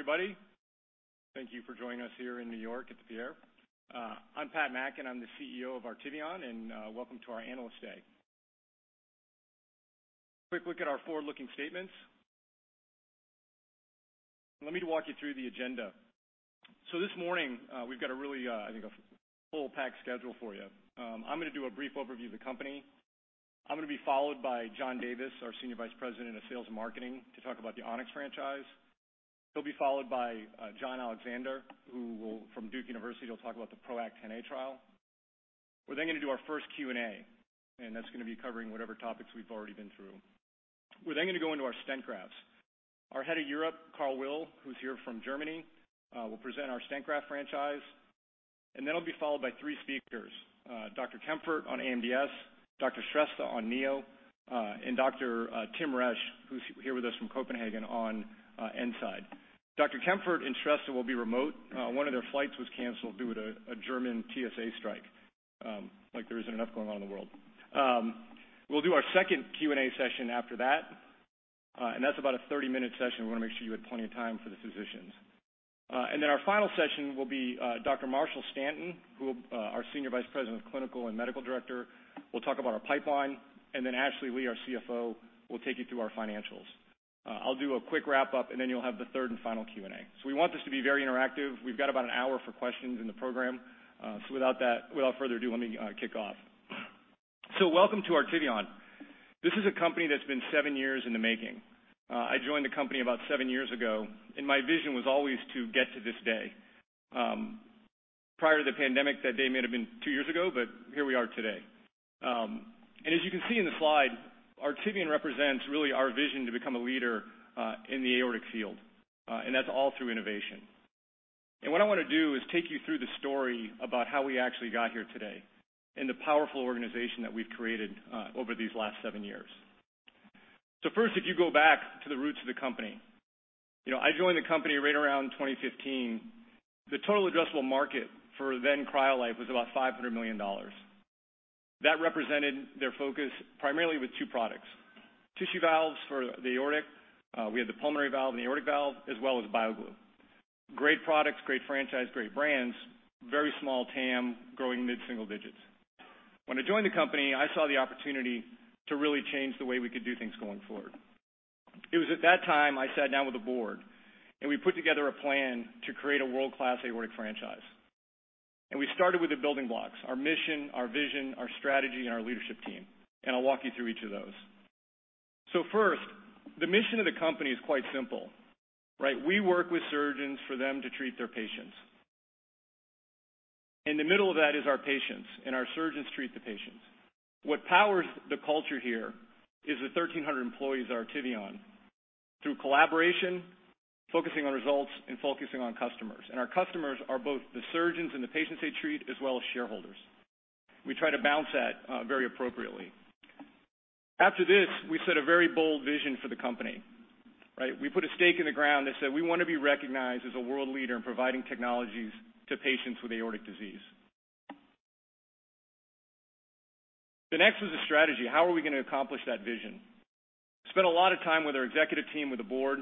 Good morning, everybody. Thank you for joining us here in New York at The Pierre. I'm Pat Mackin, and I'm the CEO of Artivion, and welcome to our Analyst Day. Quick look at our forward-looking statements. Let me walk you through the agenda. This morning, we've got a really, I think a full packed schedule for you. I'm gonna do a brief overview of the company. I'm gonna be followed by John Davis, our Senior Vice President of Sales and Marketing, to talk about the On-X franchise. He'll be followed by John Alexander from Duke University. He'll talk about the PROACT Xa trial. We're then gonna do our first Q&A, and that's gonna be covering whatever topics we've already been through. We're then gonna go into our stent grafts. Our head of Europe, Karl Will, who's here from Germany, will present our stent graft franchise. Then he'll be followed by three speakers, Dr. Kempfert on AMDS, Dr. Shrestha on Neo, and Dr. Tim Resch, who's here with us from Copenhagen on E-nside. Dr. Kempfert and Shrestha will be remote. One of their flights was canceled due to a German TSA strike. Like there isn't enough going on in the world. We'll do our second Q&A session after that. That's about a 30-minute session. We wanna make sure you have plenty of time for the physicians. Then our final session will be Dr. Marshall Stanton, who our Senior Vice President of Clinical Research and Medical Director will talk about our pipeline, and then Ashley Lee, our CFO, will take you through our financials. I'll do a quick wrap-up, and then you'll have the third and final Q&A. We want this to be very interactive. We've got about an hour for questions in the program. Without further ado, let me kick off. Welcome to Artivion. This is a company that's been seven years in the making. I joined the company about seven years ago, and my vision was always to get to this day. Prior to the pandemic, that day may have been two years ago, but here we are today. As you can see in the slide, Artivion represents really our vision to become a leader in the aortic field, and that's all through innovation. What I wanna do is take you through the story about how we actually got here today and the powerful organization that we've created over these last seven years. First, if you go back to the roots of the company. You know, I joined the company right around 2015. The total addressable market for then CryoLife was about $500 million. That represented their focus primarily with two products, tissue valves for the aortic, we had the pulmonary valve and the aortic valve, as well as BioGlue. Great products, great franchise, great brands, very small TAM, growing mid-single digits. When I joined the company, I saw the opportunity to really change the way we could do things going forward. It was at that time I sat down with the board, and we put together a plan to create a world-class aortic franchise. We started with the building blocks, our mission, our vision, our strategy, and our leadership team, and I'll walk you through each of those. First, the mission of the company is quite simple, right? We work with surgeons for them to treat their patients. In the middle of that is our patients, and our surgeons treat the patients. What powers the culture here is the 1,300 employees at Artivion through collaboration, focusing on results, and focusing on customers. Our customers are both the surgeons and the patients they treat, as well as shareholders. We try to balance that very appropriately. After this, we set a very bold vision for the company, right? We put a stake in the ground that said, we wanna be recognized as a world leader in providing technologies to patients with aortic disease. The next was the strategy. How are we gonna accomplish that vision? I spent a lot of time with our executive team, with the board,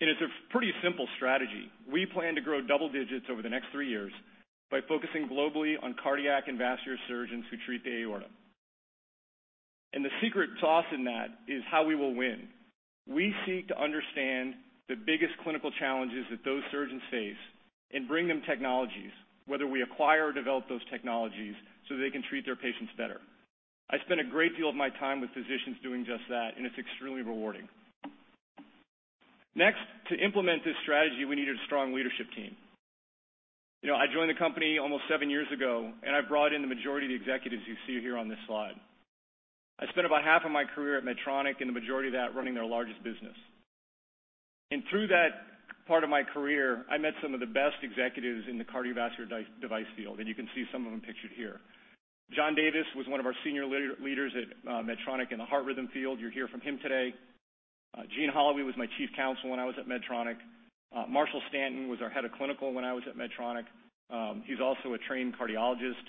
and it's a pretty simple strategy. We plan to grow double digits over the next three years by focusing globally on cardiac and vascular surgeons who treat the aorta. The secret sauce in that is how we will win. We seek to understand the biggest clinical challenges that those surgeons face and bring them technologies, whether we acquire or develop those technologies, so they can treat their patients better. I spend a great deal of my time with physicians doing just that, and it's extremely rewarding. Next, to implement this strategy, we needed a strong leadership team. You know, I joined the company almost seven years ago, and I've brought in the majority of the executives you see here on this slide. I spent about half of my career at Medtronic and the majority of that running their largest business. Through that part of my career, I met some of the best executives in the cardiovascular device field, and you can see some of them pictured here. John Davis was one of our senior leaders at Medtronic in the heart rhythm field. You'll hear from him today. Jean Holloway was my chief counsel when I was at Medtronic. Marshall Stanton was our head of clinical when I was at Medtronic. He's also a trained cardiologist.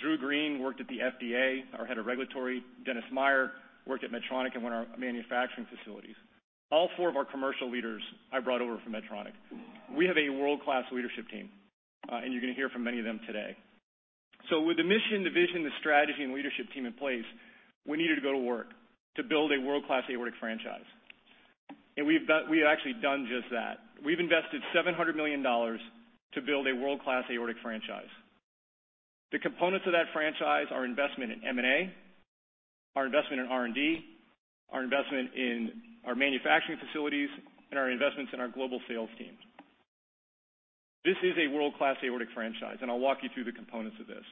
Drew Green worked at the FDA, our head of regulatory. Dennis Meyer worked at Medtronic in one of our manufacturing facilities. All four of our commercial leaders I brought over from Medtronic. We have a world-class leadership team, and you're gonna hear from many of them today. With the mission, the vision, the strategy, and leadership team in place, we needed to go to work to build a world-class aortic franchise. We have actually done just that. We've invested $700 million to build a world-class aortic franchise. The components of that franchise are investment in M&A, our investment in R&D, our investment in our manufacturing facilities, and our investments in our global sales teams. This is a world-class aortic franchise, and I'll walk you through the components of this.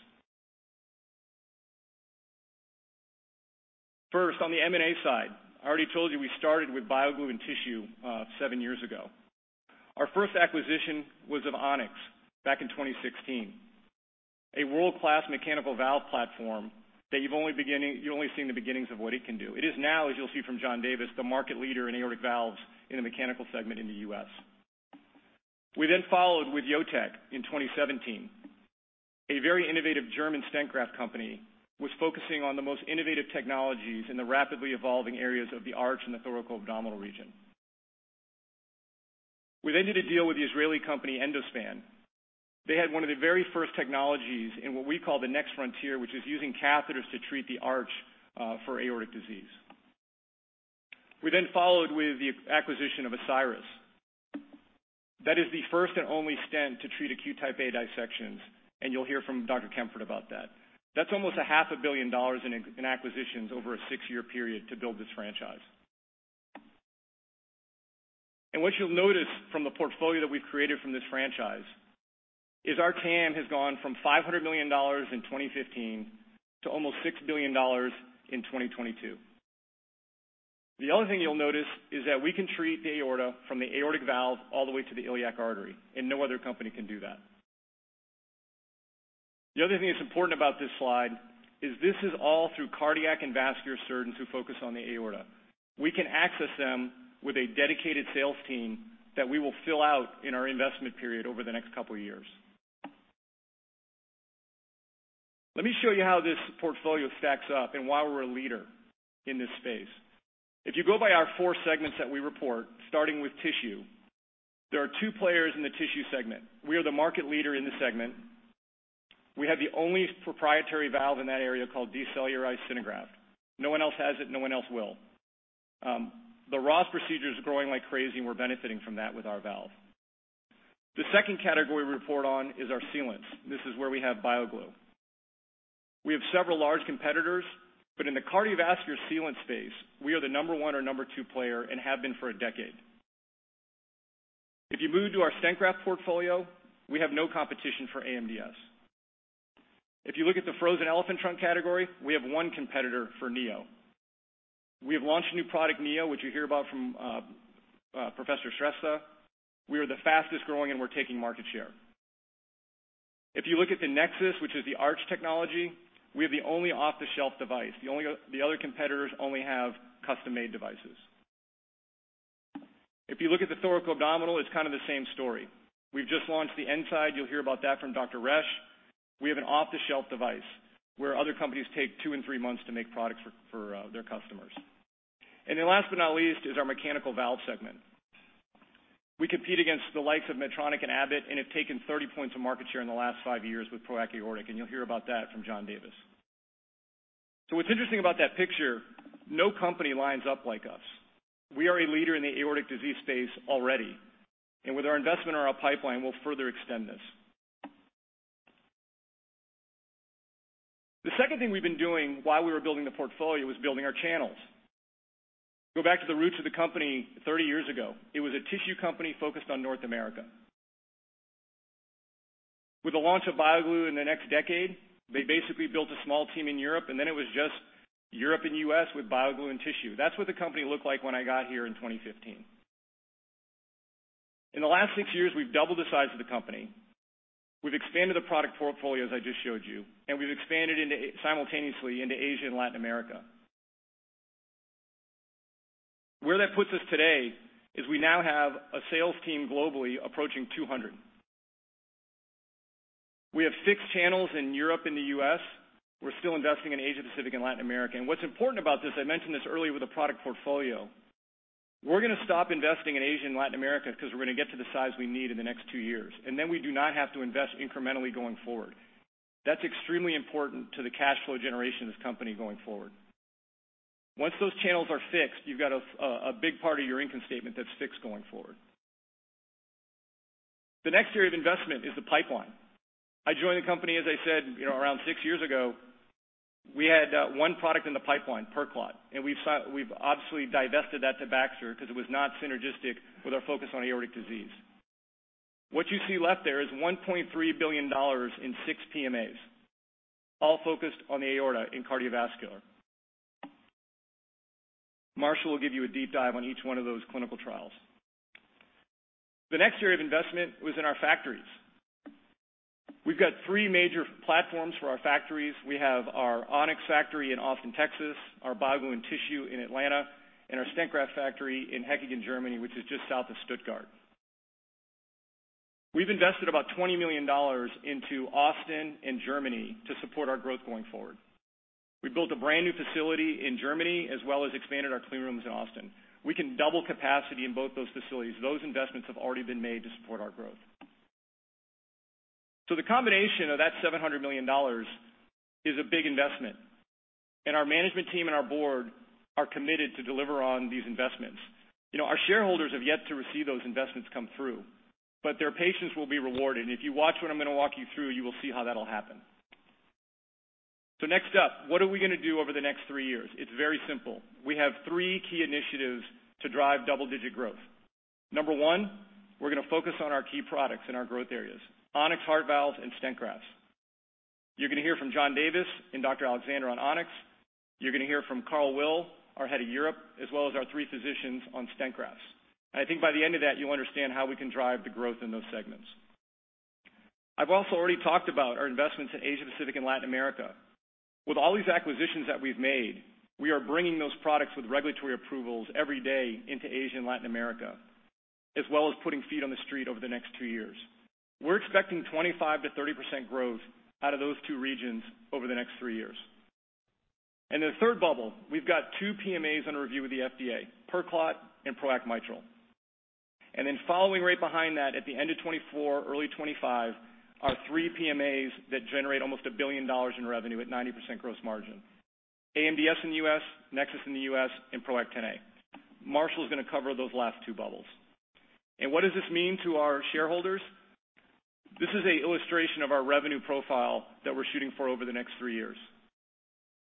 First, on the M&A side, I already told you we started with BioGlue and tissue seven years ago. Our first acquisition was of On-X back in 2016, a world-class mechanical valve platform that you've only seen the beginnings of what it can do. It is now, as you'll see from John Davis, the market leader in aortic valves in the mechanical segment in the U.S. We followed with JOTEC in 2017. A very innovative German stent graft company was focusing on the most innovative technologies in the rapidly evolving areas of the arch and the thoracoabdominal region. We did a deal with the Israeli company Endospan. They had one of the very first technologies in what we call the next frontier, which is using catheters to treat the arch for aortic disease. We followed with the acquisition of Ascyrus. That is the first and only stent to treat acute type A dissections, and you'll hear from Dr. Kempfert about that. That's almost $500,000 In acquisitions over a six-year period to build this franchise. What you'll notice from the portfolio that we've created from this franchise is our TAM has gone from $500 million in 2015 to almost $6 billion in 2022. The other thing you'll notice is that we can treat the aorta from the aortic valve all the way to the iliac artery, and no other company can do that. The other thing that's important about this slide is this is all through cardiac and vascular surgeons who focus on the aorta. We can access them with a dedicated sales team that we will fill out in our investment period over the next couple of years. Let me show you how this portfolio stacks up and why we're a leader in this space. If you go by our four segments that we report, starting with tissue, there are two players in the tissue segment. We are the market leader in this segment. We have the only proprietary valve in that area called decellularized SynerGraft. No one else has it, no one else will. The Ross procedure is growing like crazy, and we're benefiting from that with our valve. The second category we report on is our sealants. This is where we have BioGlue. We have several large competitors, but in the cardiovascular sealant space, we are the number one or number two player and have been for a decade. If you move to our stent graft portfolio, we have no competition for AMDS. If you look at the frozen elephant trunk category, we have one competitor for Neo. We have launched a new product, Neo, which you'll hear about from Professor Shrestha. We are the fastest-growing and we're taking market share. If you look at the NEXUS, which is the arch technology, we have the only off-the-shelf device. The only other competitors only have custom-made devices. If you look at the thoracoabdominal, it's kind of the same story. We've just launched the E-nside. You'll hear about that from Dr. Resch. We have an off-the-shelf device, where other companies take two and three months to make products for their customers. Then last but not least is our mechanical valve segment. We compete against the likes of Medtronic and Abbott and have taken 30 points of market share in the last five years with PROACT Aortic, and you'll hear about that from John Davis. What's interesting about that picture, no company lines up like us. We are a leader in the aortic disease space already, and with our investment in our pipeline, we'll further extend this. The second thing we've been doing while we were building the portfolio was building our channels. Go back to the roots of the company 30 years ago. It was a tissue company focused on North America. With the launch of BioGlue in the next decade, they basically built a small team in Europe, and then it was just Europe and U.S. with BioGlue and tissue. That's what the company looked like when I got here in 2015. In the last six years, we've doubled the size of the company. We've expanded the product portfolio, as I just showed you, and we've expanded into, simultaneously into Asia and Latin America. Where that puts us today is we now have a sales team globally approaching 200. We have six channels in Europe and the U.S. We're still investing in Asia-Pacific and Latin America. What's important about this, I mentioned this earlier with the product portfolio, we're gonna stop investing in Asia and Latin America because we're gonna get to the size we need in the next two years. Then we do not have to invest incrementally going forward. That's extremely important to the cash flow generation of this company going forward. Once those channels are fixed, you've got a big part of your income statement that's fixed going forward. The next area of investment is the pipeline. I joined the company, as I said, you know, around six years ago. We had one product in the pipeline, PerClot, and we've obviously divested that to Baxter because it was not synergistic with our focus on aortic disease. What you see left there is $1.3 billion in six PMAs, all focused on the aorta in cardiovascular. Marshall will give you a deep dive on each one of those clinical trials. The next area of investment was in our factories. We've got three major platforms for our factories. We have our On-X factory in Austin, Texas, our BioGlue and tissue in Atlanta, and our stent graft factory in Hechingen, Germany, which is just south of Stuttgart. We've invested about $20 million into Austin and Germany to support our growth going forward. We built a brand-new facility in Germany as well as expanded our clean rooms in Austin. We can double capacity in both those facilities. Those investments have already been made to support our growth. The combination of that $700 million is a big investment, and our management team and our board are committed to deliver on these investments. You know, our shareholders have yet to receive those investments come through, but their patience will be rewarded, and if you watch what I'm gonna walk you through, you will see how that'll happen. Next up, what are we gonna do over the next three years? It's very simple. We have three key initiatives to drive double-digit growth. Number one, we're gonna focus on our key products in our growth areas, On-X heart valves and stent grafts. You're gonna hear from John Davis and Dr. Alexander on On-X. You're gonna hear from Karl Will, our head of Europe, as well as our three physicians on stent grafts. I think by the end of that, you'll understand how we can drive the growth in those segments. I've also already talked about our investments in Asia-Pacific and Latin America. With all these acquisitions that we've made, we are bringing those products with regulatory approvals every day into Asia and Latin America, as well as putting feet on the street over the next two years. We're expecting 25%-30% growth out of those two regions over the next three years. The third bubble, we've got two PMAs under review with the FDA, PerClot and PROACT Mitral. Following right behind that at the end of 2024, early 2025 are three PMAs that generate almost $1 billion in revenue at 90% gross margin. AMDS in the U.S., NEXUS in the U.S., and PROACT Xa. Marshall is gonna cover those last two bubbles. What does this mean to our shareholders? This is an illustration of our revenue profile that we're shooting for over the next three years.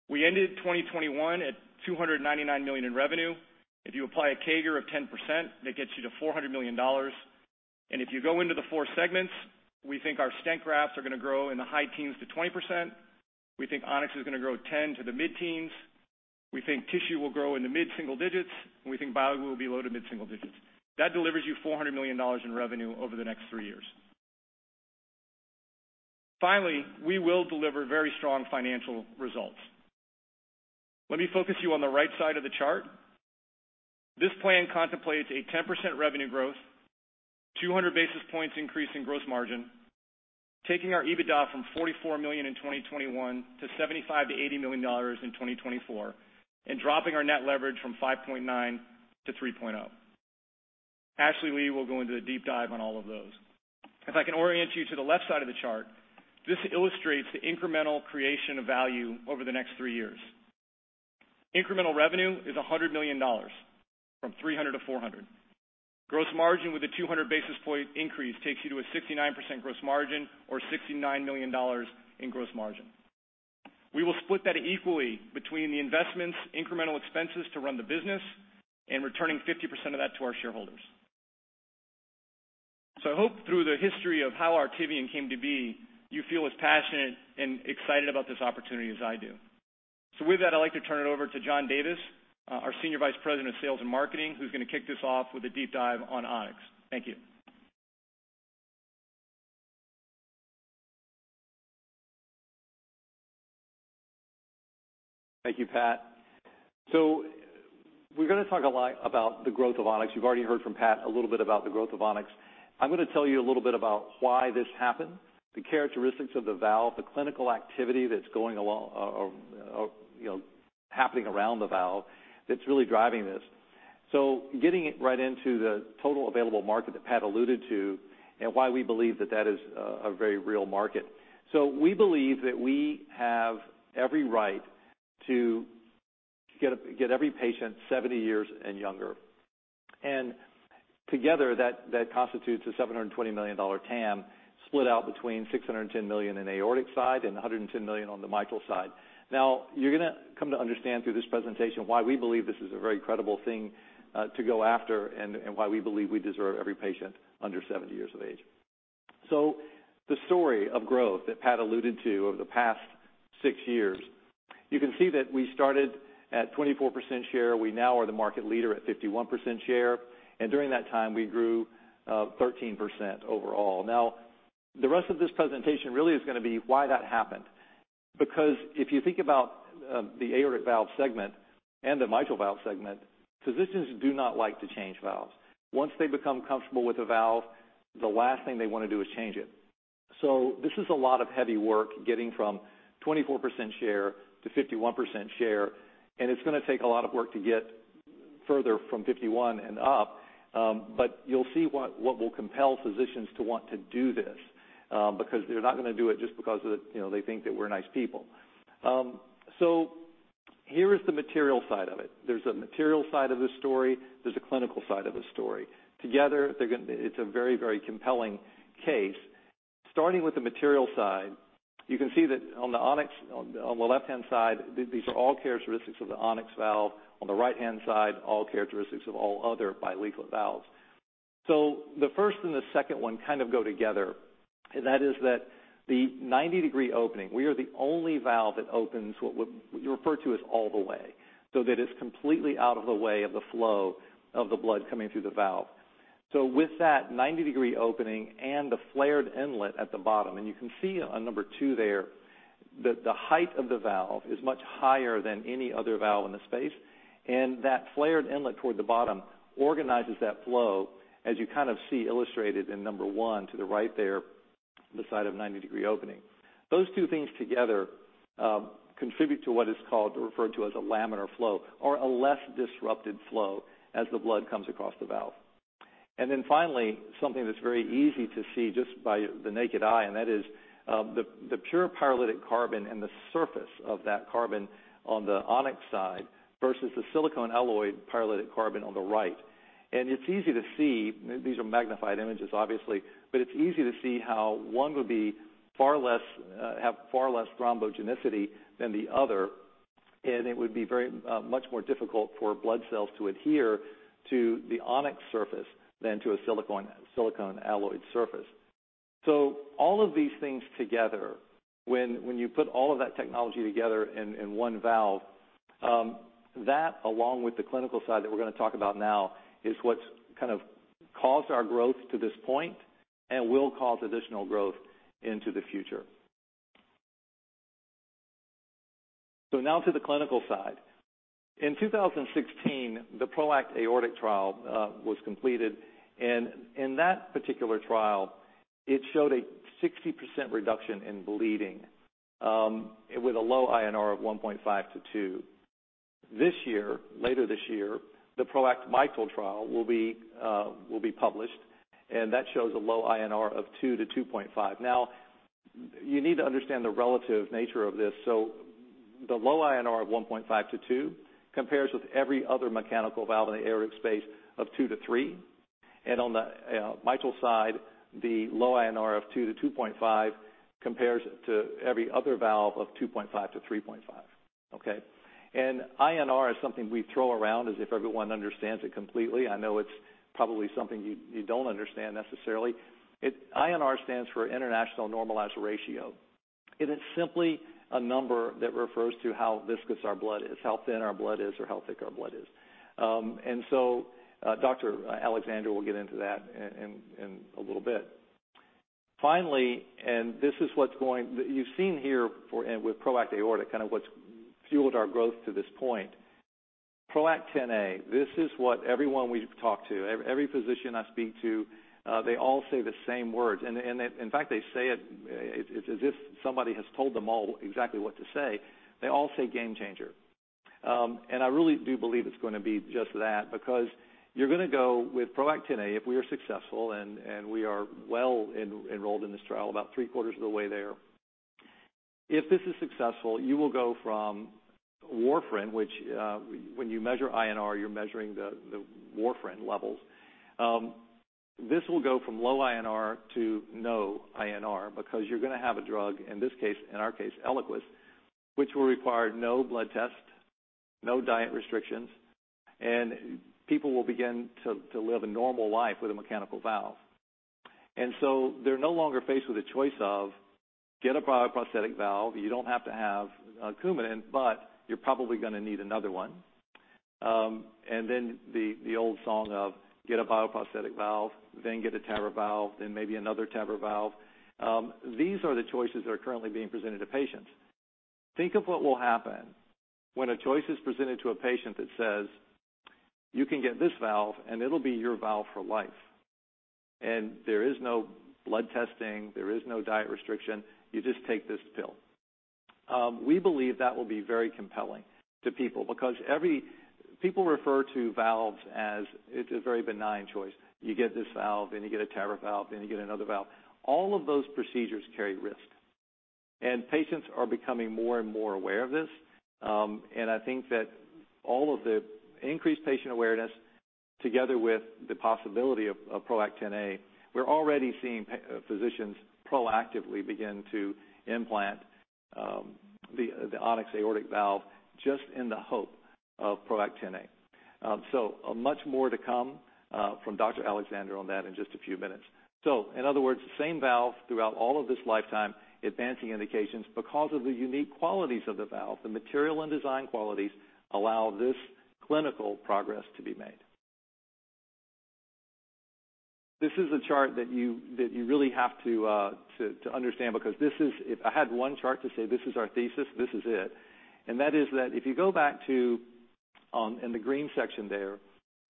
We ended 2021 at $299 million in revenue. If you apply a CAGR of 10%, that gets you to $400 million. If you go into the four segments, we think our stent grafts are gonna grow in the high teens-20%. We think On-X is gonna grow 10% to the mid-teens. We think tissue will grow in the mid-single digits, and we think BioGlue will be low- to mid-single digits. That delivers you $400 million in revenue over the next three years. Finally, we will deliver very strong financial results. Let me focus you on the right side of the chart. This plan contemplates a 10% revenue growth, 200 basis points increase in gross margin, taking our EBITDA from $44 million in 2021 to $75 million-$80 million in 2024, and dropping our net leverage from 5.9-3.0. Ashley Lee will go into a deep dive on all of those. If I can orient you to the left side of the chart, this illustrates the incremental creation of value over the next three years. Incremental revenue is $100 million from $300 million-$400 million. Gross margin with a 200 basis points increase takes you to a 69% gross margin or $69 million in gross margin. We will split that equally between the investments, incremental expenses to run the business, and returning 50% of that to our shareholders. I hope through the history of how Artivion came to be, you feel as passionate and excited about this opportunity as I do. With that, I'd like to turn it over to John Davis, our Senior Vice President of Sales and Marketing, who's gonna kick this off with a deep dive on On-X. Thank you. Thank you, Pat. We're gonna talk a lot about the growth of On-X. You've already heard from Pat a little bit about the growth of On-X. I'm gonna tell you a little bit about why this happened, the characteristics of the valve, the clinical activity that's going along, you know, happening around the valve that's really driving this. Getting right into the total available market that Pat alluded to and why we believe that that is a very real market. We believe that we have every right to get every patient 70 years and younger. Together, that constitutes a $720 million TAM split out between $610 million on the aortic side and $110 million on the mitral side. Now, you're gonna come to understand through this presentation why we believe this is a very credible thing to go after and why we believe we deserve every patient under 70 years of age. The story of growth that Pat alluded to over the past six years, you can see that we started at 24% share. We now are the market leader at 51% share, and during that time, we grew 13% overall. Now, the rest of this presentation really is gonna be why that happened. Because if you think about the aortic valve segment and the mitral valve segment, physicians do not like to change valves. Once they become comfortable with a valve, the last thing they wanna do is change it. This is a lot of heavy work getting from 24% share to 51% share, and it's gonna take a lot of work to get further from 51% and up. But you'll see what will compel physicians to want to do this, because they're not gonna do it just because of the, you know, they think that we're nice people. Here is the material side of it. There's a material side of the story, there's a clinical side of the story. Together, they're. It's a very, very compelling case. Starting with the material side, you can see that on the On-X on the left-hand side, these are all characteristics of the On-X valve, on the right-hand side, all characteristics of all other bileaflet valves. The first and the second one kind of go together, and that is that the 90-degree opening, we are the only valve that opens what we refer to as all the way, so that it's completely out of the way of the flow of the blood coming through the valve. With that 90-degree opening and the flared inlet at the bottom, and you can see on number two there that the height of the valve is much higher than any other valve in the space, and that flared inlet toward the bottom organizes that flow as you kind of see illustrated in number one to the right there on the side of 90-degree opening. Those two things together contribute to what is called or referred to as a laminar flow or a less disrupted flow as the blood comes across the valve. Finally, something that's very easy to see just by the naked eye, and that is, the pure pyrolytic carbon and the surface of that carbon on the On-X side versus the silicone alloyed pyrolytic carbon on the right. It's easy to see, these are magnified images obviously, but it's easy to see how one would have far less thrombogenicity than the other, and it would be very much more difficult for blood cells to adhere to the On-X surface than to a silicone alloyed surface. All of these things together, when you put all of that technology together in one valve, that along with the clinical side that we're gonna talk about now is what's kind of caused our growth to this point and will cause additional growth into the future. Now to the clinical side. In 2016, the PROACT Aortic trial was completed, and in that particular trial, it showed a 60% reduction in bleeding with a low INR of 1.5 to two. Later this year, the PROACT Mitral trial will be published, and that shows a low INR of two to 2.5. You need to understand the relative nature of this. The low INR of 1.5 to two compares with every other mechanical valve in the aortic space of two to three. On the mitral side, the low INR of two to 2.5 compares to every other valve of 2.5-3.5, okay? INR is something we throw around as if everyone understands it completely. I know it's probably something you don't understand necessarily. INR stands for international normalized ratio. It is simply a number that refers to how viscous our blood is, how thin our blood is or how thick our blood is. Dr. Alexander will get into that in a little bit. Finally, this is what you've seen here with PROACT Aortic, kind of what's fueled our growth to this point. PROACT Xa, this is what everyone we talk to, every physician I speak to, they all say the same words. In fact, they say it as if somebody has told them all exactly what to say. They all say game changer. I really do believe it's gonna be just that because you're gonna go with PROACT Xa if we are successful, and we are well enrolled in this trial, about three-quarters of the way there. If this is successful, you will go from warfarin, which, when you measure INR, you're measuring the warfarin levels. This will go from low INR to no INR because you're gonna have a drug, in this case, in our case, Eliquis, which will require no blood test, no diet restrictions, and people will begin to live a normal life with a mechanical valve. They're no longer faced with a choice of get a bioprosthetic valve. You don't have to have a Coumadin, but you're probably gonna need another one. The old song of get a bioprosthetic valve, then get a TAVR valve, then maybe another TAVR valve. These are the choices that are currently being presented to patients. Think of what will happen when a choice is presented to a patient that says, "You can get this valve, and it'll be your valve for life. And there is no blood testing, there is no diet restriction. You just take this pill." We believe that will be very compelling to people because people refer to valves as it's a very benign choice. You get this valve, then you get a TAVR valve, then you get another valve. All of those procedures carry risk, and patients are becoming more and more aware of this. I think that all of the increased patient awareness together with the possibility of PROACT Xa, we're already seeing physicians proactively begin to implant the On-X aortic valve just in the hope of PROACT Xa. Much more to come from Dr. Alexander on that in just a few minutes. In other words, the same valve throughout all of this lifetime, advancing indications because of the unique qualities of the valve. The material and design qualities allow this clinical progress to be made. This is a chart that you really have to understand because this is. If I had one chart to say this is our thesis, this is it. That is that if you go back to in the green section there,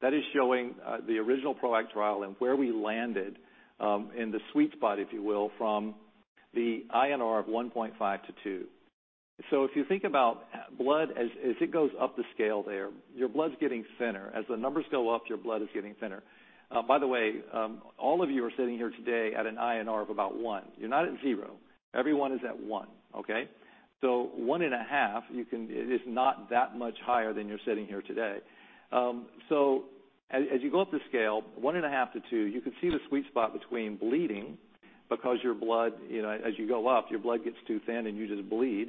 that is showing the original PROACT trial and where we landed in the sweet spot, if you will, from the INR of 1.5 to two. If you think about blood as it goes up the scale there, your blood's getting thinner. As the numbers go up, your blood is getting thinner. By the way, all of you are sitting here today at an INR of about one. You're not at 0. Everyone is at one, okay? One and a half, it is not that much higher than you're sitting here today. As you go up the scale, one and a half to two, you can see the sweet spot between bleeding because your blood, you know, as you go up, your blood gets too thin, and you just bleed,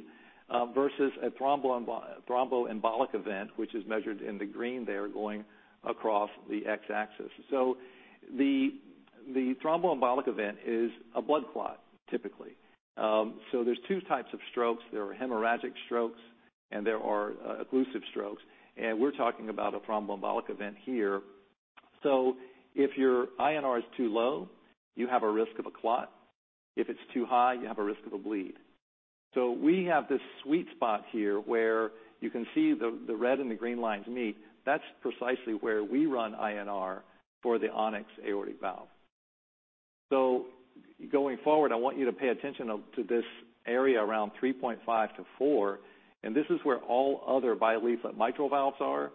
versus a thromboembolic event, which is measured in the green there going across the x-axis. The thromboembolic event is a blood clot, typically. There's two types of strokes. There are hemorrhagic strokes, and there are occlusive strokes, and we're talking about a thromboembolic event here. If your INR is too low, you have a risk of a clot. If it's too high, you have a risk of a bleed. We have this sweet spot here where you can see the red and the green lines meet. That's precisely where we run INR for the On-X aortic valve. Going forward, I want you to pay attention to this area around 3.5 to four, and this is where all other bileaflet mitral valves are.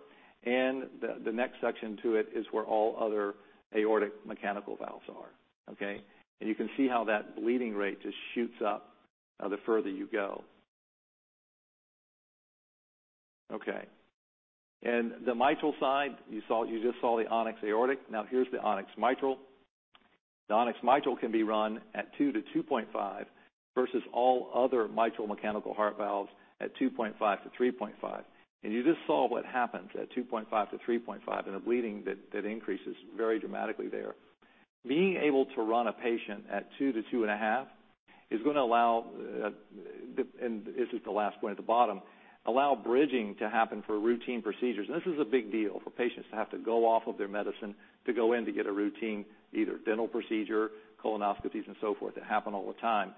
The next section to it is where all other aortic mechanical valves are, okay? You can see how that bleeding rate just shoots up, the further you go. Okay. The mitral side, you just saw the On-X aortic. Now here's the On-X Mitral. The On-X Mitral can be run at two to 2.5 versus all other mitral mechanical heart valves at 2.5-3.5. You just saw what happens at 2.5-3.5 in a bleeding that increases very dramatically there. Being able to run a patient at two to 2.5 is gonna allow bridging to happen for routine procedures. This is a big deal for patients to have to go off of their medicine to go in to get a routine, either dental procedure, colonoscopies and so forth, that happen all the time.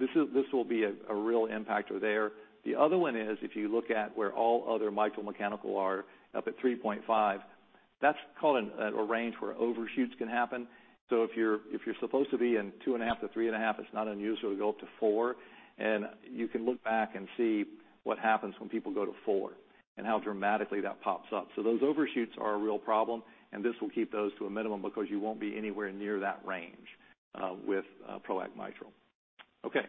This will be a real impactor there. The other one is, if you look at where all other mitral mechanical are, up at 3.5, that's called a range where overshoots can happen. If you're supposed to be in 2.5-3.5, it's not unusual to go up to four. You can look back and see what happens when people go to four, and how dramatically that pops up. Those overshoots are a real problem, and this will keep those to a minimum because you won't be anywhere near that range with PROACT Mitral. Okay.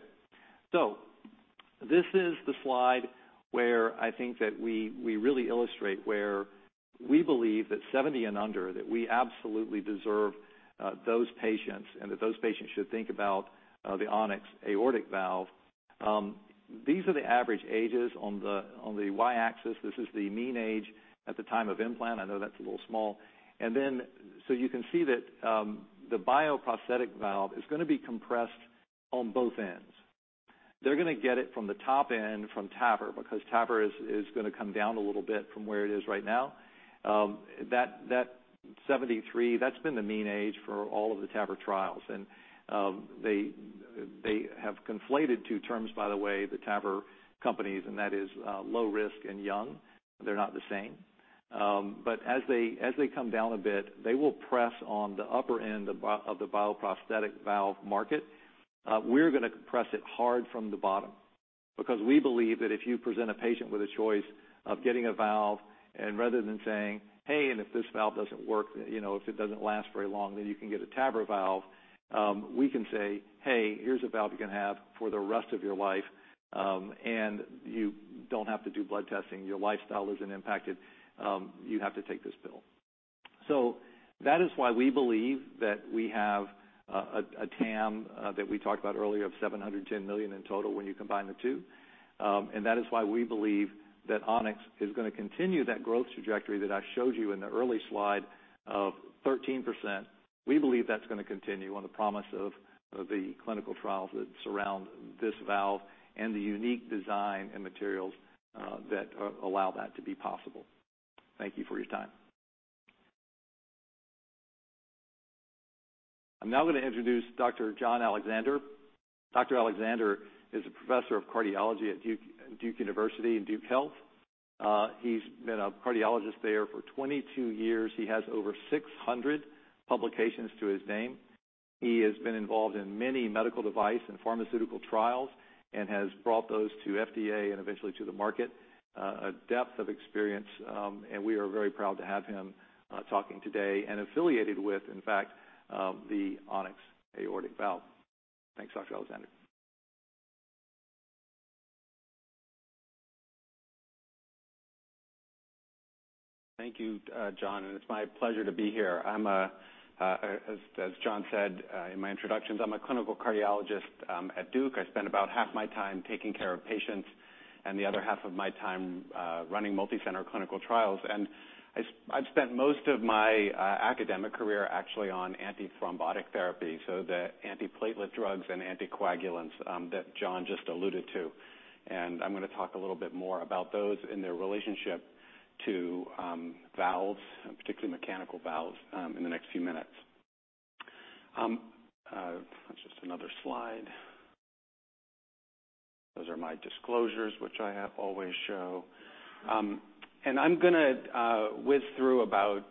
This is the slide where I think that we really illustrate where we believe that 70 and under, that we absolutely deserve those patients, and that those patients should think about the On-X aortic valve. These are the average ages on the y-axis. This is the mean age at the time of implant. I know that's a little small. You can see that the bioprosthetic valve is gonna be compressed on both ends. They're gonna get it from the top end from TAVR, because TAVR is gonna come down a little bit from where it is right now. That 73, that's been the mean age for all of the TAVR trials. They have conflated two terms by the way, the TAVR companies, and that is low risk and young. They're not the same. As they come down a bit, they will press on the upper end of the bioprosthetic valve market. We're gonna compress it hard from the bottom because we believe that if you present a patient with a choice of getting a valve and rather than saying, "Hey, and if this valve doesn't work, you know, if it doesn't last very long, then you can get a TAVR valve," we can say, "Hey, here's a valve you can have for the rest of your life, and you don't have to do blood testing. Your lifestyle isn't impacted. You have to take this pill." That is why we believe that we have a TAM that we talked about earlier of $710 million in total when you combine the two. That is why we believe that On-X is gonna continue that growth trajectory that I showed you in the early slide of 13%. We believe that's gonna continue on the promise of the clinical trials that surround this valve and the unique design and materials that allow that to be possible. Thank you for your time. I'm now gonna introduce Dr. John Alexander. Dr. Alexander is a professor of cardiology at Duke University and Duke Health. He's been a cardiologist there for 22 years. He has over 600 publications to his name. He has been involved in many medical device and pharmaceutical trials and has brought those to FDA and eventually to the market, a depth of experience, and we are very proud to have him talking today and affiliated with, in fact, the On-X aortic valve. Thanks, Dr. Alexander. Thank you, John, and it's my pleasure to be here. I'm as John said in my introductions. I'm a clinical cardiologist at Duke. I spend about half my time taking care of patients and the other half of my time running multi-center clinical trials. I've spent most of my academic career actually on antithrombotic therapy, so the antiplatelet drugs and anticoagulants that John just alluded to. I'm gonna talk a little bit more about those and their relationship to valves, and particularly mechanical valves, in the next few minutes. That's just another slide. Those are my disclosures, which I always show. I'm gonna whiz through about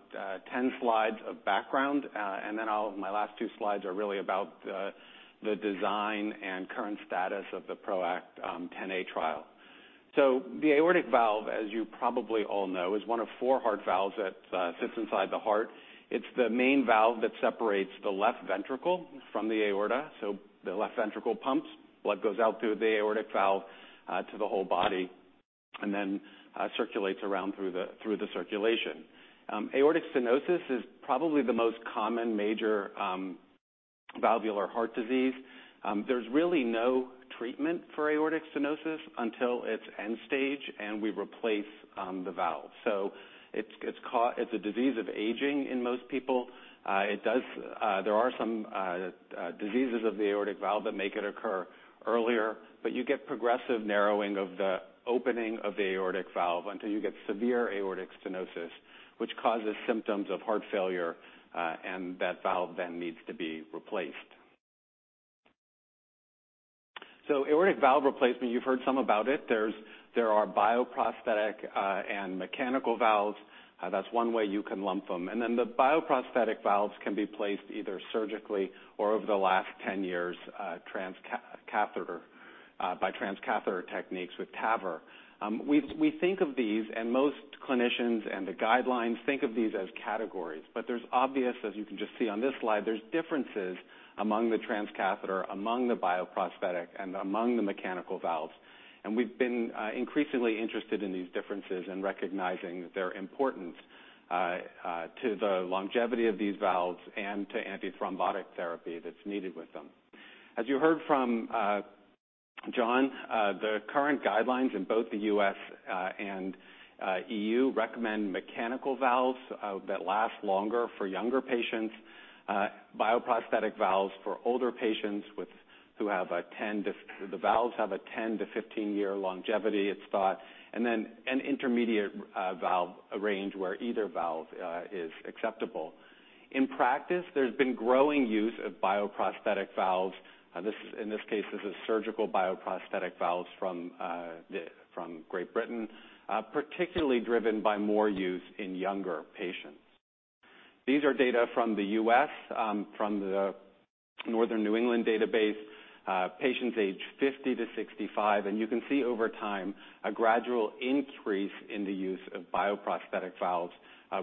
10 slides of background. My last two slides are really about the design and current status of the PROACT Xa trial. The aortic valve, as you probably all know, is one of four heart valves that sits inside the heart. It's the main valve that separates the left ventricle from the aorta. The left ventricle pumps blood out through the aortic valve to the whole body, and then circulates around through the circulation. Aortic stenosis is probably the most common major valvular heart disease. There's really no treatment for aortic stenosis until it's end stage and we replace the valve. It's a disease of aging in most people. It does. There are some diseases of the aortic valve that make it occur earlier, but you get progressive narrowing of the opening of the aortic valve until you get severe aortic stenosis, which causes symptoms of heart failure, and that valve then needs to be replaced. Aortic valve replacement, you've heard some about it. There are bioprosthetic and mechanical valves. That's one way you can lump them. Then the bioprosthetic valves can be placed either surgically or over the last 10 years by transcatheter techniques with TAVR. We think of these, and most clinicians and the guidelines think of these as categories, but there's obviously, as you can just see on this slide, there's differences among the transcatheter, among the bioprosthetic, and among the mechanical valves. We've been increasingly interested in these differences and recognizing their importance to the longevity of these valves and to antithrombotic therapy that's needed with them. As you heard from John, the current guidelines in both the U.S. and EU recommend mechanical valves that last longer for younger patients, bioprosthetic valves for older patients, the valves have a 10- to 15-year longevity, it's thought, and then an intermediate valve range where either valve is acceptable. In practice, there's been growing use of bioprosthetic valves. In this case, this is surgical bioprosthetic valves from Great Britain, particularly driven by more use in younger patients. These are data from the U.S., from the Northern New England database, patients aged 50-65. You can see over time a gradual increase in the use of bioprosthetic valves,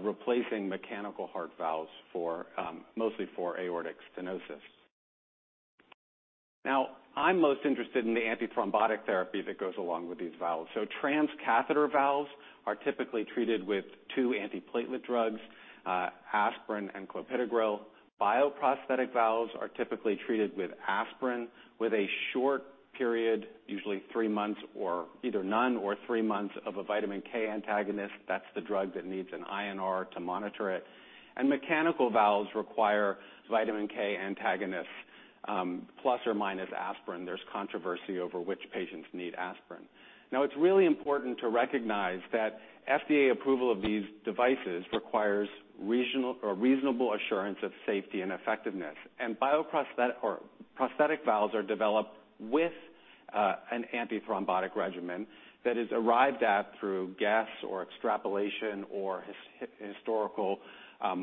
replacing mechanical heart valves for mostly for aortic stenosis. Now, I'm most interested in the antithrombotic therapy that goes along with these valves. Transcatheter valves are typically treated with two antiplatelet drugs, aspirin and clopidogrel. Bioprosthetic valves are typically treated with aspirin with a short period, usually three months or either none or three months of a vitamin K antagonist. That's the drug that needs an INR to monitor it. Mechanical valves require vitamin K antagonists, plus or minus aspirin. There's controversy over which patients need aspirin. Now, it's really important to recognize that FDA approval of these devices requires reasonable assurance of safety and effectiveness. Bioprosthetic or prosthetic valves are developed with an antithrombotic regimen that is arrived at through guess or extrapolation or historical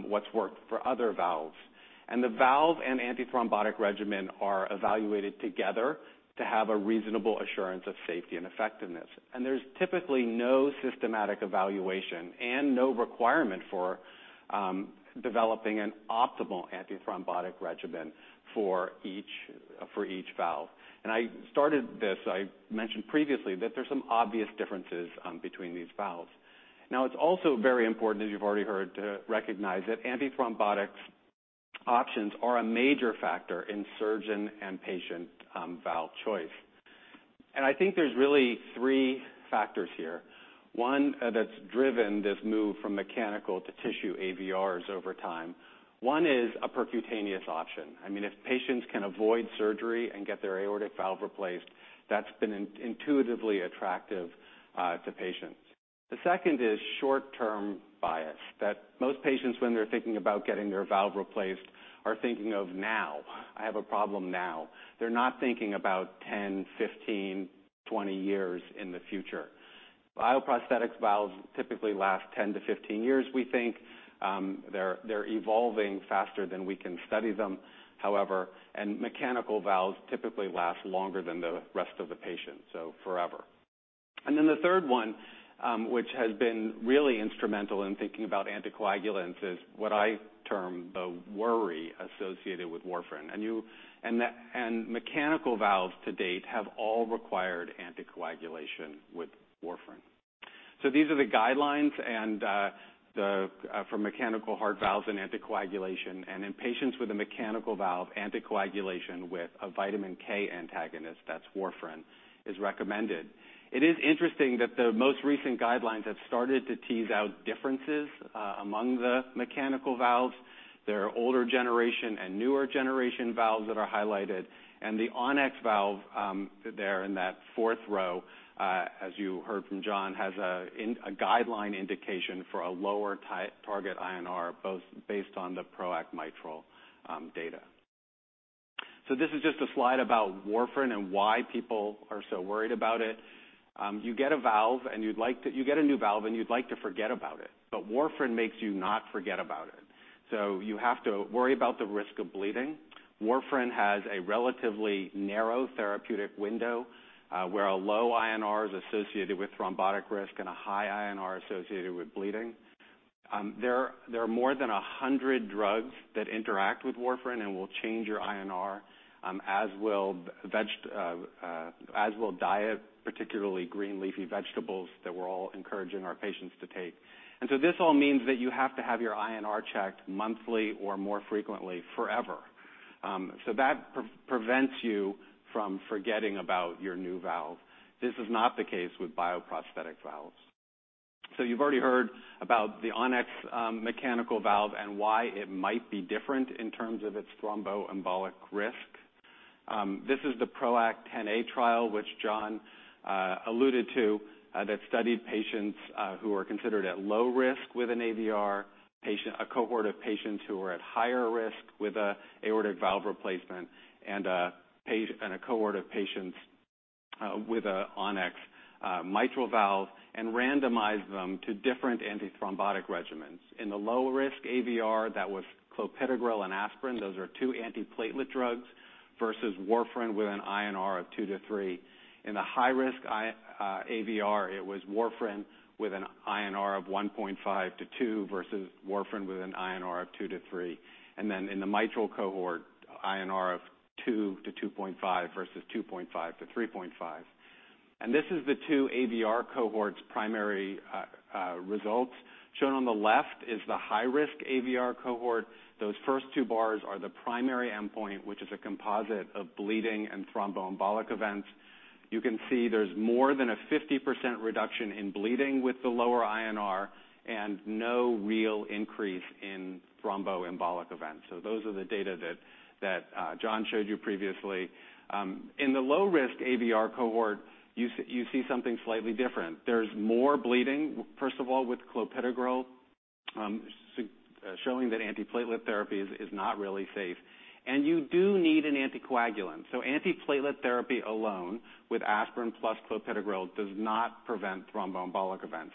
what's worked for other valves. The valve and antithrombotic regimen are evaluated together to have a reasonable assurance of safety and effectiveness. There's typically no systematic evaluation and no requirement for developing an optimal antithrombotic regimen for each valve. I started this, I mentioned previously that there's some obvious differences between these valves. Now, it's also very important, as you've already heard, to recognize that antithrombotic options are a major factor in surgeon and patient valve choice. I think there's really three factors here. One that's driven this move from mechanical to tissue AVRs over time. One is a percutaneous option. I mean, if patients can avoid surgery and get their aortic valve replaced, that's been counter-intuitively attractive to patients. The second is short-term bias, that most patients, when they're thinking about getting their valve replaced, are thinking of now. I have a problem now. They're not thinking about 10, 15, 20 years in the future. Bioprosthetic valves typically last 10-15 years, we think. They're evolving faster than we can study them, however, and mechanical valves typically last longer than the rest of the patient, so forever. Then the third one, which has been really instrumental in thinking about anticoagulants, is what I term the worry associated with warfarin. Mechanical valves to date have all required anticoagulation with warfarin. These are the guidelines for mechanical heart valves and anticoagulation. In patients with a mechanical valve, anticoagulation with a vitamin K antagonist, that's warfarin, is recommended. It is interesting that the most recent guidelines have started to tease out differences among the mechanical valves. There are older generation and newer generation valves that are highlighted. The On-X valve, there in that fourth row, as you heard from John, has a guideline indication for a lower target INR, both based on the PROACT Mitral data. This is just a slide about warfarin and why people are so worried about it. You get a new valve, and you'd like to forget about it, but warfarin makes you not forget about it. You have to worry about the risk of bleeding. Warfarin has a relatively narrow therapeutic window, where a low INR is associated with thrombotic risk and a high INR associated with bleeding. There are more than 100 drugs that interact with warfarin and will change your INR, as will diet, particularly green leafy vegetables that we're all encouraging our patients to take. This all means that you have to have your INR checked monthly or more frequently forever. This prevents you from forgetting about your new valve. This is not the case with bioprosthetic valves. You've already heard about the On-X mechanical valve and why it might be different in terms of its thromboembolic risk. This is the PROACT Xa trial, which John alluded to, that studied patients who are considered at low risk with an AVR, a cohort of patients who are at higher risk with an aortic valve replacement and a cohort of patients with an On-X Mitral valve and randomized them to different antithrombotic regimens. In the low risk AVR that was clopidogrel and aspirin, those are two antiplatelet drugs versus warfarin with an INR of two to three. In the high risk AVR, it was warfarin with an INR of 1.5 to two versus warfarin with an INR of two to three. In the mitral cohort, INR of two to 2.5 versus 2.5-3.5. This is the two AVR cohorts' primary results. Shown on the left is the high risk AVR cohort. Those first two bars are the primary endpoint, which is a composite of bleeding and thromboembolic events. You can see there's more than a 50% reduction in bleeding with the lower INR and no real increase in thromboembolic events. Those are the data that John showed you previously. In the low risk AVR cohort, you see something slightly different. There's more bleeding, first of all, with clopidogrel, showing that antiplatelet therapy is not really safe, and you do need an anticoagulant. Antiplatelet therapy alone with aspirin plus clopidogrel does not prevent thromboembolic events.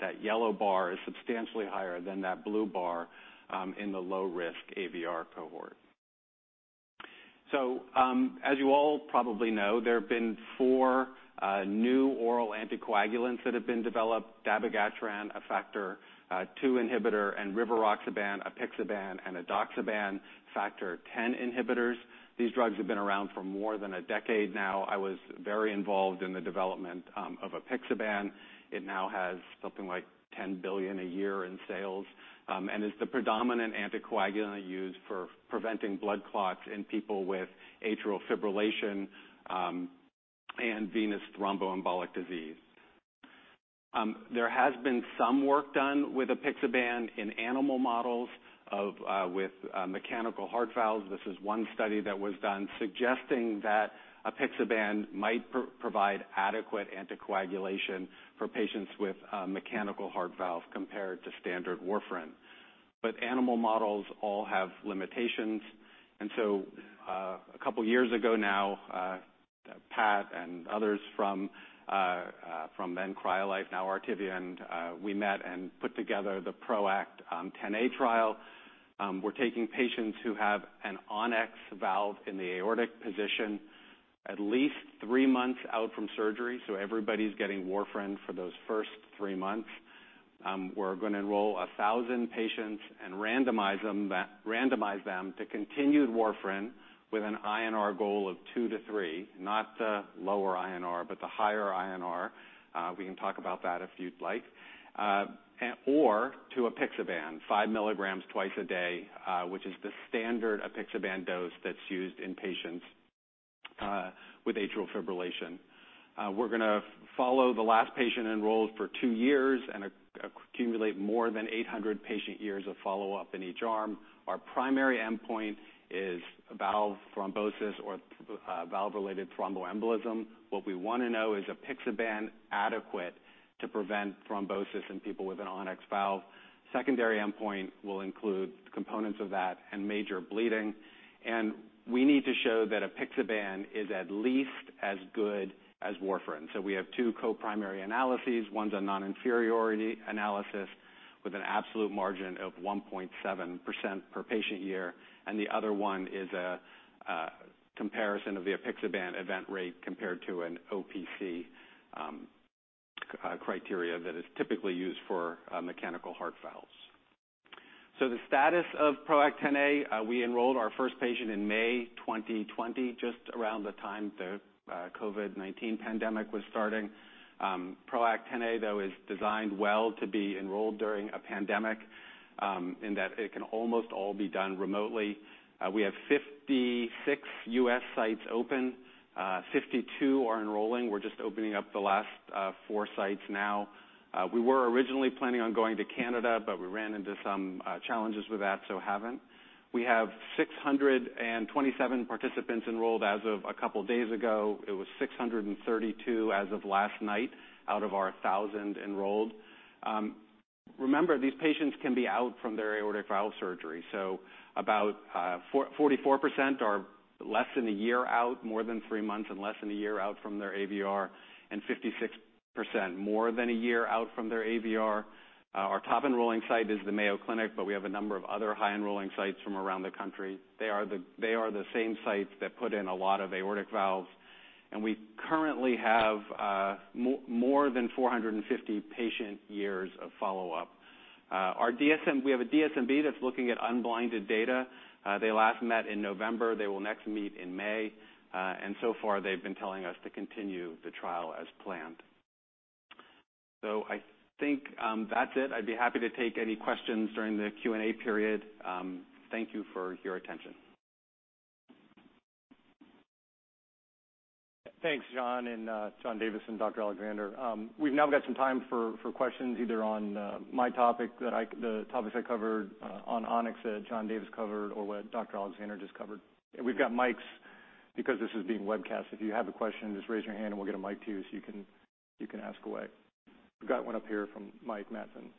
That yellow bar is substantially higher than that blue bar in the low risk AVR cohort. As you all probably know, there have been four new oral anticoagulants that have been developed. Dabigatran, a factor two inhibitor and rivaroxaban, apixaban, and edoxaban, factor ten inhibitors. These drugs have been around for more than a decade now. I was very involved in the development of apixaban. It now has something like $10 billion a year in sales and is the predominant anticoagulant used for preventing blood clots in people with atrial fibrillation and venous thromboembolic disease. There has been some work done with apixaban in animal models of mechanical heart valves. This is one study that was done suggesting that apixaban might provide adequate anticoagulation for patients with a mechanical heart valve compared to standard warfarin. Animal models all have limitations. A couple years ago now, Pat and others from then CryoLife, now Artivion, and we met and put together the PROACT Xa trial. We're taking patients who have an On-X valve in the aortic position at least three months out from surgery, so everybody's getting warfarin for those first three months. We're gonna enroll 1,000 patients and randomize them to continued warfarin with an INR goal of two to three, not the lower INR, but the higher INR. We can talk about that if you'd like. Or to apixaban, 5 mg twice a day, which is the standard apixaban dose that's used in patients with atrial fibrillation. We're gonna follow the last patient enrolled for two years and accumulate more than 800 patient years of follow-up in each arm. Our primary endpoint is valve thrombosis or valve-related thromboembolism. What we wanna know, is apixaban adequate to prevent thrombosis in people with an On-X valve? Secondary endpoint will include components of that and major bleeding. We need to show that apixaban is at least as good as warfarin. We have two co-primary analyses. One's a non-inferiority analysis with an absolute margin of 1.7% per patient year, and the other one is a comparison of the apixaban event rate compared to an OPC criteria that is typically used for mechanical heart valves. The status of PROACT Xa, we enrolled our first patient in May 2020, just around the time the COVID-19 pandemic was starting. PROACT Xa, though, is designed well to be enrolled during a pandemic, in that it can almost all be done remotely. We have 56 U.S. sites open. 52 are enrolling. We're just opening up the last four sites now. We were originally planning on going to Canada, but we ran into some challenges with that, so haven't. We have 627 participants enrolled as of a couple days ago. It was 632 as of last night out of our 1,000 enrolled. Remember, these patients can be out from their aortic valve surgery. About 44% are less than a year out, more than three months and less than a year out from their AVR, and 56% more than a year out from their AVR. Our top enrolling site is the Mayo Clinic, but we have a number of other high enrolling sites from around the country. They are the same sites that put in a lot of aortic valves. We currently have more than 450 patient years of follow-up. We have a DSMB that's looking at unblinded data. They last met in November. They will next meet in May. So far, they've been telling us to continue the trial as planned. I think that's it. I'd be happy to take any questions during the Q&A period. Thank you for your attention. Thanks, John and John Davis and Dr. Alexander. We've now got some time for questions either on the topics I covered on On-X that John Davis covered or what Dr. Alexander just covered. We've got mics because this is being webcast. If you have a question, just raise your hand and we'll get a mic to you so you can ask away. We've got one up here from Mike Matson.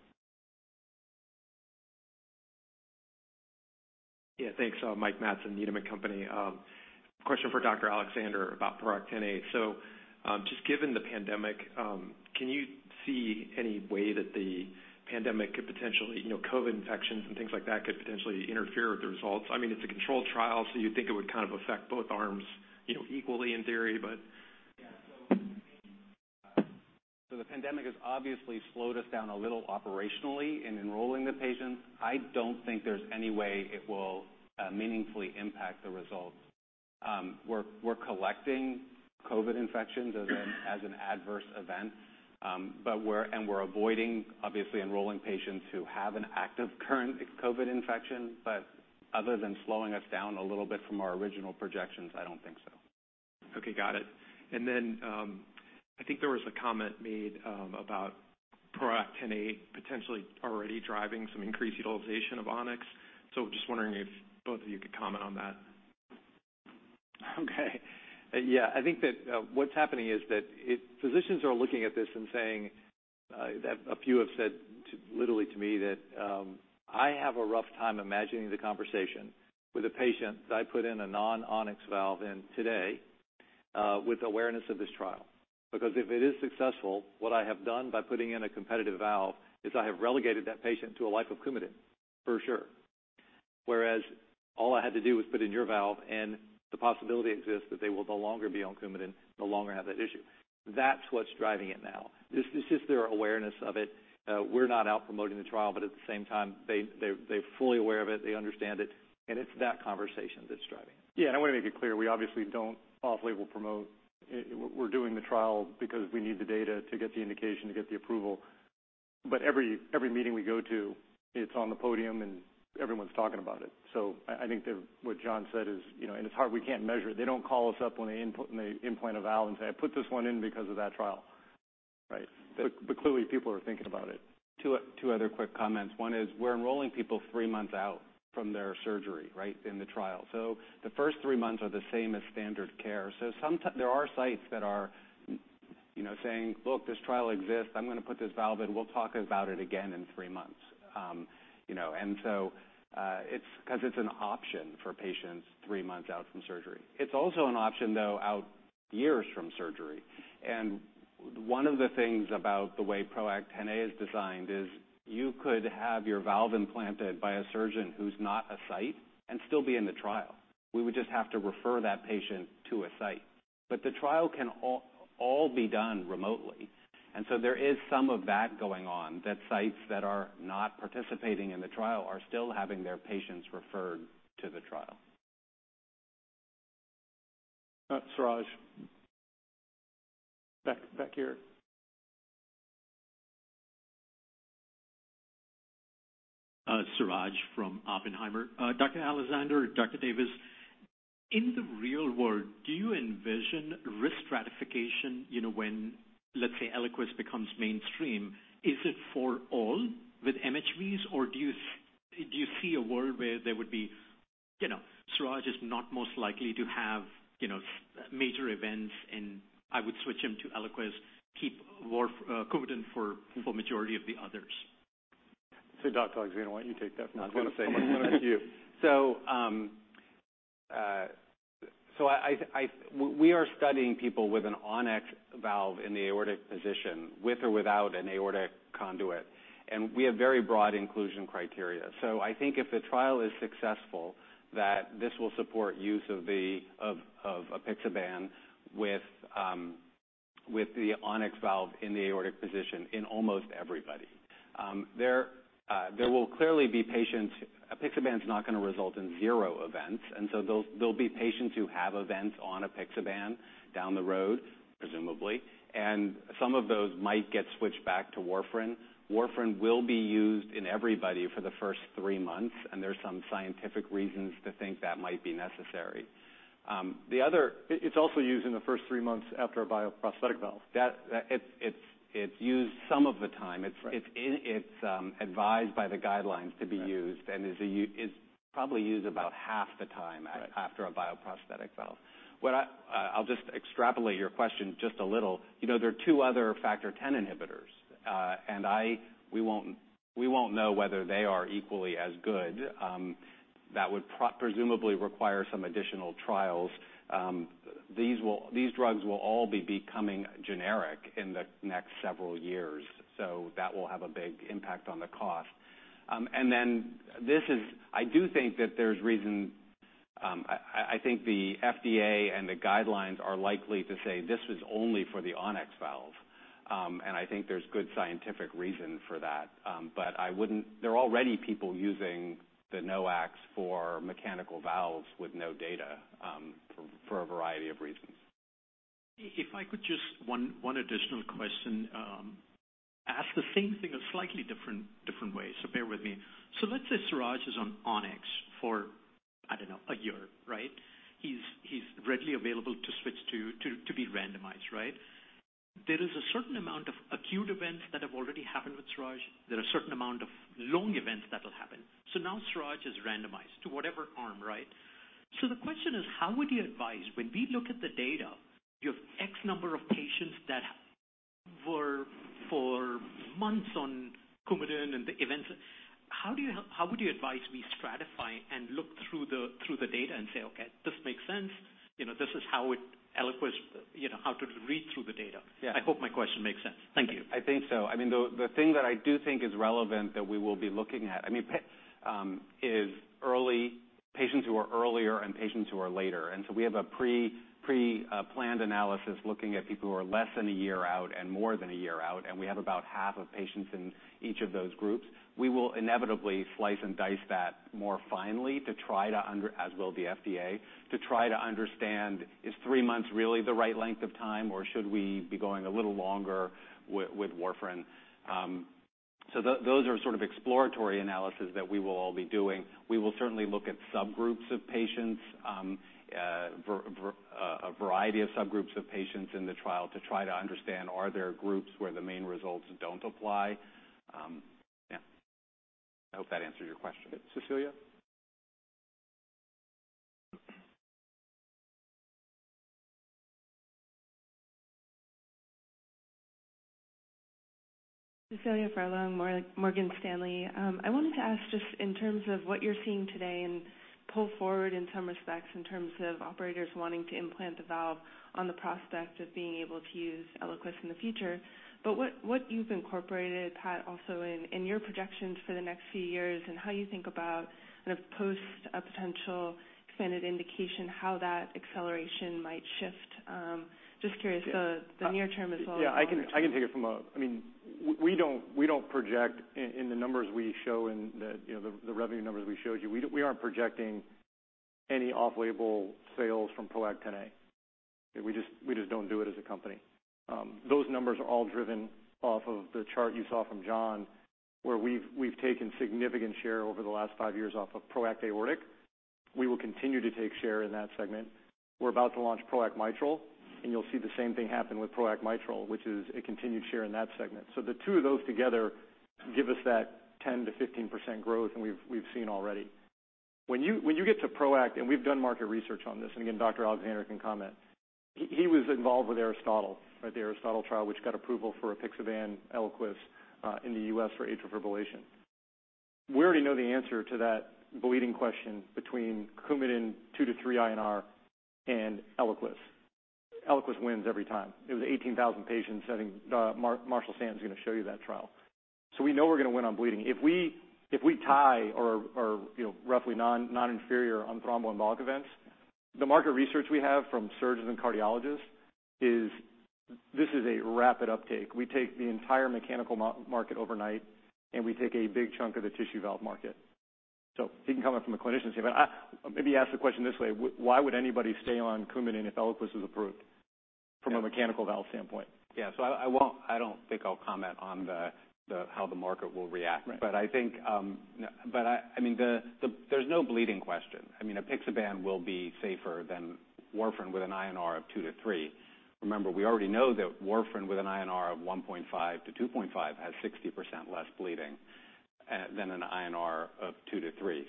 Yeah, thanks. Mike Matson, Needham & Company. Question for Dr. Alexander about PROACT Xa. Just given the pandemic, can you see any way that the pandemic could potentially, you know, COVID infections and things like that could potentially interfere with the results? I mean, it's a controlled trial, so you'd think it would kind of affect both arms, you know, equally in theory, but. The pandemic has obviously slowed us down a little operationally in enrolling the patients. I don't think there's any way it will meaningfully impact the results. We're collecting COVID infections as an adverse event. We're avoiding, obviously, enrolling patients who have an active current COVID infection. Other than slowing us down a little bit from our original projections, I don't think so. Okay, got it. Then, I think there was a comment made about PROACT Xa potentially already driving some increased utilization of On-X. Just wondering if both of you could comment on that. Okay. Yeah, I think that, what's happening is that physicians are looking at this and saying, that a few have said literally to me that, "I have a rough time imagining the conversation with a patient that I put in a non-On-X valve in today, with awareness of this trial. Because if it is successful, what I have done by putting in a competitive valve is I have relegated that patient to a life of Coumadin, for sure. Whereas all I had to do was put in your valve and the possibility exists that they will no longer be on Coumadin, no longer have that issue." That's what's driving it now. It's just their awareness of it. We're not out promoting the trial, but at the same time, they're fully aware of it, they understand it, and it's that conversation that's driving it. Yeah, I wanna make it clear, we obviously don't off-label promote. We're doing the trial because we need the data to get the indication, to get the approval. Every meeting we go to, it's on the podium and everyone's talking about it. I think that what John said is, you know, and it's hard, we can't measure it. They don't call us up when they implant a valve and say, "I put this one in because of that trial. Right. Clearly people are thinking about it. Two other quick comments. One is we're enrolling people three months out from their surgery, right, in the trial. The first three months are the same as standard care. There are sites that are, you know, saying, "Look, this trial exists. I'm gonna put this valve in. We'll talk about it again in three months." You know, 'cause it's an option for patients three months out from surgery. It's also an option, though, out years from surgery. One of the things about the way PROACT Xa is designed is you could have your valve implanted by a surgeon who's not a site and still be in the trial. We would just have to refer that patient to a site. The trial can all be done remotely. There is some of that going on, that sites that are not participating in the trial are still having their patients referred to the trial. Suraj. Back here. Suraj from Oppenheimer. Dr. Alexander, Dr. Davis, in the real world, do you envision risk stratification, you know, when, let's say, Eliquis becomes mainstream? Is it for all with MHVs, or do you see a world where there would be, you know, Suraj is not most likely to have, you know, major events, and I would switch him to Eliquis, keep Coumadin for majority of the others? Dr. Alexander, why don't you take that one? I was gonna say. I'm gonna ask you. We are studying people with an On-X valve in the aortic position, with or without an aortic conduit, and we have very broad inclusion criteria. I think if the trial is successful, that this will support use of apixaban with the On-X valve in the aortic position in almost everybody. There will clearly be patients. Apixaban's not gonna result in zero events. There'll be patients who have events on apixaban down the road, presumably, and some of those might get switched back to warfarin. Warfarin will be used in everybody for the first three months, and there's some scientific reasons to think that might be necessary. The other It's also used in the first three months after a bioprosthetic valve. That, it's used some of the time. Right. It's advised by the guidelines to be used. Right. It is probably used about half the time. Right after a bioprosthetic valve. What I'll just extrapolate your question just a little. You know, there are two other factor Xa inhibitors. We won't know whether they are equally as good. That would presumably require some additional trials. These drugs will all be becoming generic in the next several years, so that will have a big impact on the cost. I do think that there's reason, I think the FDA and the guidelines are likely to say this was only for the On-X valve. I think there's good scientific reason for that. But I wouldn't. There are already people using the NOACs for mechanical valves with no data, for a variety of reasons. If I could just one additional question, ask the same thing a slightly different way, so bear with me. Let's say Suraj is on On-X for, I don't know, a year, right? He's readily available to switch to be randomized, right? There is a certain amount of acute events that have already happened with Suraj. There are certain amount of long events that'll happen. Now Suraj is randomized to whatever arm, right? The question is, how would you advise when we look at the data, you have X number of patients that were for months on Coumadin and the events, how would you advise we stratify and look through the data and say, "Okay, this makes sense. You know, this is how it Eliquis," you know, how to read through the data? Yeah. I hope my question makes sense. Thank you. I think so. I mean, the thing that I do think is relevant that we will be looking at, I mean, patients who are earlier and patients who are later. We have a pre-planned analysis looking at people who are less than a year out and more than a year out, and we have about half of patients in each of those groups. We will inevitably slice and dice that more finely, as will the FDA, to try to understand, is three months really the right length of time, or should we be going a little longer with warfarin? Those are sort of exploratory analysis that we will all be doing. We will certainly look at subgroups of patients, a variety of subgroups of patients in the trial to try to understand are there groups where the main results don't apply? Yeah. I hope that answers your question. Cecilia? Cecilia Furlong, Morgan Stanley. I wanted to ask just in terms of what you're seeing today and pull forward in some respects in terms of operators wanting to implant the valve on the prospect of being able to use Eliquis in the future. What you've incorporated, Pat, also in your projections for the next few years and how you think about kind of post a potential expanded indication, how that acceleration might shift? Just curious- Yeah the near term as well as longer term. Yeah, I can take it. I mean, we don't project in the numbers we show in the, you know, the revenue numbers we showed you. We aren't projecting any off-label sales from PROACT Xa. We just don't do it as a company. Those numbers are all driven off of the chart you saw from John, where we've taken significant share over the last five years off of PROACT Aortic. We will continue to take share in that segment. We're about to launch PROACT Mitral, and you'll see the same thing happen with PROACT Mitral, which is a continued share in that segment. The two of those together give us that 10%-15% growth, and we've seen already. When you get to PROACT, and we've done market research on this, and again, Dr. Alexander can comment. He was involved with ARISTOTLE, right? The ARISTOTLE trial, which got approval for apixaban, Eliquis, in the U.S. for atrial fibrillation. We already know the answer to that bleeding question between Coumadin two to three INR and Eliquis. Eliquis wins every time. It was 18,000 patients. I think, Marshall Stanton is gonna show you that trial. We know we're gonna win on bleeding. If we tie or, you know, roughly non-inferior on thromboembolic events, the market research we have from surgeons and cardiologists is this is a rapid uptake. We take the entire mechanical market overnight, and we take a big chunk of the tissue valve market. He can comment from the clinician's view, but I maybe ask the question this way, why would anybody stay on Coumadin if Eliquis was approved? Yeah from a mechanical valve standpoint? I don't think I'll comment on how the market will react. Right. I think, I mean, there's no bleeding question. I mean, apixaban will be safer than warfarin with an INR of two to three. Remember, we already know that warfarin with an INR of 1.5-2.5 has 60% less bleeding than an INR of two to three.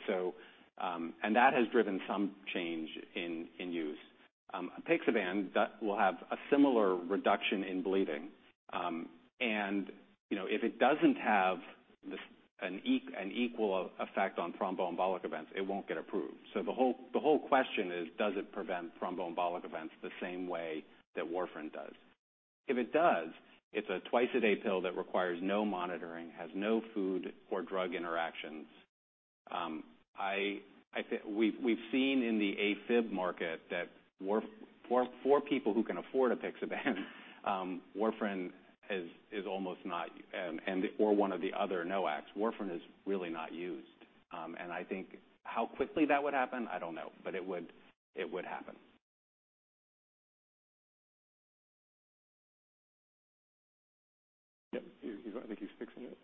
And that has driven some change in use. Apixaban, that will have a similar reduction in bleeding. And, you know, if it doesn't have an equal effect on thromboembolic events, it won't get approved. The whole question is, does it prevent thromboembolic events the same way that warfarin does? If it does, it's a twice-a-day pill that requires no monitoring, has no food or drug interactions. I think we've seen in the AFib market that for people who can afford apixaban, warfarin is almost not and/or one of the other NOACs. Warfarin is really not used. I think how quickly that would happen, I don't know, but it would happen. Yep. He's, I think he's fixing it.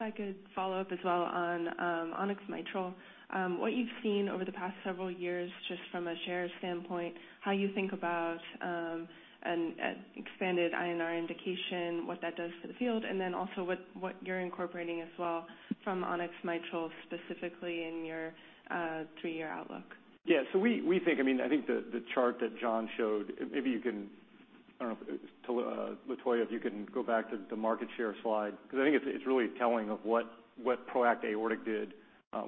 If I could follow up as well on On-X Mitral. What you've seen over the past several years, just from a share standpoint, how you think about an expanded INR indication, what that does to the field, and then also what you're incorporating as well from On-X Mitral, specifically in your three-year outlook? Yeah. We think. I mean, I think the chart that John showed, maybe you can, I don't know if, Latoya, if you can go back to the market share slide, because I think it's really telling of what PROACT Aortic did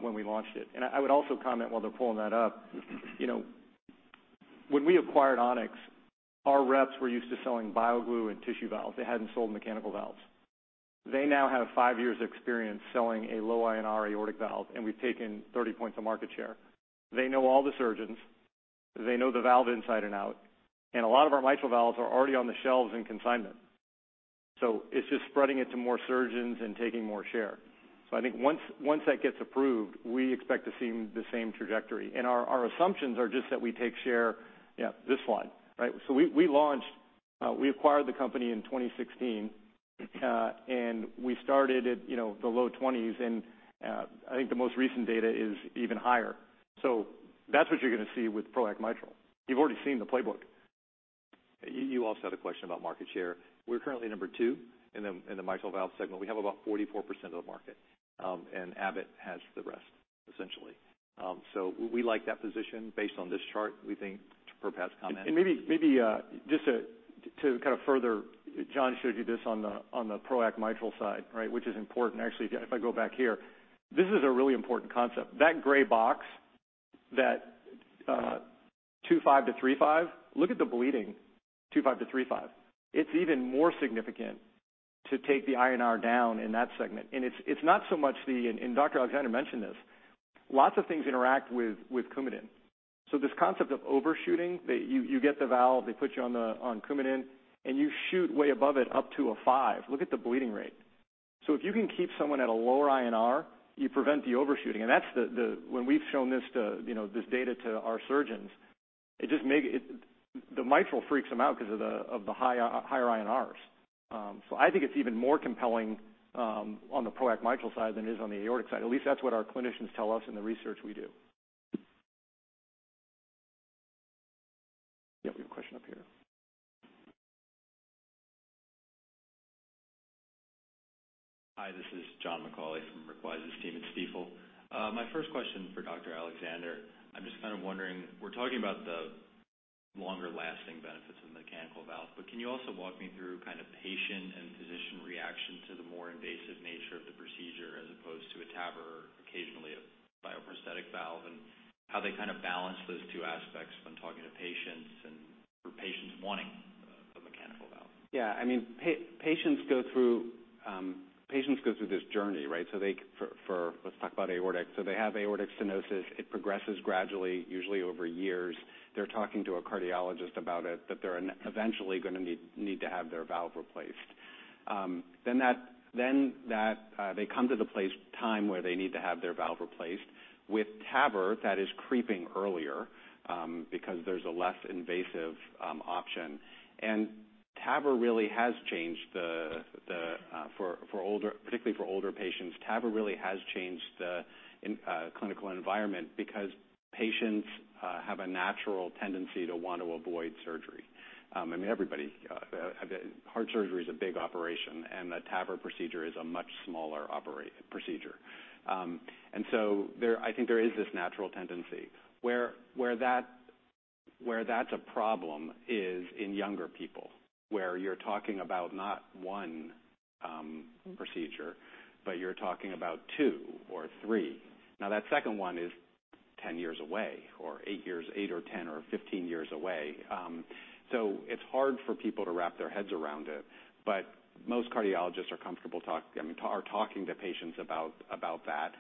when we launched it. I would also comment while they're pulling that up. You know, when we acquired On-X, our reps were used to selling BioGlue and tissue valves. They hadn't sold mechanical valves. They now have five years of experience selling a low INR aortic valve, and we've taken 30 points of market share. They know all the surgeons, they know the valve inside and out, and a lot of our mitral valves are already on the shelves in consignment. It's just spreading it to more surgeons and taking more share. I think once that gets approved, we expect to see the same trajectory. Our assumptions are just that we take share, yeah, this slide, right? We launched, we acquired the company in 2016, and we started at, you know, the low 20s and, I think the most recent data is even higher. That's what you're gonna see with PROACT Mitral. You've already seen the playbook. You also had a question about market share. We're currently number two in the mitral valve segment. We have about 44% of the market, and Abbott has the rest, essentially. We like that position based on this chart. We think per Pat's comment- Maybe just to kind of further, John showed you this on the PROACT Mitral side, right? Which is important. Actually, if I go back here, this is a really important concept. That gray box, that 2.5-3.5, look at the bleeding, 2.5-3.5. It's even more significant to take the INR down in that segment. It's not so much the, and Dr. Alexander mentioned this. Lots of things interact with Coumadin. So this concept of overshooting, you get the valve, they put you on Coumadin, and you shoot way above it up to five. Look at the bleeding rate. So if you can keep someone at a lower INR, you prevent the overshooting. That's the when we've shown this to, you know, this data to our surgeons, it just the mitral freaks them out 'cause of the higher INRs. I think it's even more compelling on the PROACT Mitral side than it is on the aortic side. At least that's what our clinicians tell us in the research we do. Yeah, we have a question up here. Hi, this is John McAulay from Rick Wise's team at Stifel. My first question is for Dr. Alexander. I'm just kind of wondering, we're talking about the longer lasting benefits of mechanical valves, but can you also walk me through kind of patient and physician reaction to the more invasive nature of the procedure as opposed to a TAVR or occasionally a bioprosthetic valve, and how they kind of balance those two aspects when talking to patients and for patients wanting a mechanical valve? Yeah, I mean, patients go through this journey, right? Let's talk about aortic. They have aortic stenosis. It progresses gradually, usually over years. They're talking to a cardiologist about it, that they're eventually gonna need to have their valve replaced. Then they come to the time where they need to have their valve replaced. With TAVR, that is creeping earlier because there's a less invasive option. TAVR really has changed the clinical environment because patients have a natural tendency to want to avoid surgery. I mean, everybody. Heart surgery is a big operation, and the TAVR procedure is a much smaller procedure. I think there is this natural tendency. Where that's a problem is in younger people, where you're talking about not one procedure, but you're talking about two or three. Now, that second one is 10 years away or eight years, eight or 10 or 15 years away. So it's hard for people to wrap their heads around it. But most cardiologists are comfortable, I mean, are talking to patients about that.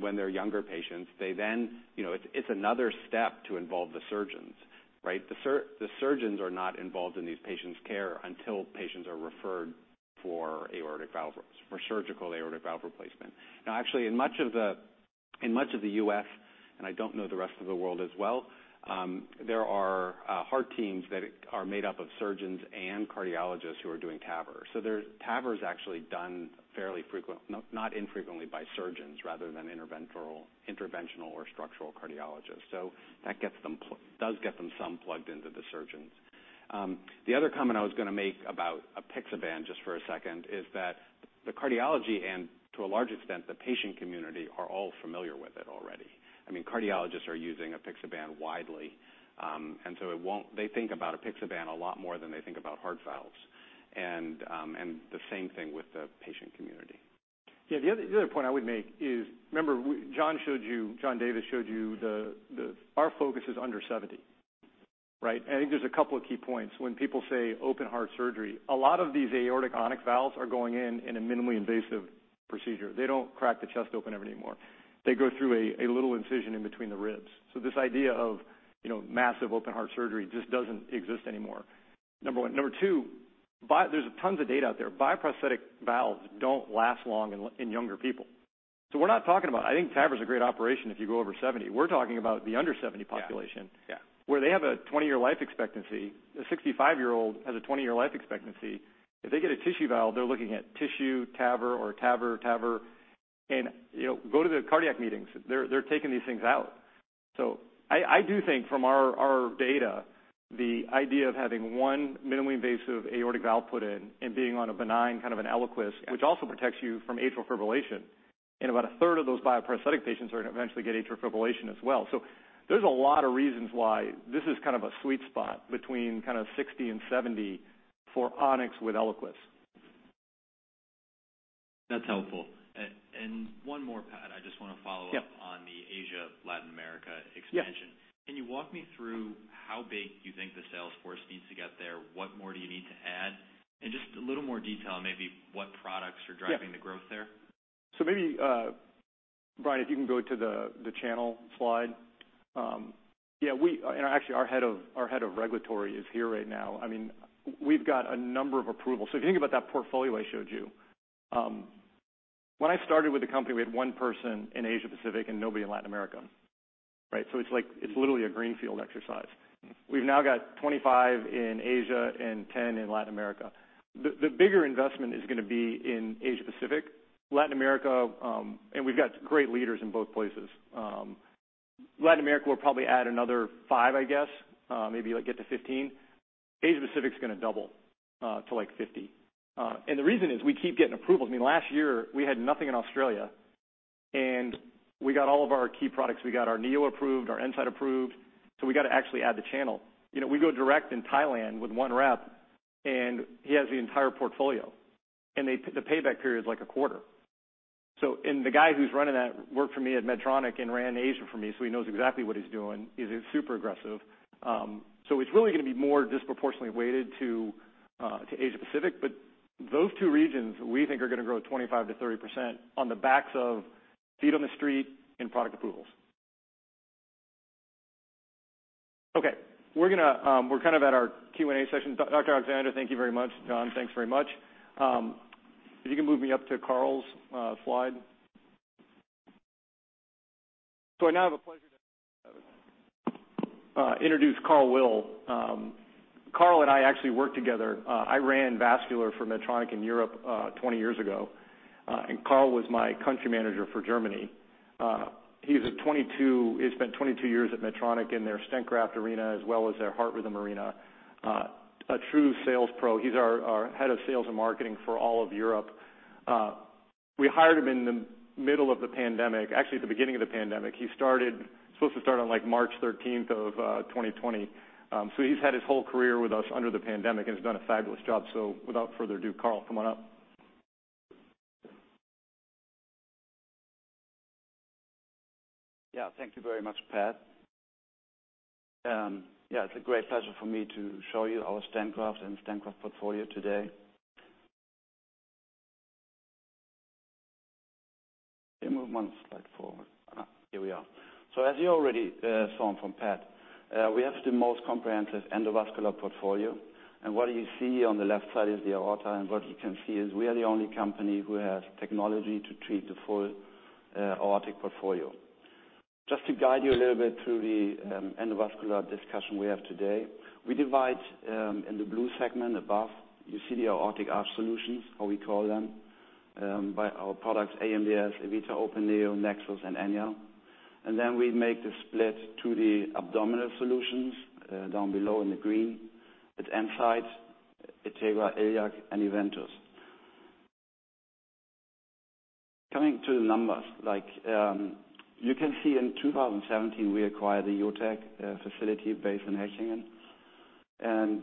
When they're younger patients, they then... You know, it's another step to involve the surgeons, right? The surgeons are not involved in these patients' care until patients are referred for surgical aortic valve replacement. Actually, in much of the U.S., and I don't know the rest of the world as well, there are heart teams that are made up of surgeons and cardiologists who are doing TAVR. TAVR is actually done not infrequently by surgeons rather than interventional or structural cardiologists. That does get them some plugged into the surgeons. The other comment I was gonna make about apixaban, just for a second, is that the cardiology and, to a large extent, the patient community are all familiar with it already. I mean, cardiologists are using apixaban widely, and so it won't. They think about apixaban a lot more than they think about heart valves. The same thing with the patient community. Yeah. The other point I would make is, remember John Davis showed you the... Our focus is under 70, right? I think there's a couple of key points when people say open heart surgery. A lot of these aortic On-X valves are going in a minimally invasive procedure. They don't crack the chest open anymore. They go through a little incision in between the ribs. So this idea of, you know, massive open heart surgery just doesn't exist anymore, number one. Number two, there's tons of data out there. Bioprosthetic valves don't last long in younger people. So we're not talking about. I think TAVR is a great operation if you go over 70. We're talking about the under 70 population. Yeah. Yeah... where they have a 20-year life expectancy. A 65-year-old has a 20-year life expectancy. If they get a tissue valve, they're looking at tissue TAVR or TAVR. You know, go to the cardiac meetings. They're taking these things out. I do think from our data, the idea of having one minimally invasive aortic valve put in and being on a benign kind of an Eliquis, which also protects you from atrial fibrillation. About a third of those bioprosthetic patients are gonna eventually get atrial fibrillation as well. There's a lot of reasons why this is kind of a sweet spot between kind of 60 and 70 for On-X with Eliquis. That's helpful. One more, Pat. I just wanna follow up. Yeah on the Asia, Latin America expansion. Yeah. Can you walk me through how big you think the sales force needs to get there? What more do you need to add? Just a little more detail, maybe what products are driving- Yeah The growth there? Maybe Brian, if you can go to the channel slide. Actually, our head of regulatory is here right now. I mean, we've got a number of approvals. If you think about that portfolio I showed you, when I started with the company, we had one person in Asia-Pacific and nobody in Latin America, right? It's literally a greenfield exercise. We've now got 25 in Asia and 10 in Latin America. The bigger investment is gonna be in Asia-Pacific, Latin America. We've got great leaders in both places. Latin America will probably add another five, I guess, maybe like get to 15. Asia-Pacific is gonna double to like 50. The reason is we keep getting approvals. I mean, last year, we had nothing in Australia, and we got all of our key products. We got our Neo approved, our E-nside approved, so we got to actually add the channel. You know, we go direct in Thailand with one rep, and he has the entire portfolio, and the payback period is like a quarter. The guy who's running that worked for me at Medtronic and ran Asia for me, so he knows exactly what he's doing, he's super aggressive. It's really going to be more disproportionately weighted to Asia-Pacific. Those two regions we think are going to grow 25%-30% on the backs of feet on the street and product approvals. Okay, we're kind of at our Q&A session. Dr. Alexander, thank you very much. John, thanks very much. If you can move me up to Karl's slide. I now have a pleasure to introduce Karl Will. Karl and I actually worked together. I ran Vascular for Medtronic in Europe 20 years ago. Karl was my country manager for Germany. He spent 22 years at Medtronic in their stent graft arena, as well as their heart rhythm arena. A true sales pro. He's our head of sales and marketing for all of Europe. We hired him in the middle of the pandemic, actually, at the beginning of the pandemic. He was supposed to start on, like, March 13th, 2020. He's had his whole career with us under the pandemic and has done a fabulous job. Without further ado, Karl, come on up. Yeah. Thank you very much, Pat. Yeah, it's a great pleasure for me to show you our stent grafts and stent graft portfolio today. Can you move one slide forward? Here we are. As you already saw from Pat, we have the most comprehensive endovascular portfolio. What you see on the left side is the aorta. What you can see is we are the only company who has technology to treat the full aortic portfolio. Just to guide you a little bit through the endovascular discussion we have today. We divide in the blue segment above. You see the aortic arch solutions, how we call them, by our products AMDS, E-vita Open Neo, NEXUS and E-nya. Then we make the split to the abdominal solutions down below in the green with E-nside, E-tegra, E-liac and E-ventus. Coming to the numbers. You can see in 2017, we acquired the JOTEC facility based in Hechingen. In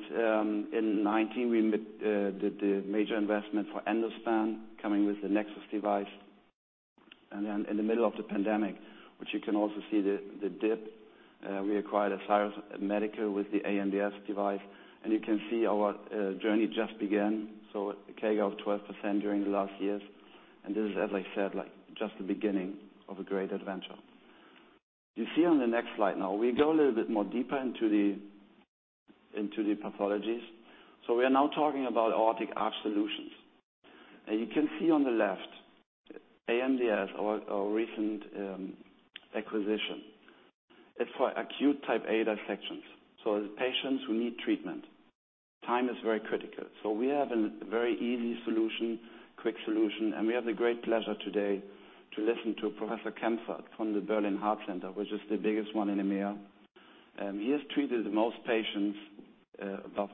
2019, we made the major investment for Endospan coming with the NEXUS device. In the middle of the pandemic, which you can also see the dip, we acquired Ascyrus Medical with the AMDS device. You can see our journey just began. A CAGR of 12% during the last years. This is, as I said, like, just the beginning of a great adventure. You see on the next slide now, we go a little bit more deeper into the pathologies. We are now talking about aortic arch solutions. You can see on the left AMDS, our recent acquisition. It's for acute type A dissections. Patients who need treatment, time is very critical. We have a very easy solution, quick solution. We have the great pleasure today to listen to Professor Kempfert from the Berlin Heart Center, which is the biggest one in EMEA. He has treated the most patients, about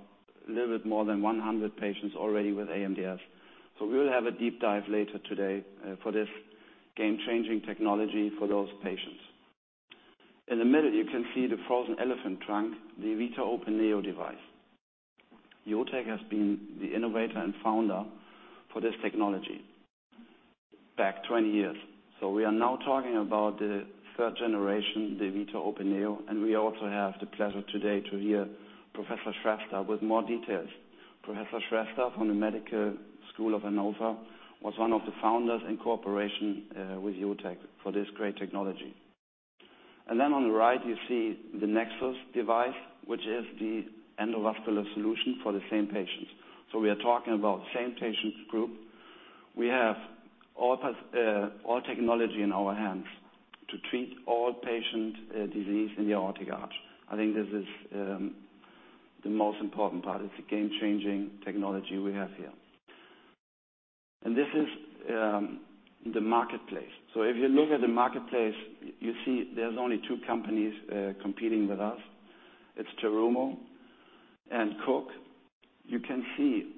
a little bit more than 100 patients already with AMDS. We will have a deep dive later today for this game-changing technology for those patients. In the middle, you can see the frozen elephant trunk, the E-vita Open Neo device. JOTEC has been the innovator and founder for this technology back 20 years. We are now talking about the third generation, the E-vita Open Neo. We also have the pleasure today to hear Professor Shrestha with more details. Professor Shrestha from the Medical School of Hannover was one of the founders in cooperation with JOTEC for this great technology. On the right, you see the NEXUS device, which is the endovascular solution for the same patients. We are talking about same patient group. We have all technology in our hands to treat all patient disease in the aortic arch. I think this is the most important part. It's a game-changing technology we have here. This is the marketplace. If you look at the marketplace, you see there's only two companies competing with us. It's Terumo and Cook. You can see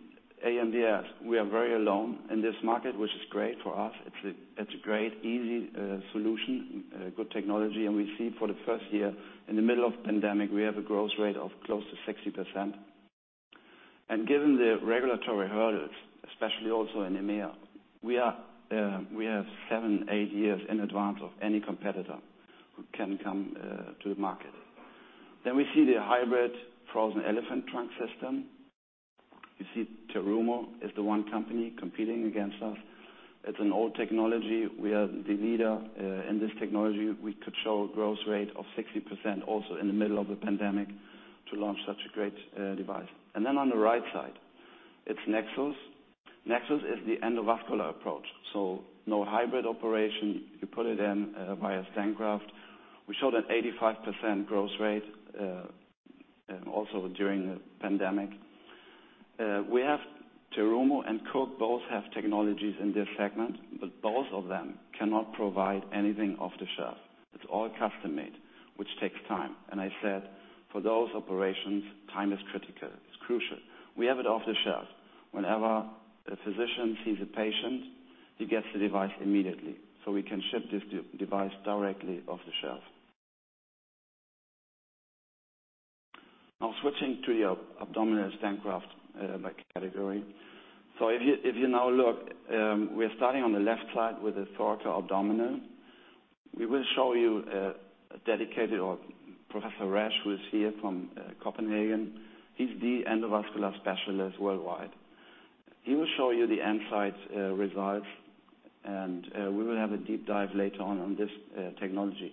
AMDS, we are very alone in this market, which is great for us. It's a great, easy solution good technology. We see for the first year, in the middle of the pandemic, we have a growth rate of close to 60%. Given the regulatory hurdles, especially also in EMEA, we have seven to eight years in advance of any competitor who can come to the market. We see the hybrid frozen elephant trunk system. You see Terumo is the one company competing against us. It's an old technology. We are the leader in this technology. We could show a growth rate of 60% also in the middle of a pandemic to launch such a great device. On the right side, it's NEXUS. NEXUS is the endovascular approach. No hybrid operation. You put it in via stent graft. We showed an 85% growth rate also during the pandemic. We have Terumo and Cook both have technologies in this segment, but both of them cannot provide anything off the shelf. It's all custom-made, which takes time. I said, for those operations, time is critical. It's crucial. We have it off the shelf. Whenever a physician sees a patient, he gets the device immediately. We can ship this device directly off the shelf. Now switching to your abdominal stent graft, by category. If you now look, we are starting on the left side with the thoracoabdominal. We will show you a dedicated to Professor Resch, who is here from Copenhagen. He's the endovascular specialist worldwide. He will show you the E-nside results and we will have a deep dive later on this technology.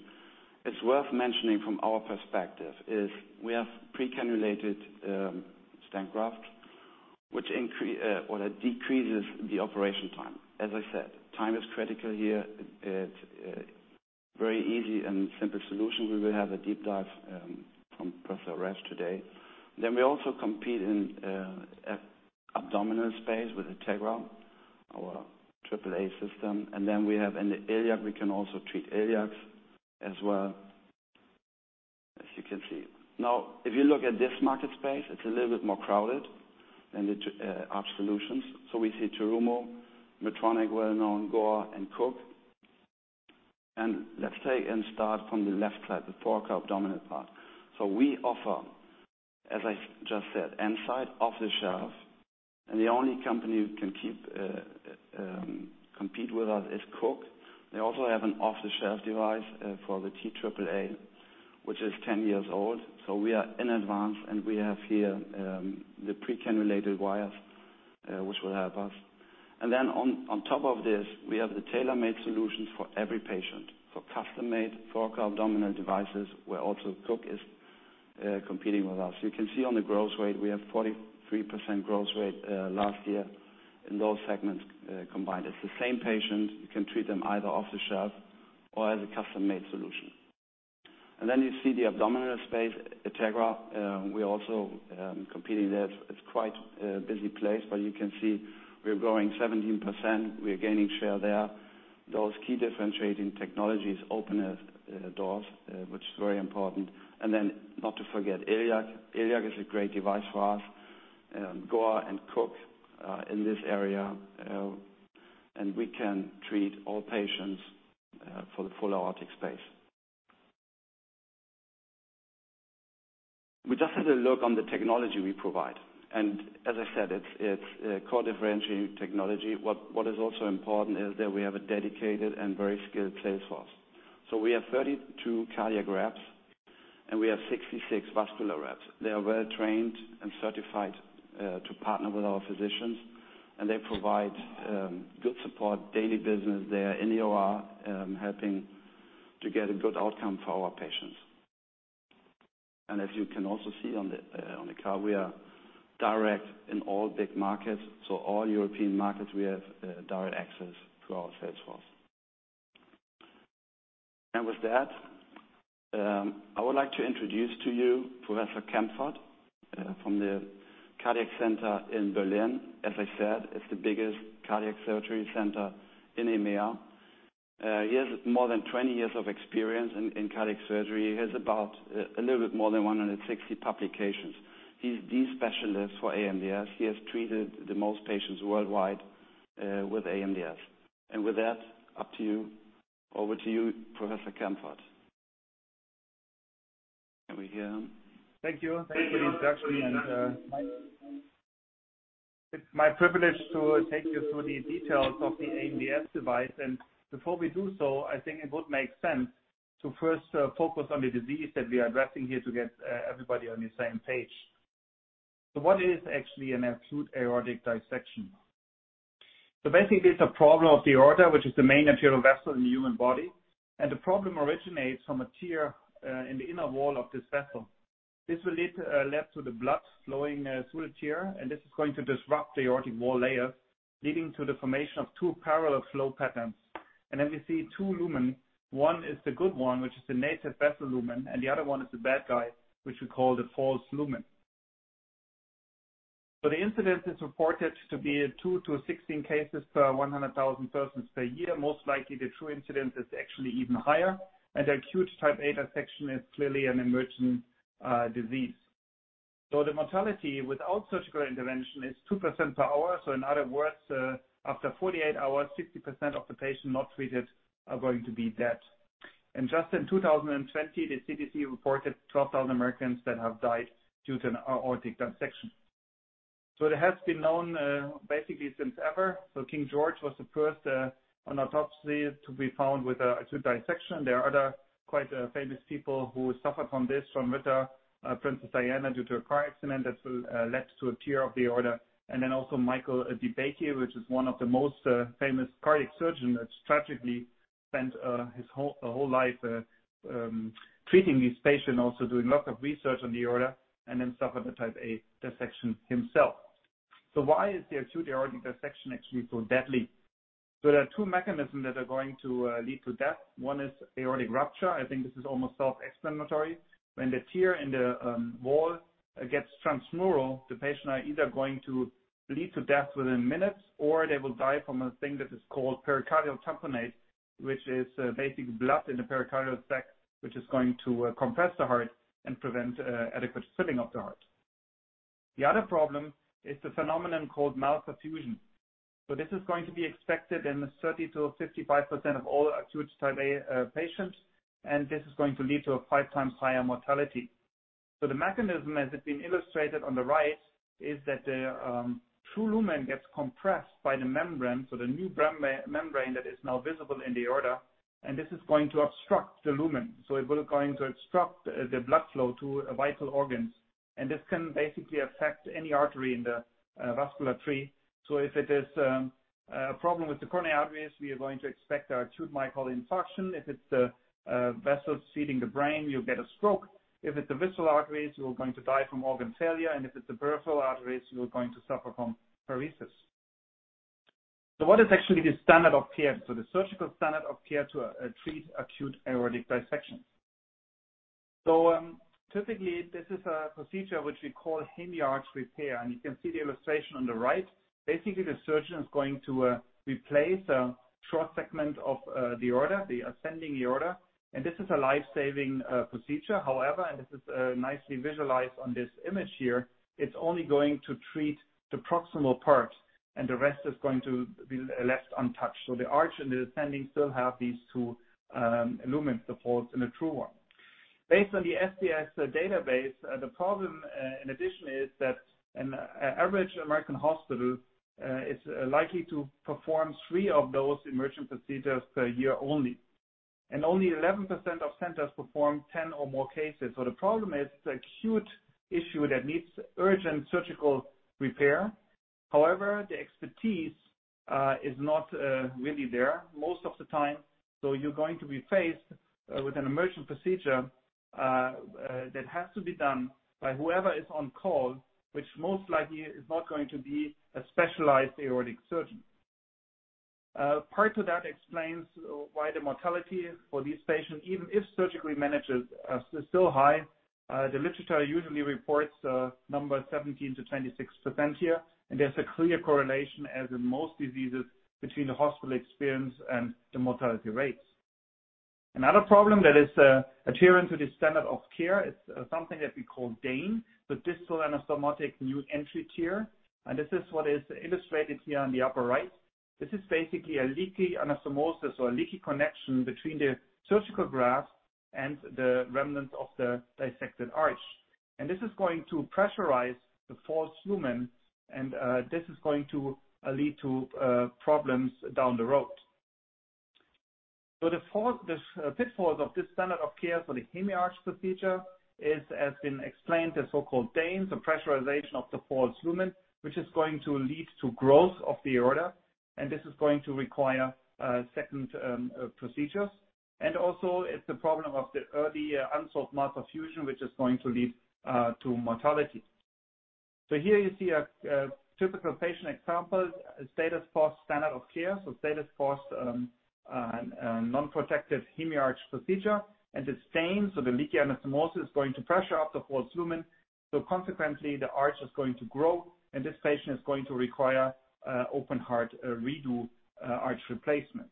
It's worth mentioning from our perspective is we have pre-cannulated stent graft, which decreases the operation time. As I said, time is critical here. It's very easy and simple solution. We will have a deep dive from Professor Resch today. Then we also compete in a abdominal space with E-tegra, our AAA system. We have in the E-liac, we can also treat iliacs as well, as you can see. Now, if you look at this market space, it's a little bit more crowded than the two arch solutions. We see Terumo, Medtronic, well-known, Gore and Cook. Let's take and start from the left side, the thoracoabdominal part. We offer, as I just said, E-nside off-the-shelf, and the only company who can compete with us is Cook. They also have an off-the-shelf device for the TAAA, which is 10 years old. We are in advance, and we have here the pre-cannulated wires which will help us. On top of this, we have the tailor-made solutions for every patient. For custom-made thoracoabdominal devices, where also Cook is competing with us. You can see on the growth rate, we have 43% growth rate last year in those segments combined. It's the same patient. You can treat them either off the shelf or as a custom-made solution. You see the abdominal space, E-tegra. We're also competing there. It's quite a busy place, but you can see we're growing 17%. We are gaining share there. Those key differentiating technologies open doors which is very important. Not to forget E-liac. E-liac is a great device for us. Gore and Cook in this area, and we can treat all patients for the full aortic space. We just had a look on the technology we provide. As I said, it's core differentiating technology. What is also important is that we have a dedicated and very skilled sales force. We have 32 cardiac reps, and we have 66 vascular reps. They are well trained and certified to partner with our physicians, and they provide good support, daily business. They are in the OR, helping to get a good outcome for our patients. As you can also see on the card, we are direct in all big markets. All European markets, we have direct access to our sales force. With that, I would like to introduce to you Professor Kempfert from the cardiac center in Berlin. As I said, it's the biggest cardiac surgery center in EMEA. He has more than 20 years of experience in cardiac surgery. He has about a little bit more than 160 publications. He's the specialist for AMDS. He has treated the most patients worldwide with AMDS. With that, up to you. Over to you, Professor Kempfert. Can we hear him? Thank you. Thanks for the introduction. It's my privilege to take you through the details of the AMDS device. Before we do so, I think it would make sense to first focus on the disease that we are addressing here to get everybody on the same page. What is actually an acute aortic dissection? Basically, it's a problem of the aorta, which is the main arterial vessel in the human body, and the problem originates from a tear in the inner wall of this vessel. This will lead to the blood flowing through the tear, and this is going to disrupt the aortic wall layer, leading to the formation of two parallel flow patterns. Then we see two lumens. One is the good one, which is the native vessel lumen, and the other one is the bad guy, which we call the false lumen. The incidence is reported to be two to 16 cases per 100,000 persons per year. Most likely, the true incidence is actually even higher, and acute type A dissection is clearly an emergent disease. The mortality without surgical intervention is 2% per hour. In other words, after 48 hours, 60% of the patients not treated are going to be dead. Just in 2020, the CDC reported 12,000 Americans that have died due to an aortic dissection. It has been known basically since ever. King George was the first on autopsy to be found with a dissection. There are other quite famous people who suffered from this, from Ritter, Princess Diana, due to a car accident that led to a tear of the aorta. Michael DeBakey, which is one of the most famous cardiac surgeon that tragically spent his whole life treating these patients, also doing lots of research on the aorta, and then suffered a type A dissection himself. Why is the acute aortic dissection actually so deadly? There are two mechanisms that are going to lead to death. One is aortic rupture. I think this is almost self-explanatory. When the tear in the wall gets transmural, the patient are either going to bleed to death within minutes, or they will die from a thing that is called pericardial tamponade, which is basically blood in the pericardial sac, which is going to compress the heart and prevent adequate filling of the heart. The other problem is the phenomenon called malperfusion. This is going to be expected in 30%-55% of all acute type A patients, and this is going to lead to a five times higher mortality. The mechanism, as it's been illustrated on the right, is that the true lumen gets compressed by the membrane, so the new membrane that is now visible in the aorta, and this is going to obstruct the lumen. It will going to obstruct the blood flow to vital organs. This can basically affect any artery in the vascular tree. If it is a problem with the coronary arteries, we are going to expect acute myocardial infarction. If it's the vessels feeding the brain, you'll get a stroke. If it's the visceral arteries, you're going to die from organ failure. If it's the peripheral arteries, you're going to suffer from paresis. What is actually the standard of care? The surgical standard of care to treat acute aortic dissection is typically a procedure which we call hemiarch repair, and you can see the illustration on the right. Basically, the surgeon is going to replace a short segment of the aorta, the ascending aorta, and this is a life-saving procedure. However, and this is nicely visualized on this image here, it's only going to treat the proximal part, and the rest is going to be left untouched. The arch and the descending still have these two lumens, the false and the true one. Based on the STS database, the problem, in addition, is that an average American hospital is likely to perform three of those emergent procedures per year only. Only 11% of centers perform 10 or more cases. The problem is it's an acute issue that needs urgent surgical repair. However, the expertise is not really there most of the time. You're going to be faced with an emergent procedure that has to be done by whoever is on call, which most likely is not going to be a specialized aortic surgeon. Part of that explains why the mortality for these patients, even if surgically managed, is still high. The literature usually reports 17%-26% here, and there's a clear correlation, as in most diseases, between the hospital experience and the mortality rates. Another problem that is adherent to the standard of care is something that we call DANE, the distal anastomotic new entry tear, and this is what is illustrated here on the upper right. This is basically a leaky anastomosis or a leaky connection between the surgical graft and the remnant of the dissected arch. This is going to pressurize the false lumen, and this is going to lead to problems down the road. The pitfalls of this standard of care for the hemiarch procedure, as has been explained, the so-called DANE, the pressurization of the false lumen, which is going to lead to growth of the aorta, and this is going to require second procedures. It's the problem of the early unsolved malperfusion, which is going to lead to mortality. Here you see a typical patient example, status quo standard of care. Status quo's non-protective hemiarch procedure. Then the leaky anastomosis is going to pressure up the false lumen. Consequently, the arch is going to grow, and this patient is going to require open heart redo arch replacement.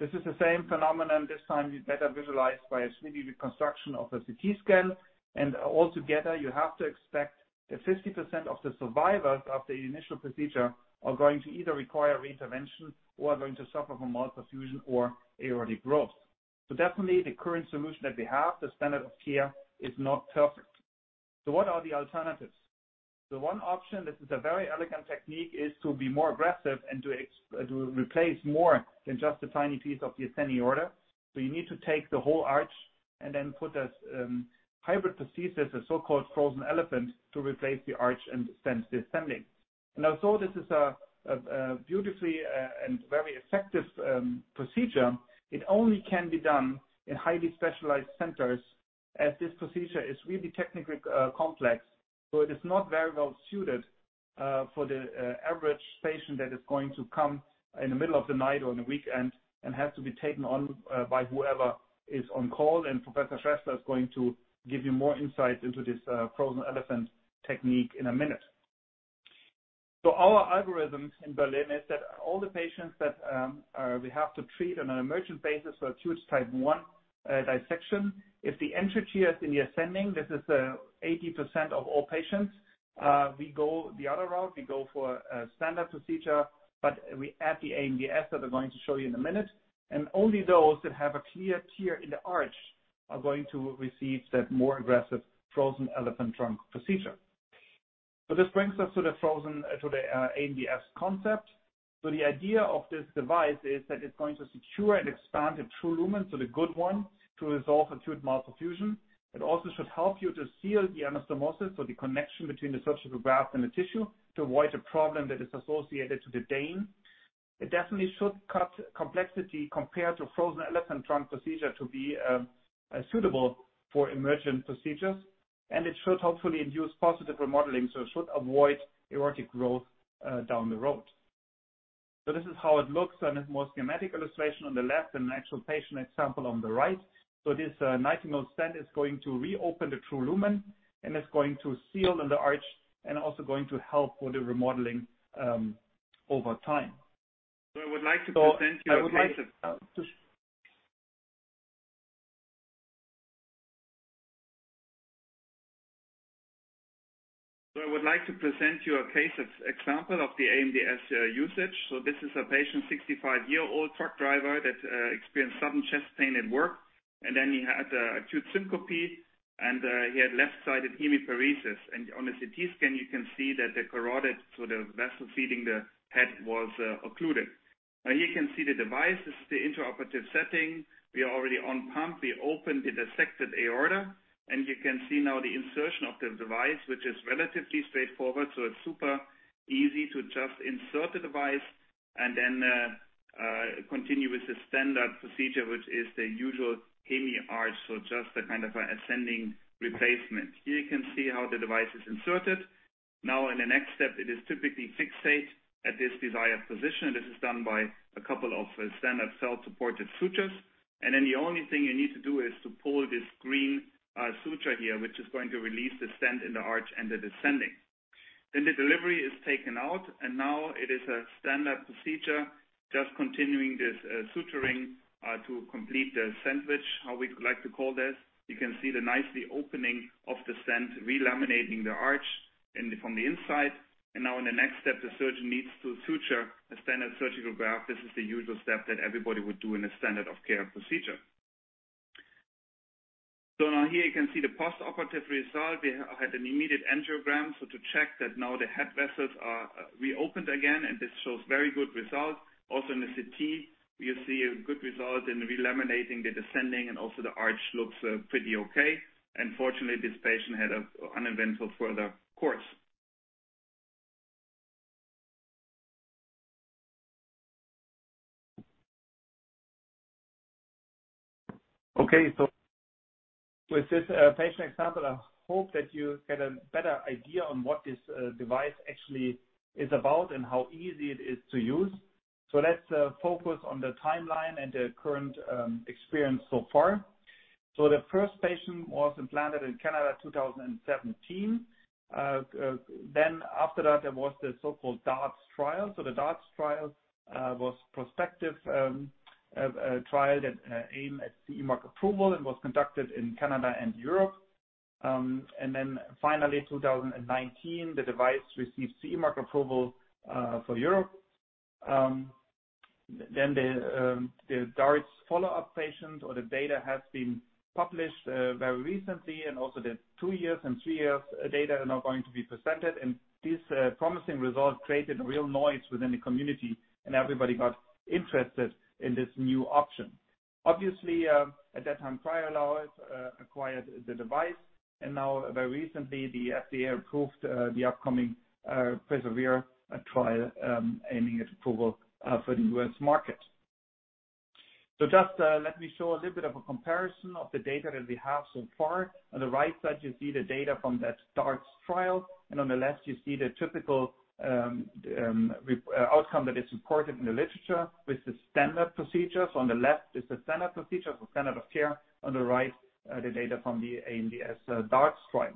This is the same phenomenon, this time better visualized by a 3D reconstruction of a CT scan. Altogether, you have to expect that 50% of the survivors of the initial procedure are going to either require reintervention or are going to suffer from malperfusion or aortic growth. Definitely the current solution that we have, the standard of care, is not perfect. What are the alternatives? The one option, this is a very elegant technique, is to be more aggressive and to replace more than just a tiny piece of the ascending aorta. You need to take the whole arch and then put a hybrid prosthesis, a so-called frozen elephant, to replace the arch and stent the descending. Although this is a beautifully and very effective procedure, it only can be done in highly specialized centers, as this procedure is really technically complex. It is not very well suited for the average patient that is going to come in the middle of the night or on the weekend and have to be taken on by whoever is on call. Professor Shrestha is going to give you more insight into this frozen elephant technique in a minute. Our algorithms in Berlin is that all the patients that we have to treat on an emergent basis for acute type I dissection, if the entry tear is in the ascending, this is 80% of all patients, we go the other route. We go for a standard procedure, but we add the AMDS that I'm going to show you in a minute. Only those that have a clear tear in the arch are going to receive that more aggressive frozen elephant trunk procedure. This brings us to the AMDS concept. The idea of this device is that it's going to secure and expand the true lumen, so the good one, to resolve acute malperfusion. It also should help you to seal the anastomosis, so the connection between the surgical graft and the tissue, to avoid a problem that is associated to the DANE. It definitely should cut complexity compared to frozen elephant trunk procedure to be suitable for emergent procedures. It should hopefully induce positive remodeling, so it should avoid aortic growth down the road. This is how it looks in a more schematic illustration on the left and an actual patient example on the right. This 90 mm stent is going to reopen the true lumen, and it's going to seal in the arch and also going to help with the remodeling over time. I would like to present you a case example of the AMDS usage. This is a patient, 65-year-old truck driver that experienced sudden chest pain at work. Then he had acute syncope, and he had left-sided hemiparesis. On the CT scan, you can see that the carotid, so the vessel feeding the head was occluded. Now here you can see the device. This is the intraoperative setting. We are already on pump. We opened the dissected aorta, and you can see now the insertion of the device, which is relatively straightforward, so it's super easy to just insert the device and then continue with the standard procedure, which is the usual hemiarch. Just a kind of an ascending replacement. Here you can see how the device is inserted. Now in the next step, it is typically fixated at this desired position. This is done by a couple of standard self-supported sutures. And then the only thing you need to do is to pull this green suture here, which is going to release the stent in the arch and the descending. Then the delivery is taken out, and now it is a standard procedure, just continuing this suturing to complete the sandwich, how we like to call this. You can see the nicely opening of the stent, relaminating the arch in from the inside. Now in the next step, the surgeon needs to suture a standard surgical graft. This is the usual step that everybody would do in a standard of care procedure. Now here you can see the postoperative result. We had an immediate angiogram, so to check that now the head vessels are reopened again, and this shows very good result. Also in the CT, we see a good result in relaminating the descending and also the arch looks pretty okay. Fortunately, this patient had an uneventful further course. Okay, with this patient example, I hope that you get a better idea on what this device actually is about and how easy it is to use. Let's focus on the timeline and the current experience so far. The first patient was implanted in Canada in 2017. After that, there was the so-called DARTS trial. The DARTS trial was a prospective trial that aimed at CE Mark approval and was conducted in Canada and Europe. Finally, in 2019, the device received CE Mark approval for Europe. The DARTS' follow-up patient or the data has been published very recently, and also the two-year and three-year data are now going to be presented. These promising results created real noise within the community, and everybody got interested in this new option. Obviously, at that time, CryoLife acquired the device. Now very recently, the FDA approved the upcoming PERSEVERE trial aiming at approval for the U.S. market. Just let me show a little bit of a comparison of the data that we have so far. On the right side, you see the data from that DARTS trial, and on the left you see the typical outcome that is reported in the literature with the standard procedures. On the left is the standard procedure. Standard of care. On the right, the data from the AMDS DARTS trial.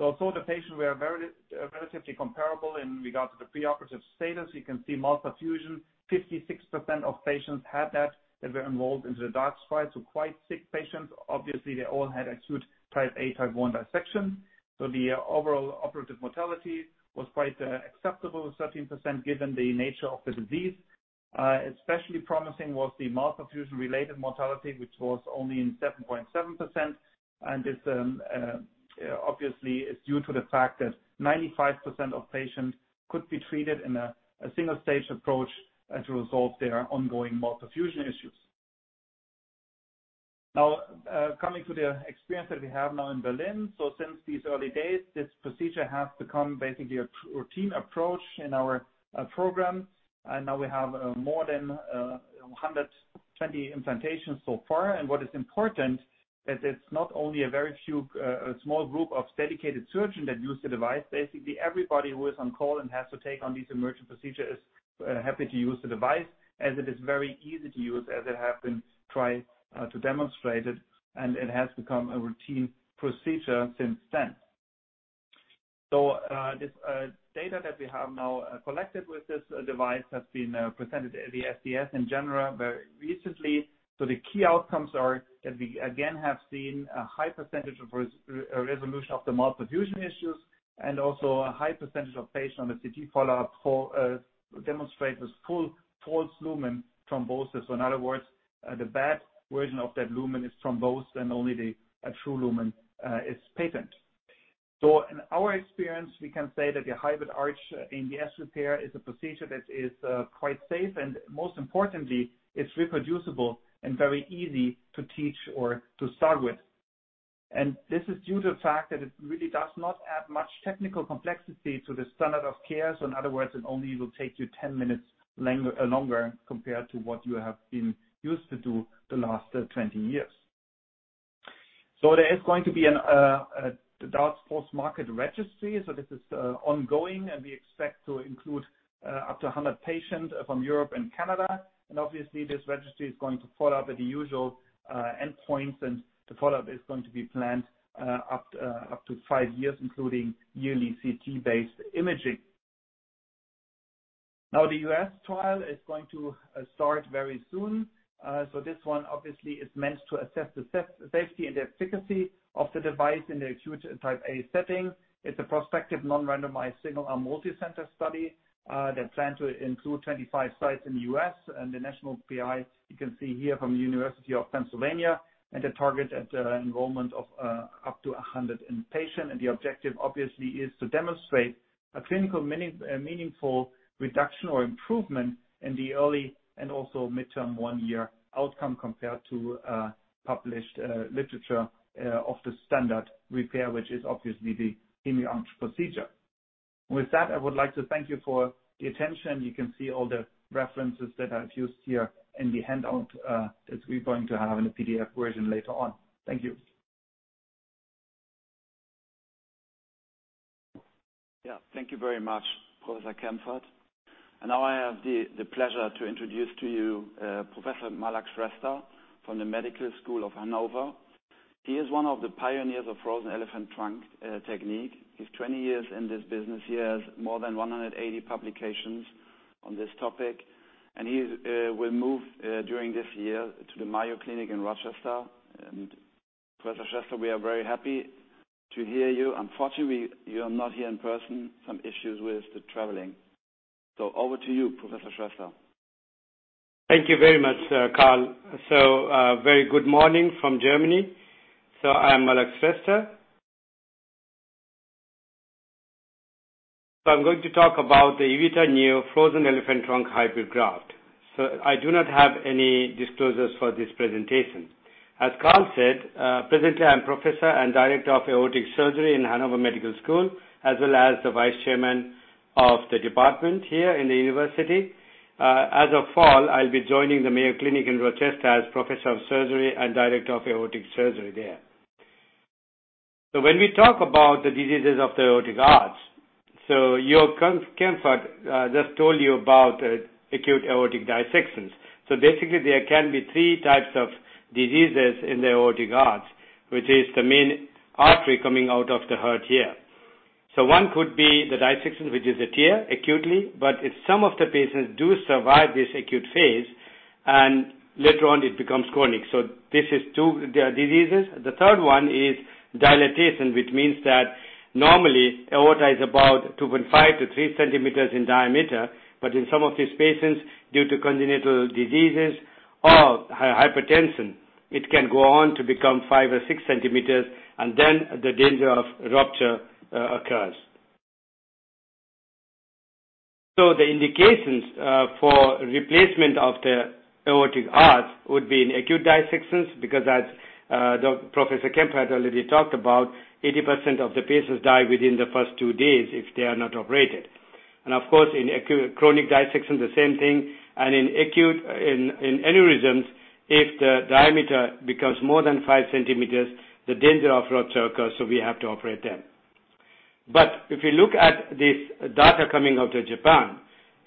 Although the patients were very relatively comparable in regards to the preoperative status, you can see malperfusion. 56% of patients had that. They were enrolled into the DARTS trial, so quite sick patients. Obviously, they all had acute type A, type one dissection. The overall operative mortality was quite acceptable, 13%, given the nature of the disease. Especially promising was the malperfusion-related mortality, which was only 7.7%. This obviously is due to the fact that 95% of patients could be treated in a single-stage approach and to resolve their ongoing malperfusion issues. Now, coming to the experience that we have now in Berlin. Since these early days, this procedure has become basically a routine approach in our program. Now we have more than 120 implantations so far. What is important is it's not only a very few, a small group of dedicated surgeon that use the device. Basically, everybody who is on call and has to take on these emergent procedures is happy to use the device, as it is very easy to use as I have been trying to demonstrate it, and it has become a routine procedure since then. This data that we have now collected with this device has been presented at the STS in general very recently. The key outcomes are that we again have seen a high percentage of resolution of the malperfusion issues and also a high percentage of patients on the CT follow-up who demonstrate this full false lumen thrombosis. In other words, the bad version of that lumen is thrombosed and only the true lumen is patent. In our experience, we can say that the hybrid arch AMDS repair is a procedure that is quite safe, and most importantly, it's reproducible and very easy to teach or to start with. This is due to the fact that it really does not add much technical complexity to the standard of care. In other words, it only will take you 10 minutes longer compared to what you have been used to do the last 20 years. There is going to be the DARTS post-market registry. This is ongoing, and we expect to include up to 100 patients from Europe and Canada. Obviously, this registry is going to follow up at the usual endpoints, and the follow-up is going to be planned up to five years, including yearly CT-based imaging. Now the U.S. trial is going to start very soon. This one obviously is meant to assess the safety and efficacy of the device in the acute type A setting. It's a prospective non-randomized single arm multi-center study that's planned to include 25 sites in the U.S. and the national PI you can see here from the University of Pennsylvania, and the target at enrollment of up to 100 patients. The objective obviously is to demonstrate a clinically meaningful reduction or improvement in the early and also midterm one-year outcome compared to published literature of the standard repair, which is obviously the hemiarch procedure. With that, I would like to thank you for the attention. You can see all the references that I've used here in the handout, that we're going to have in a PDF version later on. Thank you. Yeah. Thank you very much, Professor Kempfert. Now I have the pleasure to introduce to you Professor Malakh Shrestha from the Medical School of Hannover. He is one of the pioneers of Frozen Elephant Trunk technique. He's 20 years in this business. He has more than 180 publications on this topic, and he will move during this year to the Mayo Clinic in Rochester. Professor Shrestha, we are very happy to hear you. Unfortunately, you are not here in person, some issues with the traveling. Over to you, Professor Shrestha. Thank you very much, Karl. Very good morning from Germany. I am Malakh Shrestha. I am going to talk about the E-vita Neo frozen eephant trunk hybrid graft. I do not have any disclosures for this presentation. As Karl said, presently I am Professor and Director of Aortic Surgery in Hannover Medical School, as well as the vice chairman of the department here in the university. As of fall, I will be joining the Mayo Clinic in Rochester as Professor of Surgery and Director of Aortic Surgery there. When we talk about the diseases of the aortic arch, Jörg Kempfert just told you about acute aortic dissections. Basically, there can be three types of diseases in the aortic arch, which is the main artery coming out of the heart here. One could be the dissection, which is a tear acutely, but if some of the patients do survive this acute phase, and later on it becomes chronic. This is two diseases. The third one is dilatation, which means that normally aorta is about 2.5 cm-3 cm in diameter. But in some of these patients, due to congenital diseases or hypertension, it can go on to become 5 cm or 6 cm, and then the danger of rupture occurs. The indications for replacement of the aortic arch would be in acute dissections because as the Professor Kempfert had already talked about, 80% of the patients die within the first two days if they are not operated. Of course, in chronic dissection, the same thing. In acute aneurysms, if the diameter becomes more than 5 cm, the danger of rupture occurs, so we have to operate them. But if you look at this data coming out of Japan,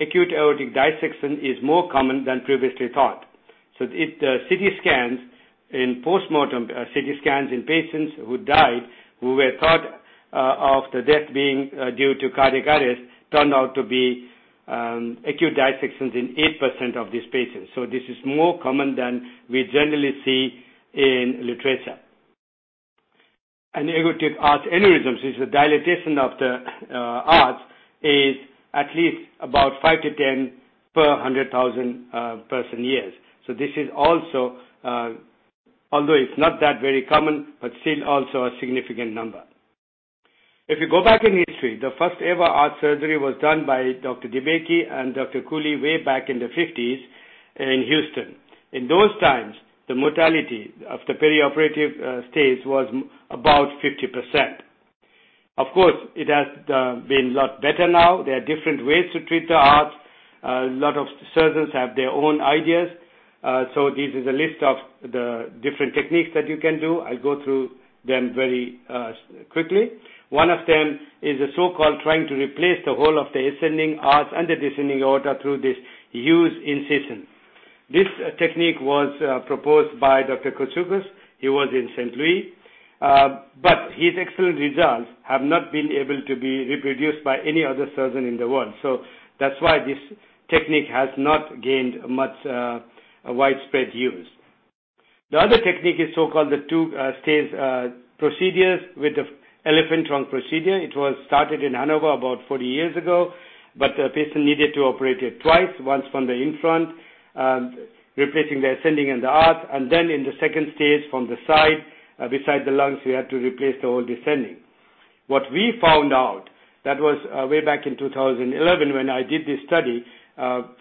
acute aortic dissection is more common than previously thought. If the CT scans in postmortem CT scans in patients who died, who were thought of the death being due to cardiac arrest, turned out to be acute dissections in 8% of these patients. This is more common than we generally see in literature. An aortic arch aneurysm is the dilatation of the arch, is at least about five to 10 per 100,000 person years. This is also, although it's not that very common, but still also a significant number. If you go back in history, the first ever arch surgery was done by Dr. DeBakey and Dr. Cooley way back in the 1950s in Houston. In those times, the mortality of the perioperative stage was about 50%. Of course, it has been a lot better now. There are different ways to treat the arch. A lot of surgeons have their own ideas. This is a list of the different techniques that you can do. I'll go through them very quickly. One of them is the so-called trying to replace the whole of the ascending arch and the descending aorta through this huge incision. This technique was proposed by Dr. Kouchoukos. He was in St. Louis. His excellent results have not been able to be reproduced by any other surgeon in the world. That's why this technique has not gained much widespread use. The other technique is so-called the two-stage procedures with the elephant trunk procedure. It was started in Hannover about 40 years ago, but the patient needed to operate it twice, once from the in front, replacing the ascending and the arch. Then in the second stage from the side, beside the lungs, we had to replace the whole descending. What we found out, that was way back in 2011 when I did this study,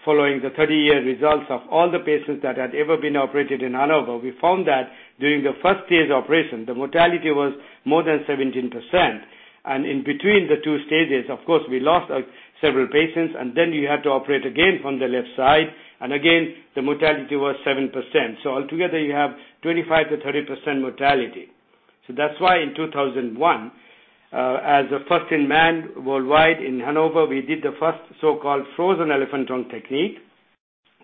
following the 30-year results of all the patients that had ever been operated in Hannover. We found that during the first-stage operation, the mortality was more than 17%. In between the two stages, of course, we lost several patients, and then you had to operate again from the left side. Again, the mortality was 7%. Altogether you have 25%-30% mortality. That's why in 2001, as a first in man worldwide in Hannover, we did the first so-called frozen elephant trunk technique.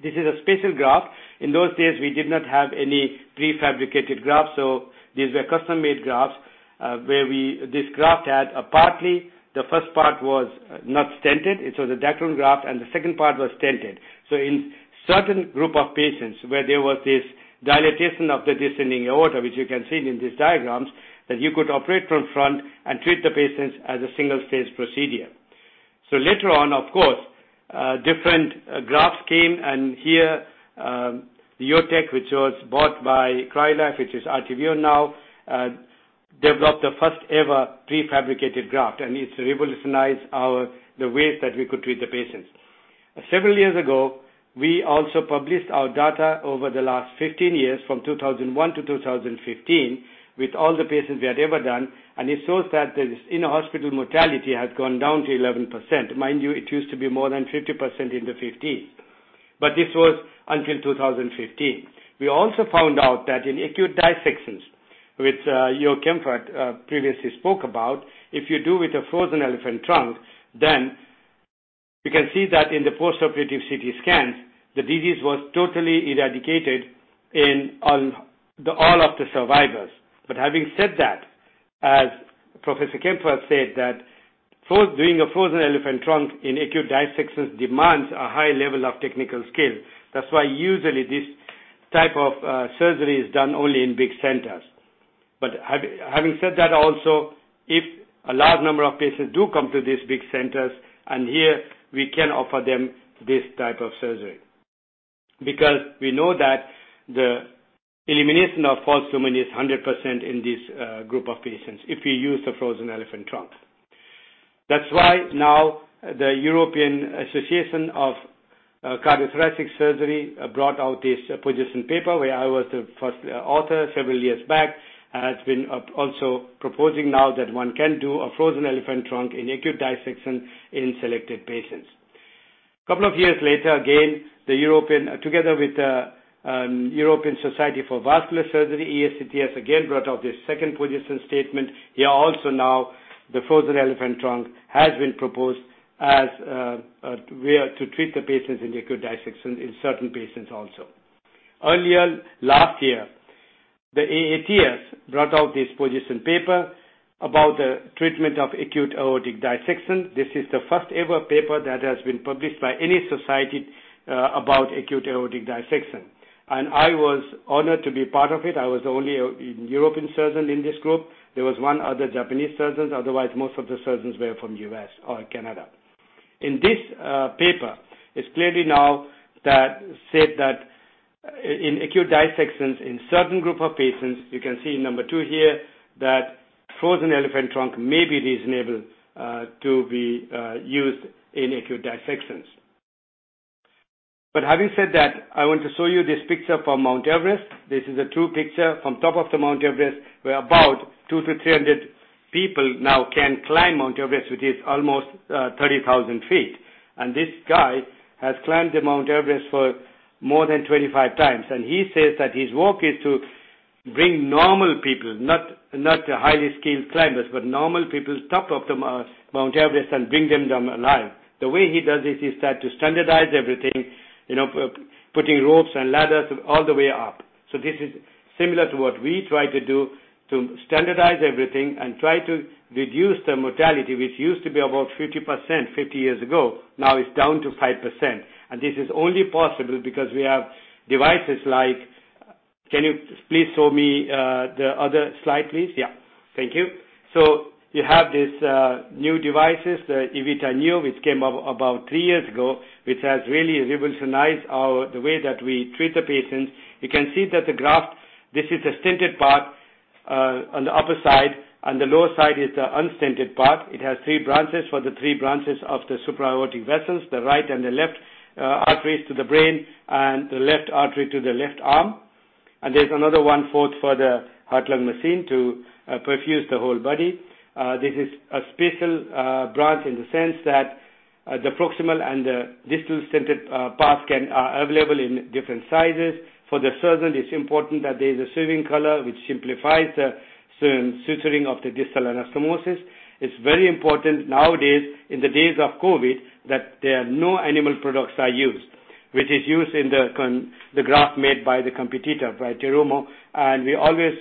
This is a special graft. In those days, we did not have any prefabricated grafts, so these were custom-made grafts, where this graft had a partly the first part was not stented, and the Dacron graft and the second part was stented. In certain group of patients where there was this dilatation of the descending aorta, which you can see in these diagrams, that you could operate from front and treat the patients as a single-stage procedure. Later on, of course, different grafts came, and here, the JOTEC, which was bought by CryoLife, which is Artivion now, developed the first-ever prefabricated graft, and it's revolutionized the ways that we could treat the patients. Several years ago, we also published our data over the last 15 years, from 2001-2015, with all the patients we had ever done, and it shows that the in-hospital mortality has gone down to 11%. Mind you, it used to be more than 50% in the 1950s. This was until 2015. We also found out that in acute dissections, which Jörg Kempfert previously spoke about, if you do with a frozen elephant trunk, then you can see that in the postoperative CT scans, the disease was totally eradicated in all of the survivors. Having said that, as Professor Kempfert said, doing a frozen elephant trunk in acute dissection demands a high level of technical skill. That's why usually this type of surgery is done only in big centers. Having said that, also, if a large number of patients do come to these big centers, and here we can offer them this type of surgery. Because we know that the elimination of false lumen is 100% in this group of patients if we use the frozen elephant trunk. That's why now the European Association for Cardio-Thoracic Surgery brought out this position paper, where I was the first author several years back, has been also proposing now that one can do a frozen elephant trunk in acute dissection in selected patients. A couple of years later, again, the European together with the European Society for Vascular Surgery, ESVS has again brought out this second position statement. Here also now, the frozen elephant trunk has been proposed as a way to treat the patients in acute dissection in certain patients also. Earlier last year, the AATS brought out this position paper about the treatment of acute aortic dissection. This is the first-ever paper that has been published by any society about acute aortic dissection. I was honored to be part of it. I was only a European surgeon in this group. There was one other Japanese surgeons, otherwise, most of the surgeons were from U.S. or Canada. In this paper, it's clear now that said that in acute dissections in certain group of patients, you can see number two here, that frozen elephant trunk may be reasonable to be used in acute dissections. Having said that, I want to show you this picture from Mount Everest. This is a true picture from top of the Mount Everest, where about 200-300 people now can climb Mount Everest, which is almost 30,000 ft. He says that his work is to bring normal people, not highly skilled climbers, but normal people top of the Mount Everest and bring them down alive. The way he does it is that to standardize everything, you know, putting ropes and ladders all the way up. This is similar to what we try to do to standardize everything and try to reduce the mortality, which used to be about 50% 50 years ago. Now it's down to 5%. This is only possible because we have devices like. Can you please show me the other slide, please? Yeah. Thank you. You have these new devices, the E-vita Neo, which came up about three years ago, which has really revolutionized the way that we treat the patients. You can see that the graft, this is the stented part on the upper side, and the lower side is the unstented part. It has three branches for the three branches of the supra-aortic vessels, the right and the left arteries to the brain and the left artery to the left arm. There's another one-fourth for the heart-lung machine to perfuse the whole body. This is a special branch in the sense that the proximal and the distal stented parts are available in different sizes. For the surgeon, it's important that there is a sewing collar, which simplifies the suturing of the distal anastomosis. It's very important nowadays, in the days of COVID, that no animal products are used, which is used in the graft made by the competitor, by Terumo. We always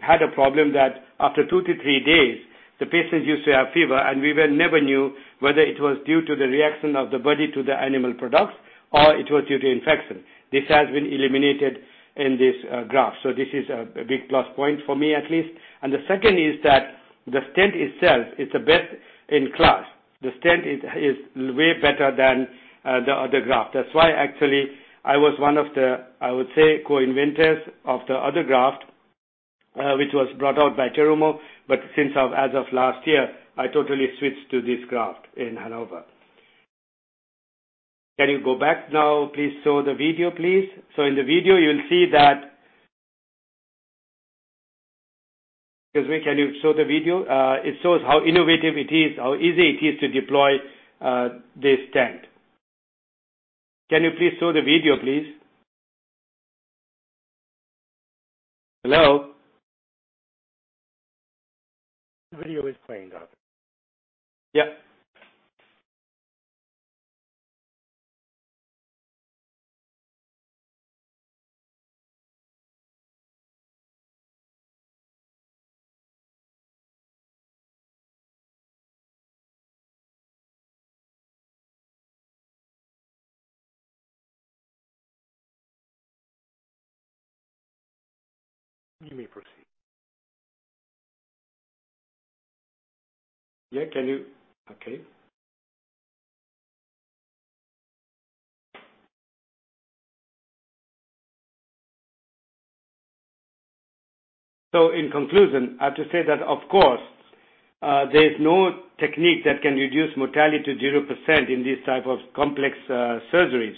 had a problem that after two to three days, the patients used to have fever, and we never knew whether it was due to the reaction of the body to the animal products or it was due to infection. This has been eliminated in this graft. This is a big plus point for me at least. The second is that the stent itself is the best in class. The stent is way better than the other graft. That's why actually I was one of the, I would say, co-inventors of the other graft, which was brought out by Terumo. As of last year, I totally switched to this graft in Hannover. Can you go back now, please, show the video, please. In the video, you'll see that because we can show the video. It shows how innovative it is, how easy it is to deploy, this stent. Can you please show the video, please? Okay. In conclusion, I have to say that of course, there is no technique that can reduce mortality to 0% in these type of complex surgeries.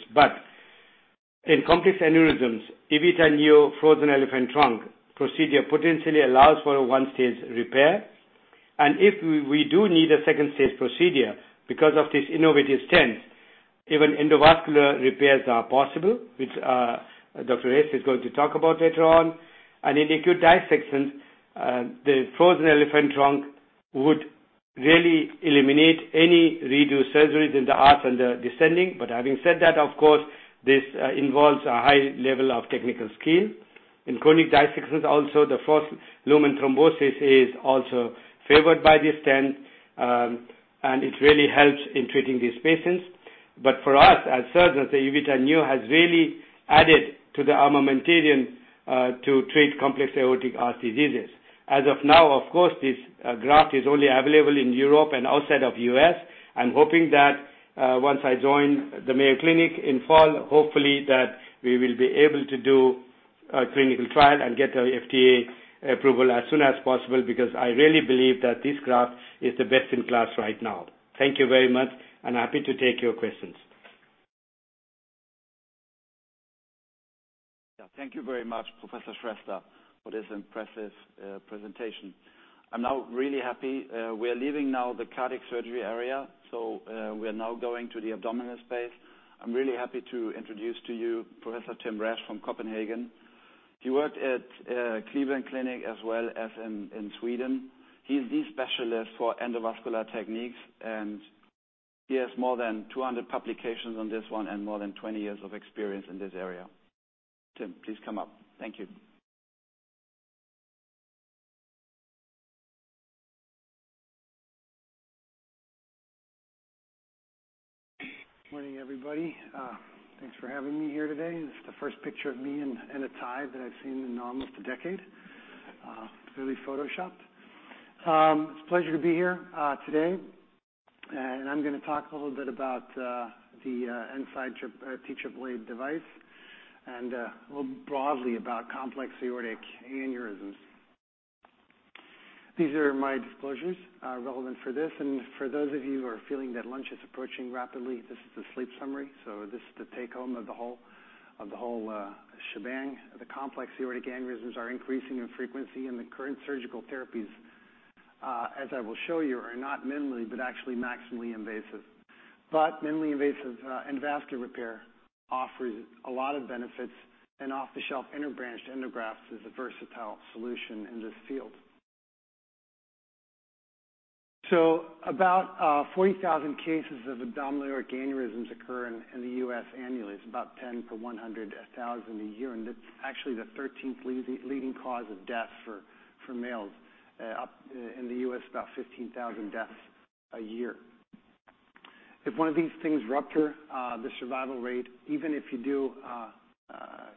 In complex aneurysms, E-vita Neo frozen elephant trunk procedure potentially allows for a one-stage repair. If we do need a second-stage procedure because of this innovative stent, even endovascular repairs are possible, which Dr. Resch is going to talk about later on. In acute dissections, the frozen elephant trunk would really eliminate any redo surgeries in the arch and the descending. Having said that, of course, this involves a high level of technical skill. In chronic dissections also, the false lumen thrombosis is also favored by the stent, and it really helps in treating these patients. For us as surgeons, the E-vita Neo has really added to the armamentarium, to treat complex aortic arch diseases. As of now, of course, this graft is only available in Europe and outside of U.S. I'm hoping that, once I join the Mayo Clinic in fall, hopefully that we will be able to do a clinical trial and get the FDA approval as soon as possible, because I really believe that this graft is the best in class right now. Thank you very much, and happy to take your questions. Yeah. Thank you very much, Professor Shrestha, for this impressive presentation. I'm now really happy. We are leaving now the cardiac surgery area, so we are now going to the abdominal space. I'm really happy to introduce to you Professor Tim Resch from Copenhagen. He worked at Cleveland Clinic as well as in Sweden. He's the specialist for endovascular techniques, and he has more than 200 publications on this one and more than 20 years of experience in this area. Tim, please come up. Thank you. Morning, everybody. Thanks for having me here today. This is the first picture of me in a tie that I've seen in almost a decade. Clearly photoshopped. It's a pleasure to be here today. I'm gonna talk a little bit about the E-nside TAAA device and well, broadly about complex aortic aneurysms. These are my disclosures relevant for this. For those of you who are feeling that lunch is approaching rapidly, this is the slide summary, so this is the take-home of the whole shebang. The complex aortic aneurysms are increasing in frequency, and the current surgical therapies, as I will show you, are not minimally, but actually maximally invasive. Minimally invasive endovascular repair offers a lot of benefits, and off-the-shelf inner branch endograft is a versatile solution in this field. About 40,000 cases of abdominal aortic aneurysms occur in the U.S. annually. It's about 10 per 100,000 a year, and it's actually the 13th leading cause of death for males in the U.S., about 15,000 deaths a year. If one of these things rupture, the survival rate, even if you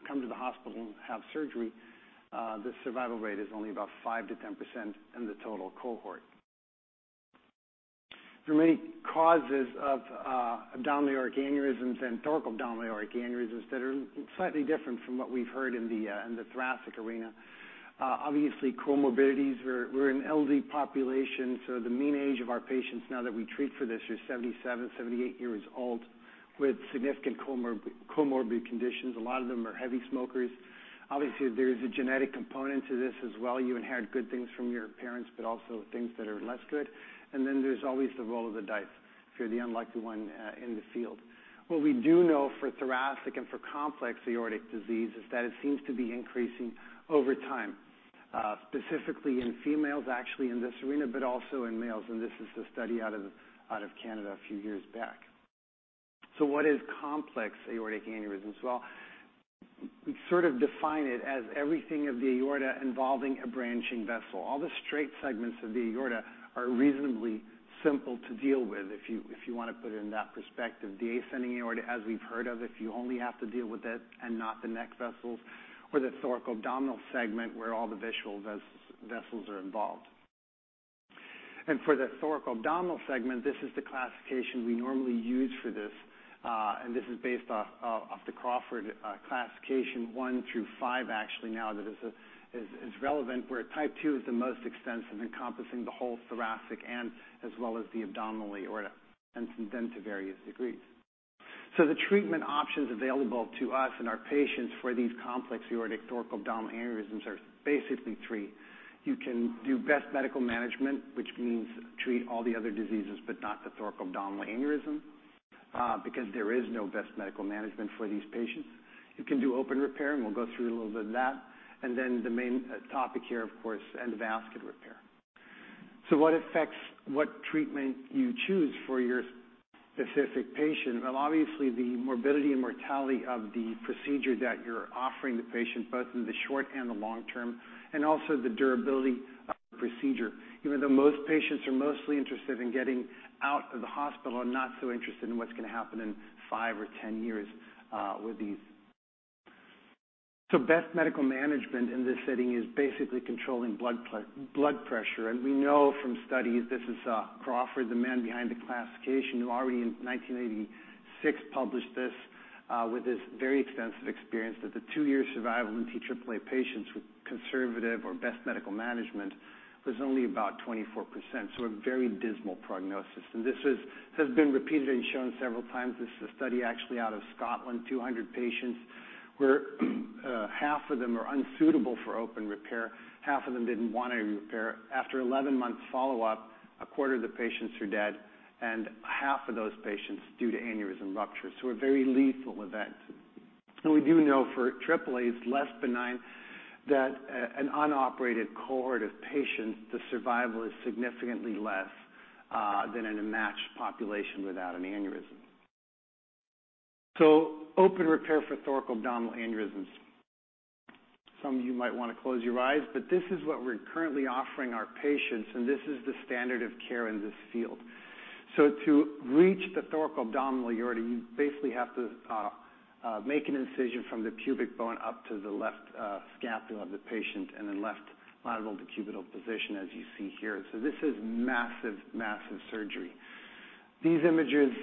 come to the hospital and have surgery, the survival rate is only about 5%-10% in the total cohort. There are many causes of abdominal aortic aneurysms and thoracoabdominal aortic aneurysms that are slightly different from what we've heard in the thoracic arena. Obviously, comorbidities were an elderly population, so the mean age of our patients now that we treat for this is 77-78 years old with significant comorbidity conditions. A lot of them are heavy smokers. Obviously, there is a genetic component to this as well. You inherit good things from your parents but also things that are less good. There's always the roll of the dice if you're the unlucky one in the field. What we do know for thoracic and for complex aortic disease is that it seems to be increasing over time, specifically in females actually in this arena, but also in males, and this is a study out of Canada a few years back. What is complex aortic aneurysms? Well, we sort of define it as everything of the aorta involving a branching vessel. All the straight segments of the aorta are reasonably simple to deal with if you wanna put it in that perspective. The ascending aorta, as we've heard of, if you only have to deal with it and not the neck vessels or the thoracoabdominal segment where all the visceral vessels are involved. For the thoracoabdominal segment, this is the classification we normally use for this, and this is based off the Crawford classification one through five actually now that is relevant, where type two is the most extensive, encompassing the whole thoracic and as well as the abdominal aorta and then to various degrees. The treatment options available to us and our patients for these complex aortic thoracoabdominal aneurysms are basically three. You can do best medical management, which means treat all the other diseases, but not the thoracoabdominal aneurysm. Because there is no best medical management for these patients. You can do open repair, and we'll go through a little bit of that. Then the main topic here, of course, endovascular repair. What affects what treatment you choose for your specific patient? Well, obviously, the morbidity and mortality of the procedure that you're offering the patient, both in the short and the long term, and also the durability of the procedure. Even though most patients are mostly interested in getting out of the hospital and not so interested in what's going to happen in five or 10 years, with these. Best medical management in this setting is basically controlling blood pressure. We know from studies, this is Crawford, the man behind the classification, who already in 1986 published this with his very extensive experience, that the two-year survival in TAAA patients with conservative or best medical management was only about 24%. A very dismal prognosis. This has been repeated and shown several times. This is a study actually out of Scotland, 200 patients, where half of them are unsuitable for open repair, half of them didn't want any repair. After 11 months follow-up, a quarter of the patients are dead, and half of those patients due to aneurysm rupture. A very lethal event. We do know for AAA it's less benign than an unoperated cohort of patients, the survival is significantly less than in a matched population without an aneurysm. Open repair for thoracoabdominal aneurysms. Some of you might wanna close your eyes, but this is what we're currently offering our patients, and this is the standard of care in this field. To reach the thoracoabdominal aorta, you basically have to make an incision from the pubic bone up to the left scapula of the patient and then left lateral decubital position as you see here. This is massive surgery. These images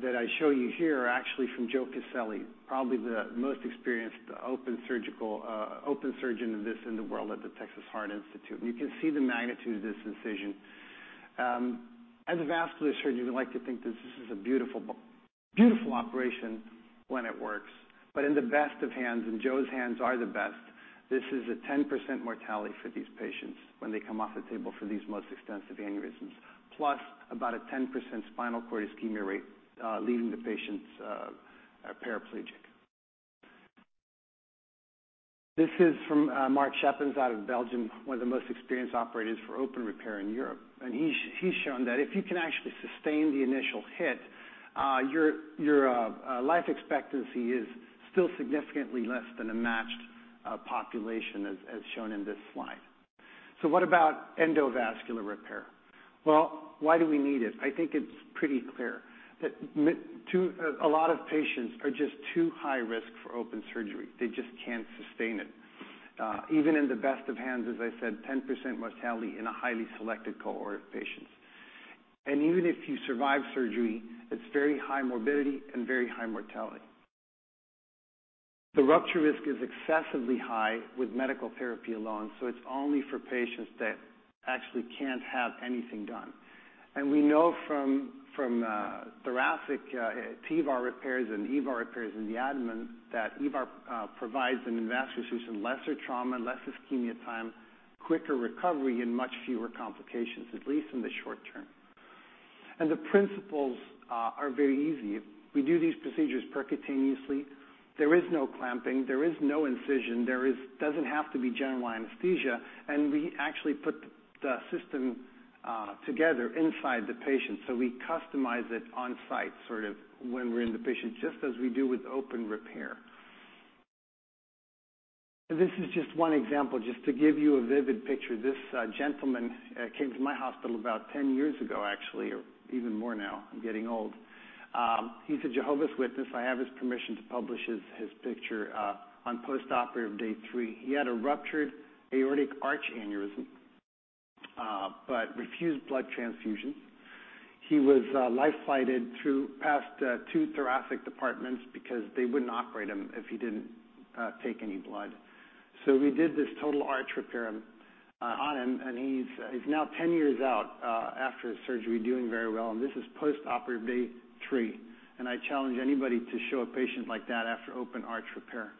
that I show you here are actually from Joe Coselli, probably the most experienced open surgeon of this in the world at the Texas Heart Institute. You can see the magnitude of this incision. As a vascular surgeon, you would like to think this is a beautiful operation when it works. In the best of hands, and Joe's hands are the best, this is a 10% mortality for these patients when they come off the table for these most extensive aneurysms. Plus, about a 10% spinal cord ischemia rate, leaving the patients paraplegic. This is from Marc Schepens out of Belgium, one of the most experienced operators for open repair in Europe. He's shown that if you can actually sustain the initial hit, your life expectancy is still significantly less than a matched population as shown in this slide. What about endovascular repair? Well, why do we need it? I think it's pretty clear that a lot of patients are just too high risk for open surgery. They just can't sustain it. Even in the best of hands, as I said, 10% mortality in a highly selected cohort of patients. Even if you survive surgery, it's very high morbidity and very high mortality. The rupture risk is excessively high with medical therapy alone, so it's only for patients that actually can't have anything done. We know from thoracic TEVAR repairs and EVAR repairs in the abdomen that EVAR provides an endovascular solution, lesser trauma, less ischemia time, quicker recovery and much fewer complications, at least in the short term. The principles are very easy. We do these procedures percutaneously. There is no clamping, there is no incision, there doesn't have to be general anesthesia. We actually put the system together inside the patient. We customize it on-site, sort of when we're in the patient, just as we do with open repair. This is just one example, just to give you a vivid picture. This gentleman came to my hospital about 10 years ago, actually, or even more now. I'm getting old. He's a Jehovah's Witness. I have his permission to publish his picture on postoperative day three. He had a ruptured aortic arch aneurysm, but refused blood transfusion. He was life-flighted past two thoracic departments because they wouldn't operate him if he didn't take any blood. We did this total arch repair on him, and he's now 10 years out after his surgery, doing very well. This is postoperative day three. I challenge anybody to show a patient like that after open arch repair.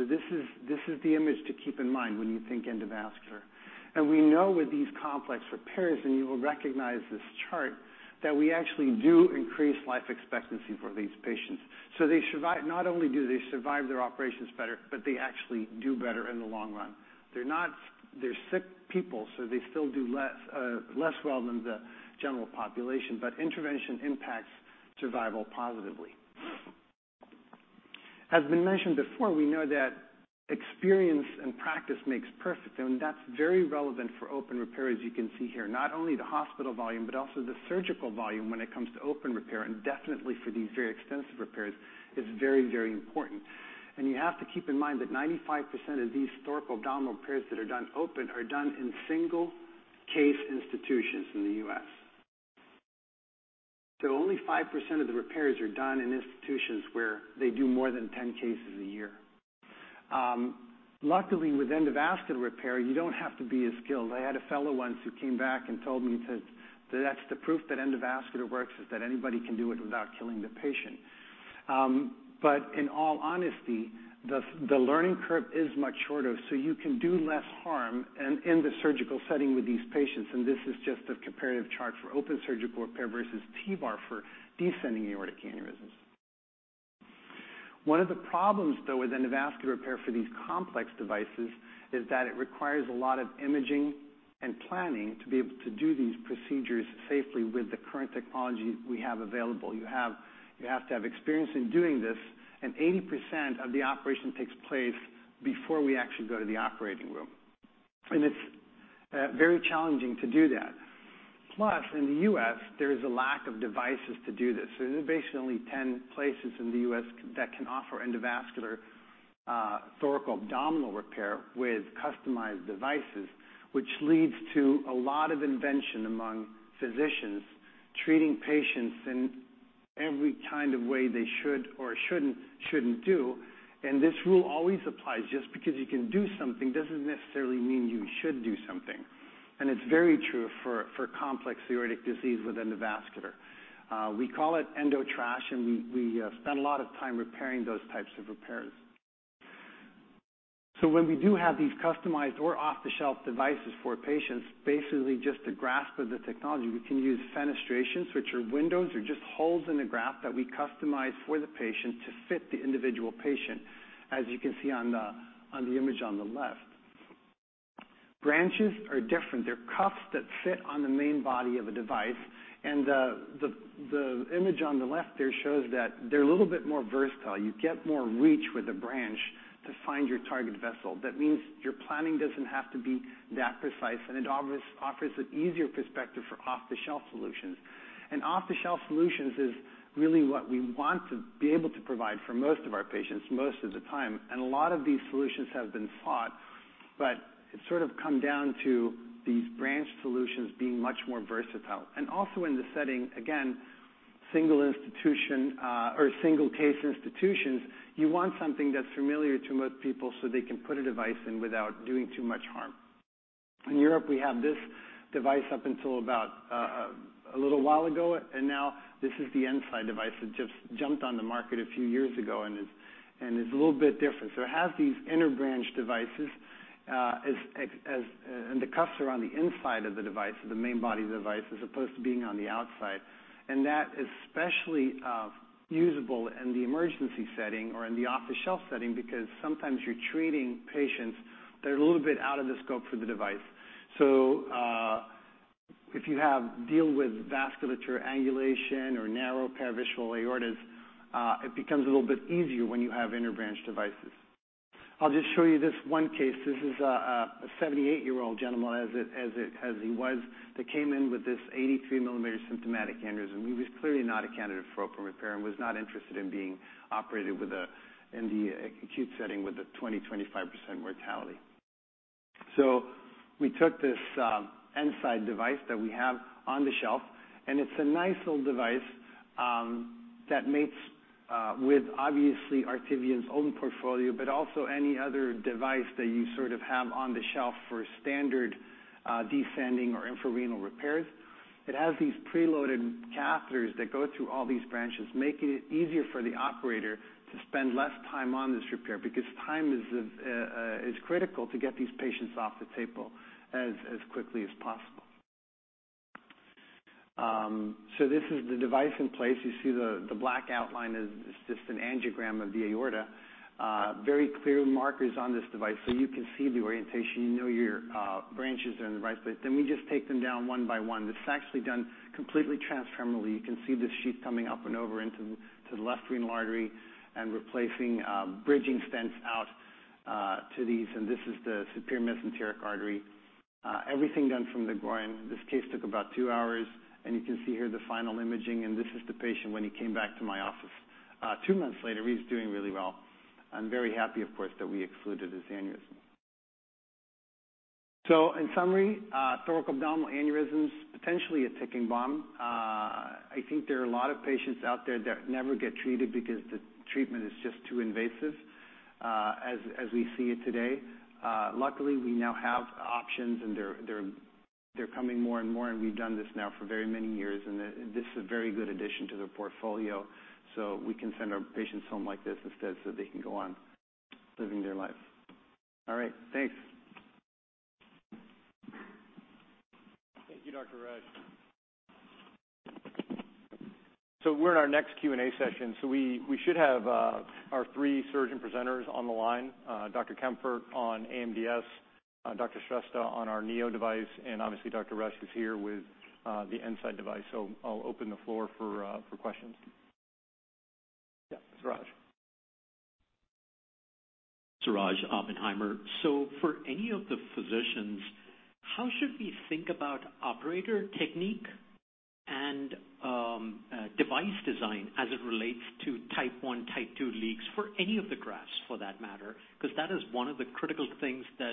This is the image to keep in mind when you think endovascular. We know with these complex repairs, and you will recognize this chart, that we actually do increase life expectancy for these patients. They survive, not only do they survive their operations better, but they actually do better in the long run. They're sick people, so they still do less well than the general population. Intervention impacts survival positively. As has been mentioned before, we know that experience and practice makes perfect, and that's very relevant for open repair, as you can see here. Not only the hospital volume, but also the surgical volume when it comes to open repair, and definitely for these very extensive repairs, is very, very important. You have to keep in mind that 95% of these thoracoabdominal repairs that are done open are done in single case institutions in the U.S. Only 5% of the repairs are done in institutions where they do more than 10 cases a year. Luckily, with endovascular repair, you don't have to be as skilled. I had a fellow once who came back and told me, he said, "That's the proof that endovascular works, is that anybody can do it without killing the patient." But in all honesty, the learning curve is much shorter, so you can do less harm in the surgical setting with these patients. This is just a comparative chart for open surgical repair versus TEVAR for descending aortic aneurysms. One of the problems, though, with endovascular repair for these complex devices is that it requires a lot of imaging and planning to be able to do these procedures safely with the current technology we have available. You have to have experience in doing this, and 80% of the operation takes place before we actually go to the operating room. It's very challenging to do that. Plus, in the U.S., there is a lack of devices to do this. There's basically only 10 places in the U.S. that can offer endovascular thoracoabdominal repair with customized devices, which leads to a lot of invention among physicians treating patients in every kind of way they should or shouldn't do. This rule always applies. Just because you can do something doesn't necessarily mean you should do something. It's very true for complex aortic disease with endovascular. We call it endotrash, and we spend a lot of time repairing those types of repairs. When we do have these customized or off-the-shelf devices for patients, basically just a graft of the technology, we can use fenestrations, which are windows or just holes in a graft that we customize for the patient to fit the individual patient, as you can see on the image on the left. Branches are different. They're cuffs that sit on the main body of a device. The image on the left there shows that they're a little bit more versatile. You get more reach with a branch to find your target vessel. That means your planning doesn't have to be that precise, and it offers an easier perspective for off-the-shelf solutions. Off-the-shelf solutions is really what we want to be able to provide for most of our patients most of the time. A lot of these solutions have been thought, but it sort of come down to these branch solutions being much more versatile. Also in the setting, again, single institution or single case institutions, you want something that's familiar to most people, so they can put a device in without doing too much harm. In Europe, we have this device up until about a little while ago. Now this is the E-nside device. It just jumped on the market a few years ago, and it's a little bit different. It has these inner branch devices. The cuffs are on the inside of the device, of the main body of the device, as opposed to being on the outside. That's especially usable in the emergency setting or in the off-the-shelf setting because sometimes you're treating patients that are a little bit out of the scope for the device. If you have to deal with vascular angulation or narrow paravisceral aortas, it becomes a little bit easier when you have inner branch devices. I'll just show you this one case. This is a 78-year-old gentleman that came in with this 83 mm symptomatic aneurysm. He was clearly not a candidate for open repair and was not interested in being operated in the acute setting with a 20%-25% mortality. We took this E-nside device that we have on the shelf, and it's a nice little device that mates with obviously Artivion's own portfolio, but also any other device that you sort of have on the shelf for standard descending or infrarenal repairs. It has these preloaded catheters that go through all these branches, making it easier for the operator to spend less time on this repair because time is critical to get these patients off the table as quickly as possible. This is the device in place. You see the black outline is just an angiogram of the aorta. Very clear markers on this device, so you can see the orientation. You know your branches are in the right place. Then we just take them down one by one. This is actually done completely transfemoral. You can see the sheath coming up and over into the left renal artery and replacing bridging stents out to these. This is the superior mesenteric artery. Everything done from the groin. This case took about two hours, and you can see here the final imaging. This is the patient when he came back to my office two months later. He's doing really well. I'm very happy, of course, that we excluded his aneurysm. In summary, thoracoabdominal aneurysms, potentially a ticking bomb. I think there are a lot of patients out there that never get treated because the treatment is just too invasive as we see it today. Luckily, we now have options, and they're coming more and more, and we've done this now for very many years. This is a very good addition to the portfolio. We can send our patients home like this instead, so they can go on living their life. All right. Thanks. Thank you, Dr. Resch. We're in our next Q&A session. We should have our three surgeon presenters on the line, Dr. Kempfert on AMDS, Dr. Shrestha on our Neo device, and obviously Dr. Resch is here with the Insight device. I'll open the floor for questions. Yeah, Suraj. Suraj, Oppenheimer. For any of the physicians, how should we think about operator technique and device design as it relates to type one, type two leaks for any of the grafts for that matter? Because that is one of the critical things that,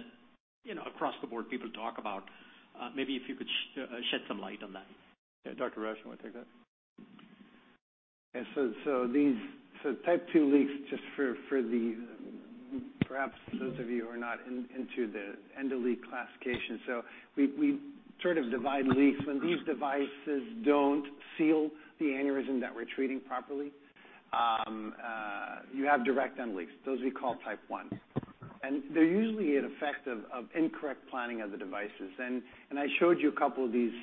you know, across the board people talk about. Maybe if you could shed some light on that. Yeah, Dr. Resch, you wanna take that? Type two leaks, just for the benefit of those of you who are not into the endoleak classification. We sort of divide leaks. When these devices don't seal the aneurysm that we're treating properly, you have direct endoleaks. Those we call type ones. They're usually an effect of incorrect planning of the devices. I showed you a couple of these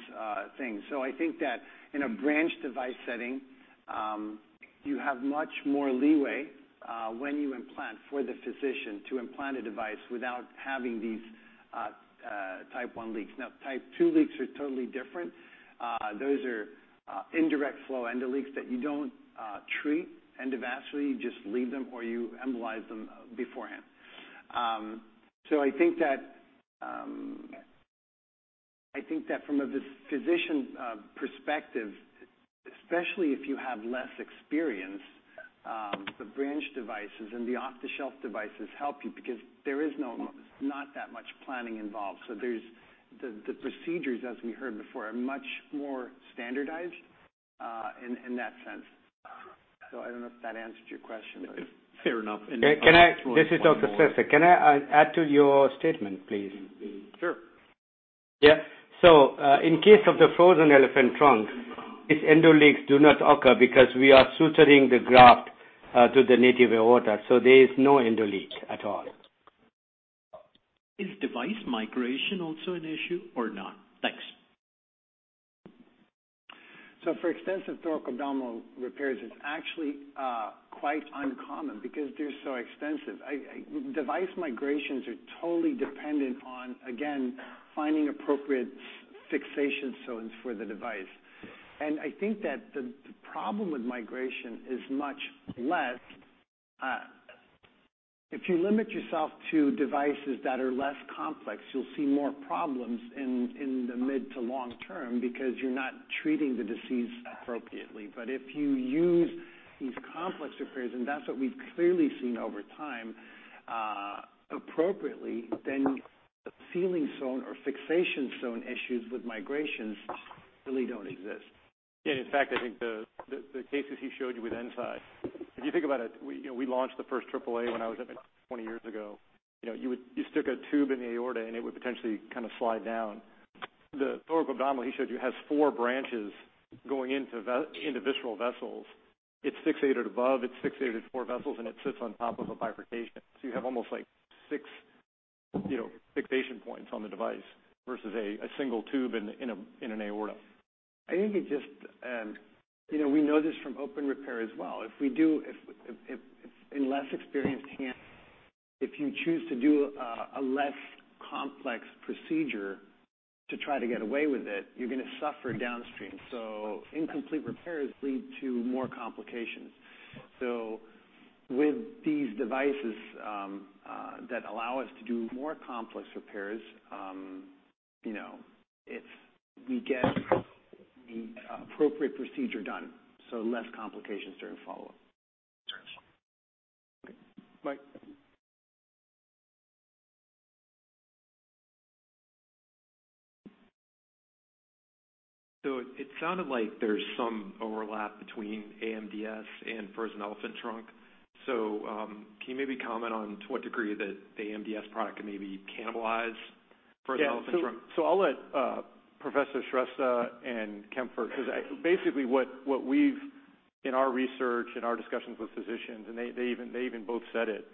things. I think that in a branch device setting, you have much more leeway when you implant for the physician to implant a device without having these type one leaks. Now, type two leaks are totally different. Those are indirect flow endoleaks that you don't treat endovascularly. You just leave them or you embolize them beforehand. I think that from a physician perspective, especially if you have less experience, the branch devices and the off-the-shelf devices help you because there is not that much planning involved. The procedures, as we heard before, are much more standardized in that sense. I don't know if that answered your question. Fair enough. This is Dr. Shrestha. Can I add to your statement, please? Sure. In case of the frozen elephant trunk, its endoleaks do not occur because we are suturing the graft to the native aorta, so there is no endoleak at all. Is device migration also an issue or not? Thanks. For extensive thoracoabdominal repairs, it's actually quite uncommon because they're so extensive. Device migrations are totally dependent on, again, finding appropriate sealing fixation zones for the device. I think that the problem with migration is much less. If you limit yourself to devices that are less complex, you'll see more problems in the mid- to long-term because you're not treating the disease appropriately. If you use these complex repairs, and that's what we've clearly seen over time, appropriately, then sealing zone or fixation zone issues with migrations really don't exist. In fact, I think the cases he showed you with E-nside, if you think about it, we, you know, we launched the first AAA when I was at Medtronic 20 years ago. You know, you would stick a tube in the aorta, and it would potentially kind of slide down. The thoracoabdominal he showed you has four branches going into visceral vessels. It's fixated above, it's fixated four vessels, and it sits on top of a bifurcation. So you have almost like six, you know, fixation points on the device versus a single tube in an aorta. I think it just. You know, we know this from open repair as well. If in less experienced hands, if you choose to do a less complex procedure to try to get away with it, you're gonna suffer downstream. Incomplete repairs lead to more complications. With these devices that allow us to do more complex repairs, you know, if we get the appropriate procedure done, less complications during follow-up. Okay. Mike? It sounded like there's some overlap between AMDS and frozen elephant trunk. Can you maybe comment on to what degree the AMDS product can maybe cannibalize frozen elephant trunk? Yeah. I'll let Professor Shrestha and Kempfert, because basically what we've in our research, in our discussions with physicians, and they even both said it.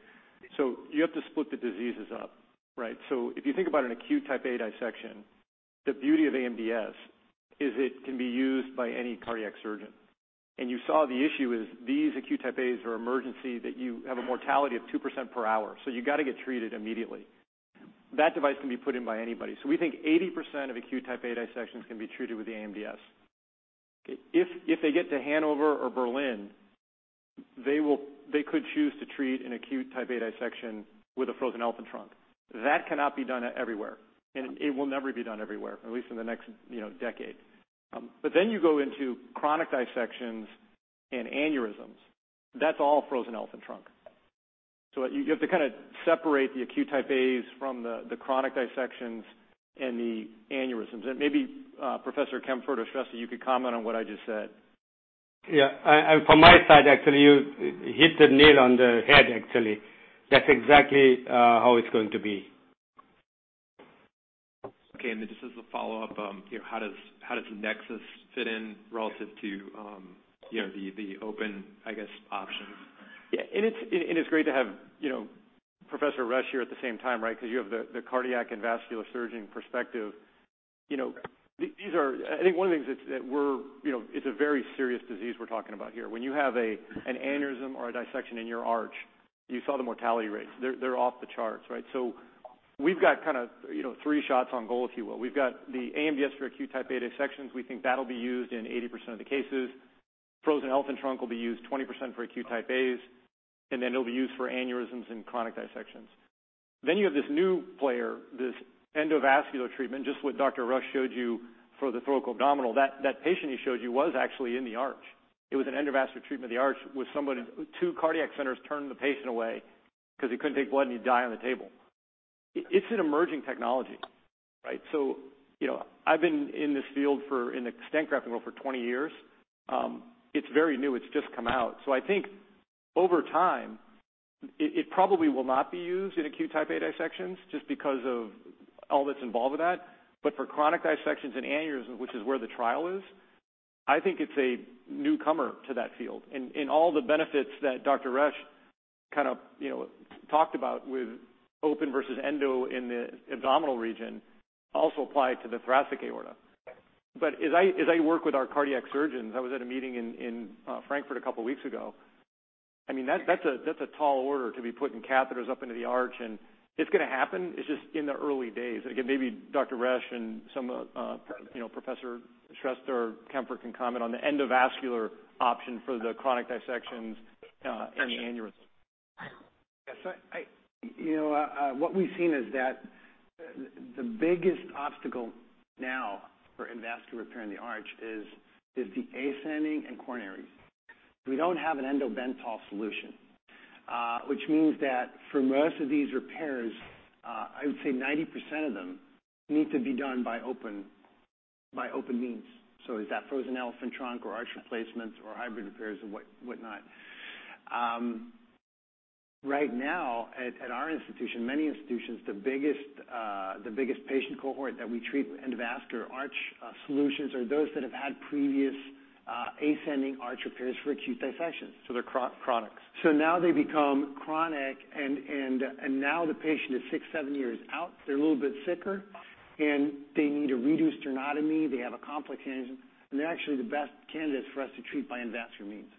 You have to split the diseases up, right? If you think about an acute Type A dissection, the beauty of AMDS is it can be used by any cardiac surgeon. You saw the issue is these acute type As are emergency that you have a mortality of 2% per hour, so you gotta get treated immediately. That device can be put in by anybody. We think 80% of acute Type A dissections can be treated with the AMDS. If they get to Hannover or Berlin, they could choose to treat an acute Type A dissection with a frozen elephant trunk. That cannot be done everywhere, and it will never be done everywhere, at least in the next, you know, decade. Then you go into chronic dissections and aneurysms. That's all frozen elephant trunk. You have to kinda separate the acute Type As from the chronic dissections and the aneurysms. Maybe Professor Kempfert or Shrestha, you could comment on what I just said. Yeah. From my side, actually, you hit the nail on the head actually. That's exactly how it's going to be. Okay. Just as a follow-up, you know, how does NEXUS fit in relative to, you know, the open, I guess, options? Yeah. It's great to have, you know, Professor Resch here at the same time, right? Because you have the cardiac and vascular surgeon perspective. You know, I think one of the things, you know, it's a very serious disease we're talking about here. When you have an aneurysm or a dissection in your arch, you saw the mortality rates. They're off the charts, right? We've got kind of, you know, three shots on goal, if you will. We've got the AMDS for acute Type A dissections. We think that'll be used in 80% of the cases. frozen elephant trunk will be used 20% for acute Type As, and then it'll be used for aneurysms and chronic dissections. You have this new player, this endovascular treatment, just what Dr. Resch showed you for the thoracoabdominal. That patient he showed you was actually in the arch. It was an endovascular treatment in the arch with somebody. Two cardiac centers turned the patient away 'cause he couldn't take blood, and he'd die on the table. It's an emerging technology, right? So, you know, I've been in this field for, in the stent grafting role for 20 years. It's very new. It's just come out. So I think over time, it probably will not be used in acute Type A dissections just because of all that's involved with that. But for chronic dissections and aneurysms, which is where the trial is, I think it's a newcomer to that field. All the benefits that Dr. Resch kind of, you know, talked about with open versus endo in the abdominal region also apply to the thoracic aorta. I work with our cardiac surgeons. I was at a meeting in Frankfurt a couple weeks ago. I mean, that's a tall order to be putting catheters up into the arch, and it's gonna happen. It's just in the early days. Again, maybe Dr. Resch and some of you know Professor Shrestha or Kempfert can comment on the endovascular option for the chronic dissections and the aneurysms. Yes. You know, what we've seen is that the biggest obstacle now for endovascular repair in the arch is the ascending and coronaries. We don't have an Endo-Bentall solution, which means that for most of these repairs, I would say 90% of them need to be done by open means. Is that frozen elephant trunk or arch replacements or hybrid repairs or whatnot. Right now at our institution, many institutions, the biggest patient cohort that we treat with endovascular arch solutions are those that have had previous ascending arch repairs for acute dissections. They're chronic. Now they become chronic, and now the patient is six to seven years out. They're a little bit sicker, and they need a reduced sternotomy. They have a complication, and they're actually the best candidates for us to treat by endovascular means.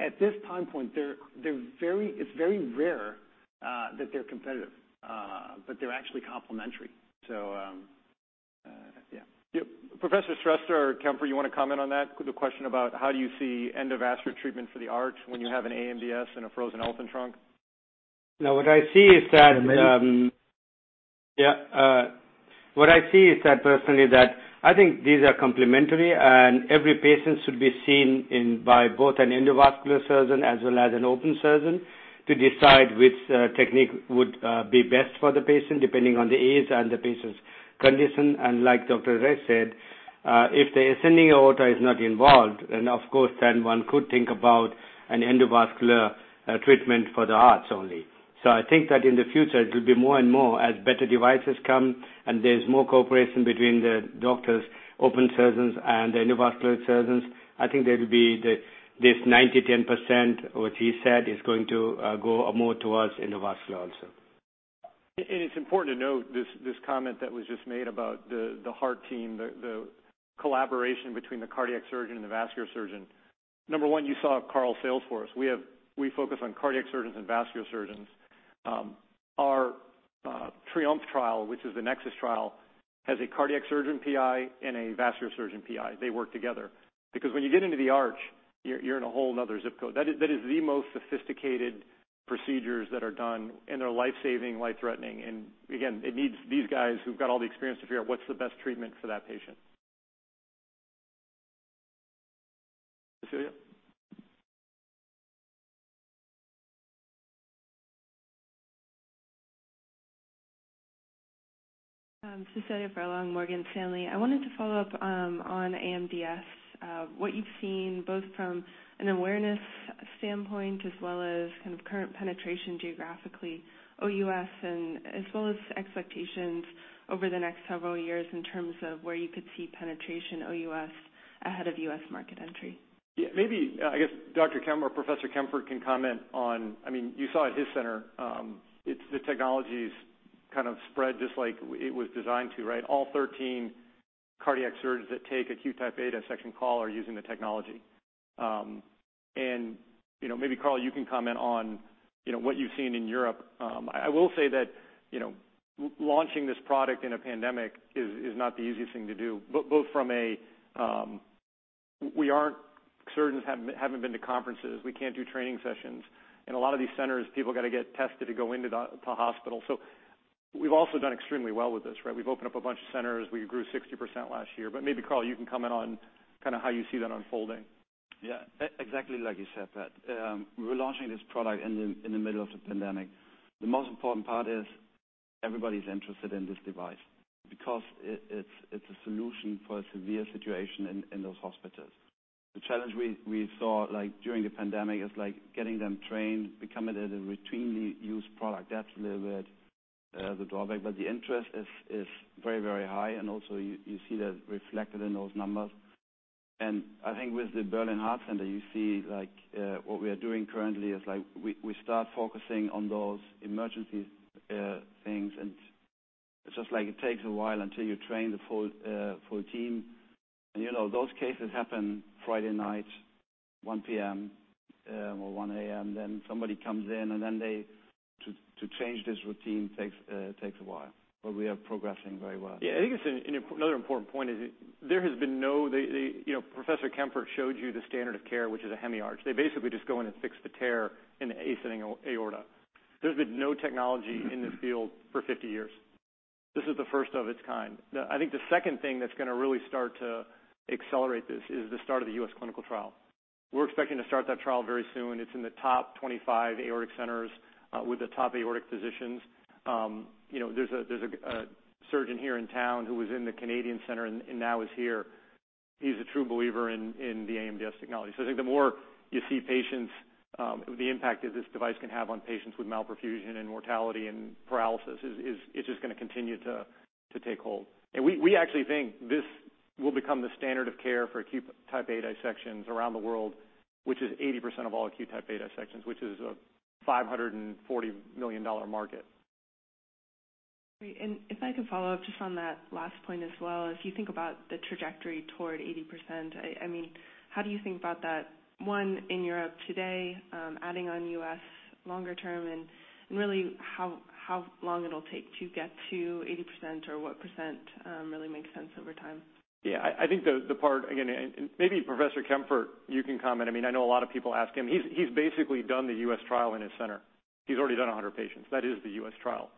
At this time point, it's very rare that they're competitive, but they're actually complementary. Yeah. Yep. Professor Shrestha or Kempfert, you wanna comment on that? The question about how do you see endovascular treatment for the arch when you have an AMDS and a frozen elephant trunk? Now what I see is that, Maybe- Yeah, what I see is that personally, that I think these are complementary, and every patient should be seen in by both an endovascular surgeon as well as an open surgeon to decide which technique would be best for the patient, depending on the age and the patient's condition. Like Dr. Resch said, if the ascending aorta is not involved, then of course, one could think about an endovascular treatment for the arch only. I think that in the future, it will be more and more as better devices come and there's more cooperation between the doctors, open surgeons, and the endovascular surgeons. I think there will be this 9%-10% what he said is going to go more towards endovascular also. It's important to note this comment that was just made about the heart team, the collaboration between the cardiac surgeon and the vascular surgeon. Number one, you saw Karl's sales force. We focus on cardiac surgeons and vascular surgeons. Our TRIOMPHE trial, which is the NEXUS trial, has a cardiac surgeon PI and a vascular surgeon PI. They work together because when you get into the arch, you're in a whole another zip code. That is the most sophisticated procedures that are done, and they're life-saving, life-threatening. It needs these guys who've got all the experience to figure out what's the best treatment for that patient. Cecilia? Cecilia Furlong, Morgan Stanley. I wanted to follow up on AMDS, what you've seen both from an awareness standpoint as well as kind of current penetration geographically, OUS, and as well as expectations over the next several years in terms of where you could see penetration OUS ahead of U.S. market entry. Yeah. Maybe I guess Dr. Kempfert or Professor Kempfert can comment on. I mean, you saw at his center, it's the technology's kind of spread just like it was designed to, right? All 13 cardiac surgeons that take acute Type A dissection call are using the technology. You know, maybe Karl, you can comment on, you know, what you've seen in Europe. I will say that, you know, launching this product in a pandemic is not the easiest thing to do, both from a. Surgeons haven't been to conferences. We can't do training sessions. In a lot of these centers, people got to get tested to go into the hospital. So we've also done extremely well with this, right? We've opened up a bunch of centers. We grew 60% last year. Maybe, Karl, you can comment on kinda how you see that unfolding. Exactly like you said, Pat. We're launching this product in the middle of the pandemic. The most important part is everybody's interested in this device because it's a solution for a severe situation in those hospitals. The challenge we saw, like, during the pandemic is, like, getting them trained, become a routinely used product. That's a little bit the drawback. But the interest is very, very high. Also you see that reflected in those numbers. I think with the Berlin Heart Center, you see, like, what we are doing currently is, like, we start focusing on those emergency things. It's just like it takes a while until you train the full team. You know, those cases happen Friday night, 1:00 P.M., or 1:00 A.M., then somebody comes in, and to change this routine takes a while. But we are progressing very well. Yeah. I think it's another important point is there has been no. They you know, Professor Kempfert showed you the standard of care, which is a hemiarch. They basically just go in and fix the tear in the ascending aorta. There's been no technology in this field for 50 years. This is the first of its kind. I think the second thing that's gonna really start to accelerate this is the start of the U.S. clinical trial. We're expecting to start that trial very soon. It's in the top 25 aortic centers with the top aortic physicians. You know, there's a surgeon here in town who was in the Canadian center and now is here. He's a true believer in the AMDS technology. I think the more you see patients, the impact that this device can have on patients with malperfusion and mortality and paralysis is it's just gonna continue to take hold. We actually think this will become the standard of care for acute Type A dissections around the world, which is 80% of all acute Type A dissections, which is a $540 million market. Great. If I could follow up just on that last point as well, as you think about the trajectory toward 80%, I mean, how do you think about that, one, in Europe today, adding on U.S. longer term, and really how long it'll take to get to 80% or what percent really makes sense over time? Yeah. I think the part, again, and maybe Professor Kempfert, you can comment. I mean, I know a lot of people ask him. He's basically done the U.S. trial in his center. He's already done 100 patients. That is the US trial.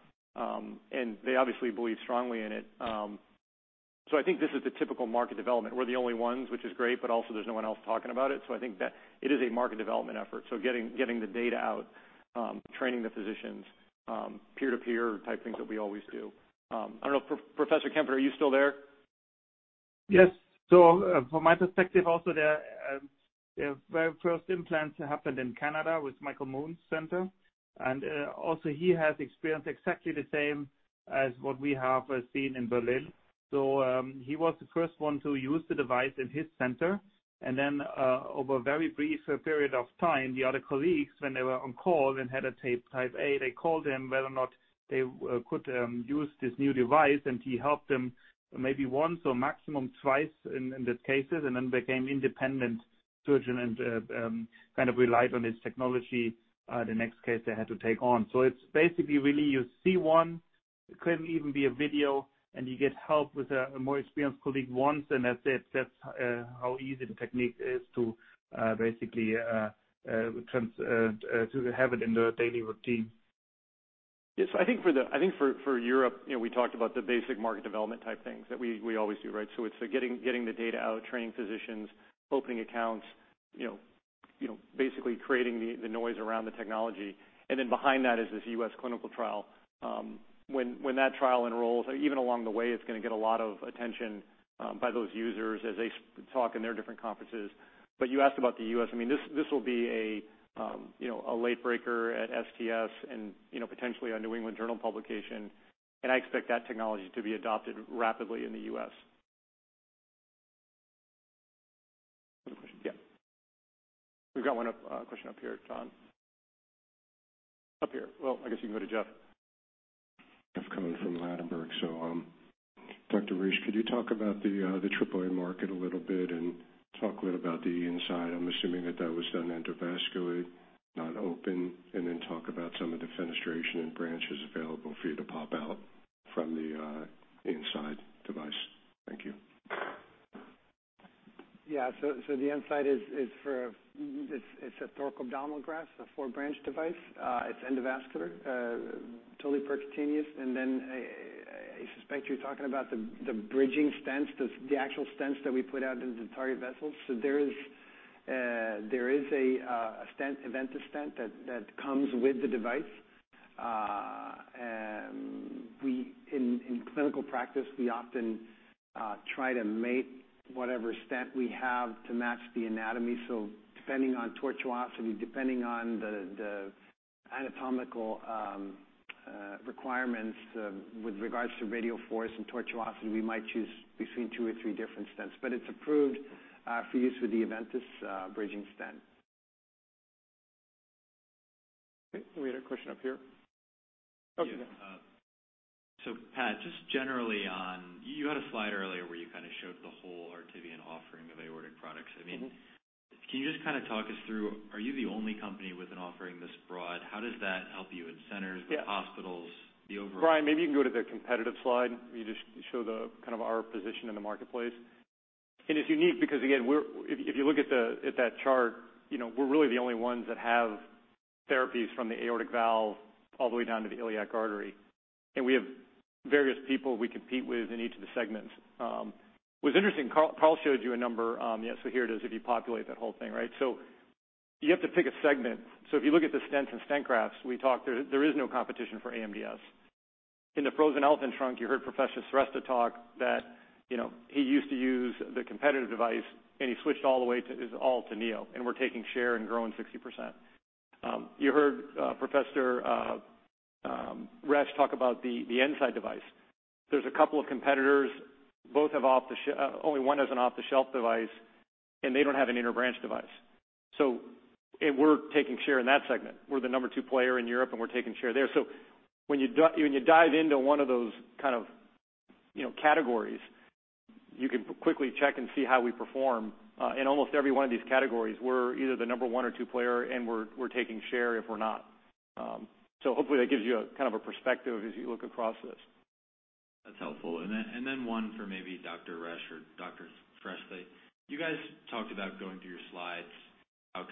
They obviously believe strongly in it. I think this is the typical market development. We're the only ones, which is great, but also there's no one else talking about it. I think that it is a market development effort. Getting the data out, training the physicians, peer-to-peer type things that we always do. I don't know. Professor Kempfert, are you still there? Yes. From my perspective also, the very first implants happened in Canada with Michael Moon's center. Also he has experienced exactly the same as what we have seen in Berlin. He was the first one to use the device in his center. Then, over a very brief period of time, the other colleagues, when they were on call and had a Type A, they called him whether or not they could use this new device, and he helped them maybe once or maximum twice in the cases, and then became independent surgeon and kind of relied on his technology the next case they had to take on. It's basically really you see one, it could even be a video, and you get help with a more experienced colleague once, and that's it. That's how easy the technique is to basically have it in the daily routine. Yes. I think for Europe, you know, we talked about the basic market development type things that we always do, right? So it's getting the data out, training physicians, opening accounts, you know, basically creating the noise around the technology. Then behind that is this U.S. clinical trial. When that trial enrolls, even along the way, it's gonna get a lot of attention by those users as they talk in their different conferences. You asked about the U.S. I mean, this will be a, you know, a late breaker at STS and, you know, potentially a New England Journal publication. I expect that technology to be adopted rapidly in the U.S. Other question? Yeah. We've got one up question up here, Tom. Up here. Well, I guess you can go to Jeff. Jeff Cohen from Ladenburg. Dr. Resch, could you talk about the AAA market a little bit and talk a little about the E-nside? I'm assuming that was done endovascularly, not open. Then talk about some of the fenestration and branches available for you to pop out from the E-nside device. Thank you. The E-nside is a thoracoabdominal graft, a four-branch device. It's endovascular, totally percutaneous. I suspect you're talking about the bridging stents, the actual stents that we put out into the target vessels. There is a E-ventus stent that comes with the device. In clinical practice, we often try to mate whatever stent we have to match the anatomy. Depending on tortuosity, depending on the anatomical requirements with regards to radial force and tortuosity, we might choose between two or three different stents. It's approved for use with the E-ventus bridging stent. Okay. We had a question up here. Okay. Pat, you had a slide earlier where you kind of showed the whole Artivion offering of aortic products. Mm-hmm. I mean, can you just kind of talk us through? Are you the only company with an offering this broad? How does that help you in centers- Yeah. with hospitals, the overall. Brian, maybe you can go to the competitive slide. You just show the kind of our position in the marketplace. It's unique because again, if you look at that chart, you know, we're really the only ones that have therapies from the aortic valve all the way down to the iliac artery. We have various people we compete with in each of the segments. What's interesting, Carl showed you a number, yeah. Here it is if you populate that whole thing, right? You have to pick a segment. If you look at the stents and stent grafts, we talked, there is no competition for AMDS. In the frozen elephant trunk, you heard Professor Shrestha talk that, you know, he used to use the competitive device, and he switched all the way to the Neo, and we're taking share and growing 60%. You heard Professor Resch talk about the E-nside device. There's a couple of competitors, both have off-the-shelf, only one has an off-the-shelf device, and they don't have an inner branch device. So we're taking share in that segment. We're the number two player in Europe, and we're taking share there. So when you dive into one of those kind of, you know, categories, you can quickly check and see how we perform. In almost every one of these categories, we're either the number one or two player, and we're taking share if we're not. Hopefully that gives you a kind of a perspective as you look across this. That's helpful. One for maybe Dr. Resch or Dr. Shrestha. You guys talked about going through your slides.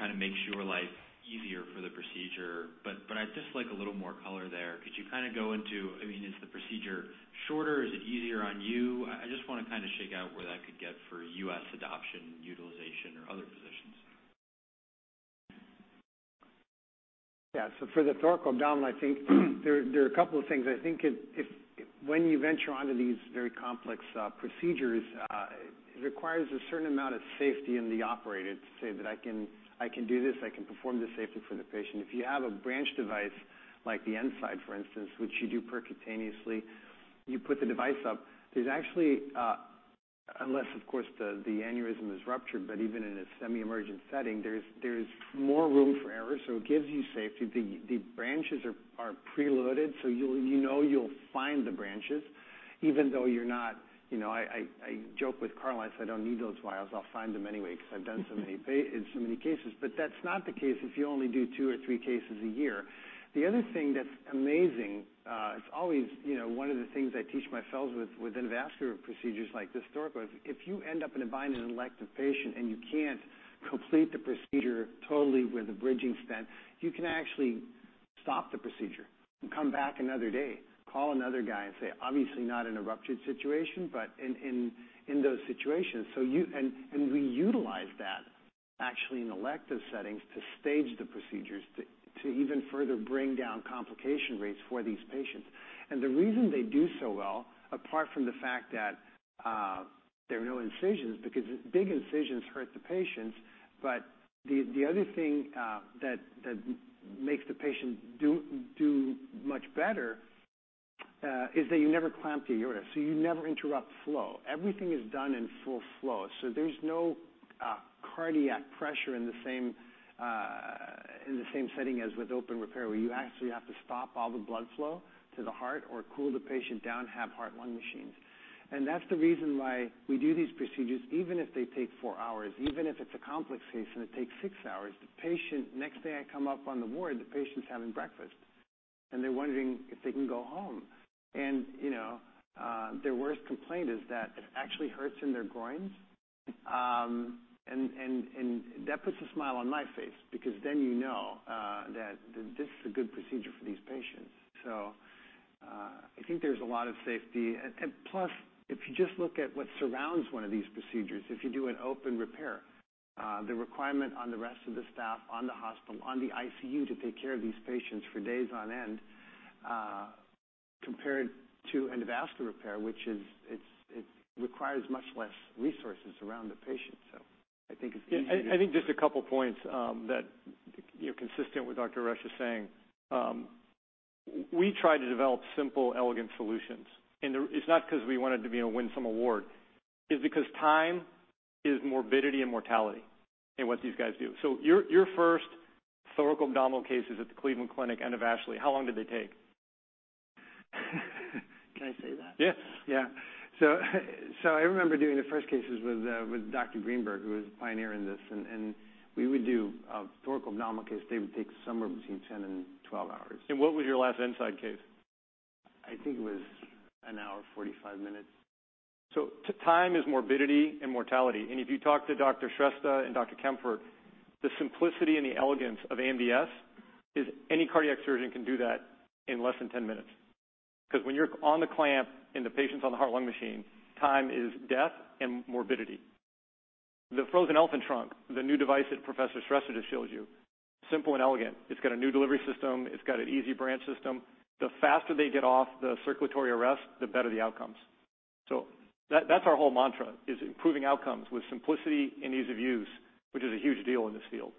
Kind of makes your life easier for the procedure, but I'd just like a little more color there. Could you kind of go into, I mean, is the procedure shorter? Is it easier on you? I just wanna kind of shake out where that could get for U.S. adoption, utilization or other positions. For the thoracoabdominal, I think there are a couple of things. I think when you venture onto these very complex procedures, it requires a certain amount of safety in the operator to say that I can do this, I can perform this safely for the patient. If you have a branch device like the E-nside, for instance, which you do percutaneously, you put the device up. There's actually, unless of course, the aneurysm is ruptured, but even in a semi-emergent setting, there's more room for error, so it gives you safety. The branches are preloaded, so you'll, you know, find the branches even though you're not. You know, I joke with Carlos, I don't need those wires. I'll find them anyway 'cause I've done so many in so many cases. That's not the case if you only do two or three cases a year. The other thing that's amazing, it's always, you know, one of the things I teach my fellows with endovascular procedures like this thoraco, if you end up in a bind in an elective patient, and you can't complete the procedure totally with a bridging stent, you can actually stop the procedure and come back another day, call another guy and say, obviously, not in a ruptured situation, but in those situations. We utilize that actually in elective settings to stage the procedures to even further bring down complication rates for these patients. The reason they do so well, apart from the fact that there are no incisions because big incisions hurt the patients. The other thing that makes the patient do much better is that you never clamp the aorta. You never interrupt flow. Everything is done in full flow, so there's no cardiac pressure in the same setting as with open repair, where you actually have to stop all the blood flow to the heart or cool the patient down, have heart-lung machines. That's the reason why we do these procedures even if they take four hours, even if it's a complex case, and it takes six hours. The patient next day I come up on the ward, the patient's having breakfast, and they're wondering if they can go home. You know, their worst complaint is that it actually hurts in their groins. That puts a smile on my face because then you know that this is a good procedure for these patients. I think there's a lot of safety. Plus, if you just look at what surrounds one of these procedures, if you do an open repair, the requirement on the rest of the staff on the hospital, on the ICU to take care of these patients for days on end, compared to endovascular repair, which it requires much less resources around the patient. I think it's easier. I think just a couple points that consistent with Dr. Resch is saying, we try to develop simple, elegant solutions. It's not 'cause we wanted to be able to win some award. It's because time is morbidity and mortality in what these guys do. Your first thoracoabdominal cases at the Cleveland Clinic endovascularly, how long did they take? Can I say that? Yes. Yeah. I remember doing the first cases with with Dr. Greenberg, who was a pioneer in this. We would do a thoracoabdominal case. They would take somewhere between 10 and 12 hours. What was your last E-nside case? I think it was an hour and 45 minutes. Time is morbidity and mortality. If you talk to Dr. Shrestha and Dr. Kempfert, the simplicity and the elegance of AMDS is any cardiac surgeon can do that in less than 10 minutes. 'Cause when you're on the clamp and the patient's on the heart-lung machine, time is death and morbidity. The frozen elephant trunk, the new device that Professor Shrestha just showed you, simple and elegant. It's got a new delivery system. It's got an easy branch system. The faster they get off the circulatory arrest, the better the outcomes. That, that's our whole mantra, is improving outcomes with simplicity and ease of use, which is a huge deal in this field.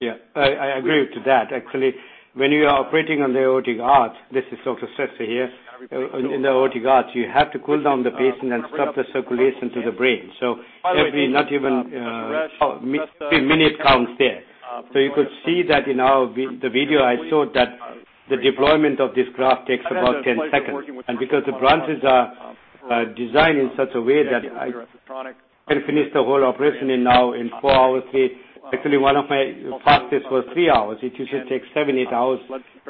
Yeah. I agree to that. Actually, when you are operating on the aortic arch, this is Dr. Shrestha here. In the aortic arch, you have to cool down the patient and stop the circulation to the brain. Every minute counts there. You could see that in the video I showed that the deployment of this graft takes about 10 seconds. Because the branches are designed in such a way that I can finish the whole operation now in four hours. Actually, one of my fastest was three hours. It usually takes seven, eight hours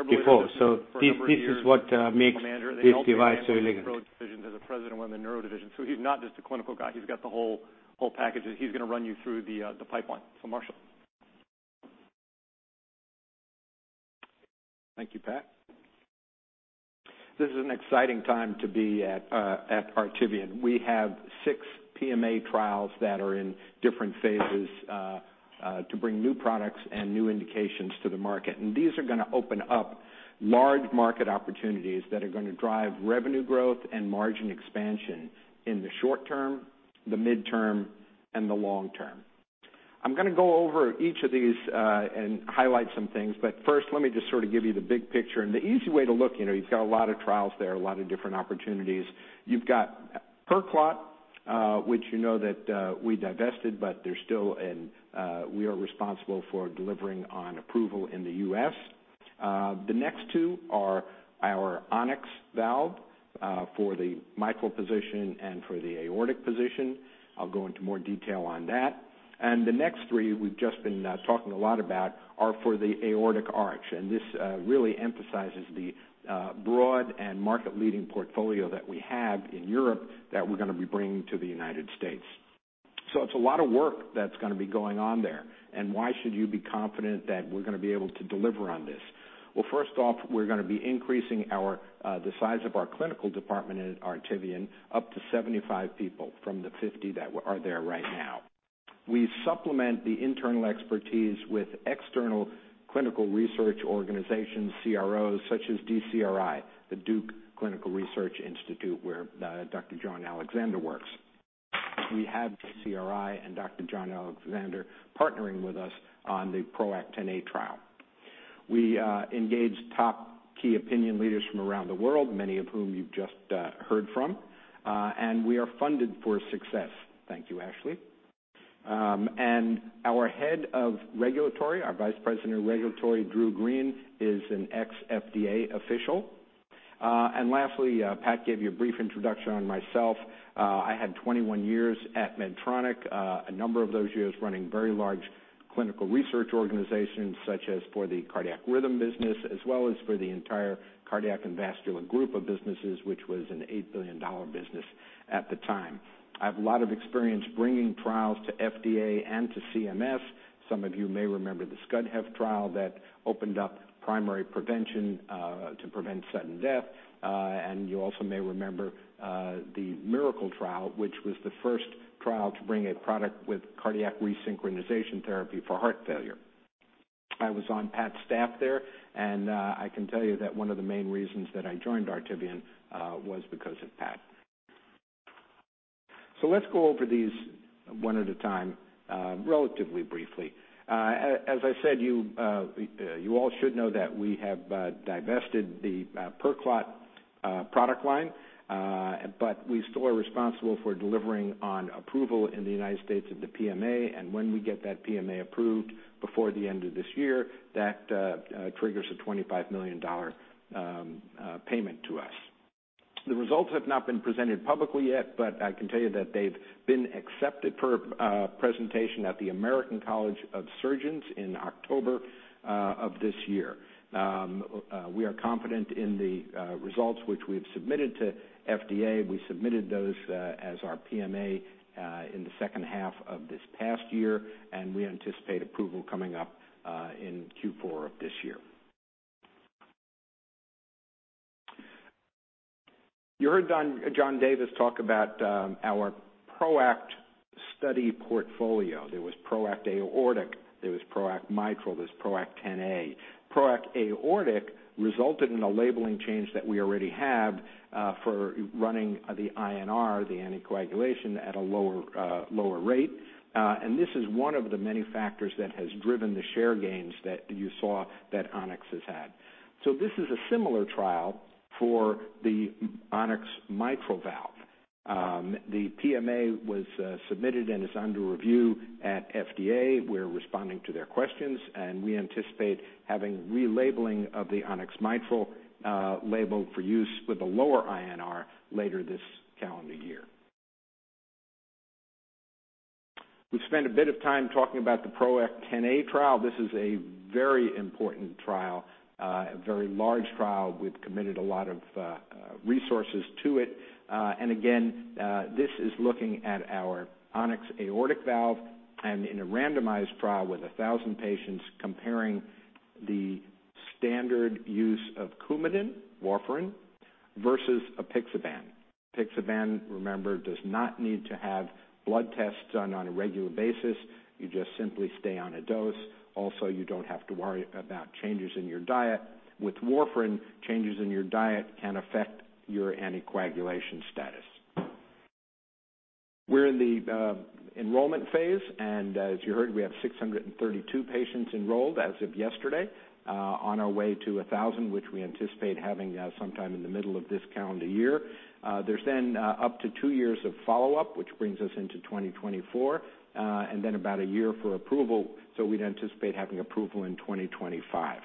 before. This is what makes this device so elegant. He also ran the neuro division as a president on the neuro division. He's not just a clinical guy. He's got the whole package, and he's gonna run you through the pipeline. Marshall. Thank you, Pat. This is an exciting time to be at Artivion. We have six PMA trials that are in different phases to bring new products and new indications to the market. These are gonna open up large market opportunities that are gonna drive revenue growth and margin expansion in the short term, the midterm, and the long term. I'm gonna go over each of these, and highlight some things. First, let me just sort of give you the big picture. The easy way to look, you know, you've got a lot of trials there, a lot of different opportunities. You've got PerClot, which you know that we divested, but they're still and we are responsible for delivering on approval in the U.S. The next two are our On-X valve for the mitral position and for the aortic position. I'll go into more detail on that. The next three we've just been talking a lot about are for the aortic arch, and this really emphasizes the broad and market leading portfolio that we have in Europe that we're gonna be bringing to the United States. It's a lot of work that's gonna be going on there. Why should you be confident that we're gonna be able to deliver on this? Well, first off, we're gonna be increasing the size of our clinical department at Artivion up to 75 people from the 50 that are there right now. We supplement the internal expertise with external clinical research organizations, CROs, such as DCRI, the Duke Clinical Research Institute, where Dr. John Alexander works. We have DCRI and Dr. John Alexander partnering with us on the PROACT Xa trial. We engage top key opinion leaders from around the world, many of whom you've just heard from, and we are funded for success. Thank you, Ashley. Our head of regulatory, our vice president of regulatory, Drew Green, is an ex-FDA official. Lastly, Pat gave you a brief introduction on myself. I had 21 years at Medtronic, a number of those years running very large clinical research organizations, such as for the cardiac rhythm business as well as for the entire cardiac and vascular group of businesses, which was an $8 billion business at the time. I have a lot of experience bringing trials to FDA and to CMS. Some of you may remember the SCD-HeFT trial that opened up primary prevention to prevent sudden death. You also may remember the MIRACLE trial, which was the first trial to bring a product with cardiac resynchronization therapy for heart failure. I was on Pat's staff there, and I can tell you that one of the main reasons that I joined Artivion was because of Pat. Let's go over these one at a time, relatively briefly. As I said, you all should know that we have divested the PerClot product line, but we still are responsible for delivering on approval in the United States of the PMA. When we get that PMA approved before the end of this year, that triggers a $25 million payment to us. The results have not been presented publicly yet, but I can tell you that they've been accepted for presentation at the American College of Surgeons in October of this year. We are confident in the results which we've submitted to FDA. We submitted those as our PMA in the second half of this past year, and we anticipate approval coming up in Q4 of this year. You heard John Davis talk about our PROACT study portfolio. There was PROACT Aortic, there was PROACT Mitral, there's PROACT Xa. PROACT Aortic resulted in a labeling change that we already have for running the INR, the anticoagulation at a lower rate. This is one of the many factors that has driven the share gains that you saw that On-X has had. This is a similar trial for the On-X Mitral valve. The PMA was submitted and is under review at FDA. We're responding to their questions, and we anticipate having relabeling of the On-X Mitral labeled for use with a lower INR later this calendar year. We've spent a bit of time talking about the PROACT Xa trial. This is a very important trial, a very large trial. We've committed a lot of resources to it. This is looking at our On-X aortic valve and in a randomized trial with 1,000 patients comparing the standard use of Coumadin, warfarin, versus apixaban. Apixaban, remember, does not need to have blood tests done on a regular basis. You just simply stay on a dose. Also, you don't have to worry about changes in your diet. With warfarin, changes in your diet can affect your anticoagulation status. We're in the enrollment phase, and as you heard, we have 632 patients enrolled as of yesterday, on our way to 1,000, which we anticipate having sometime in the middle of this calendar year. There's then up to two years of follow-up, which brings us into 2024, and then about a year for approval. We'd anticipate having approval in 2025.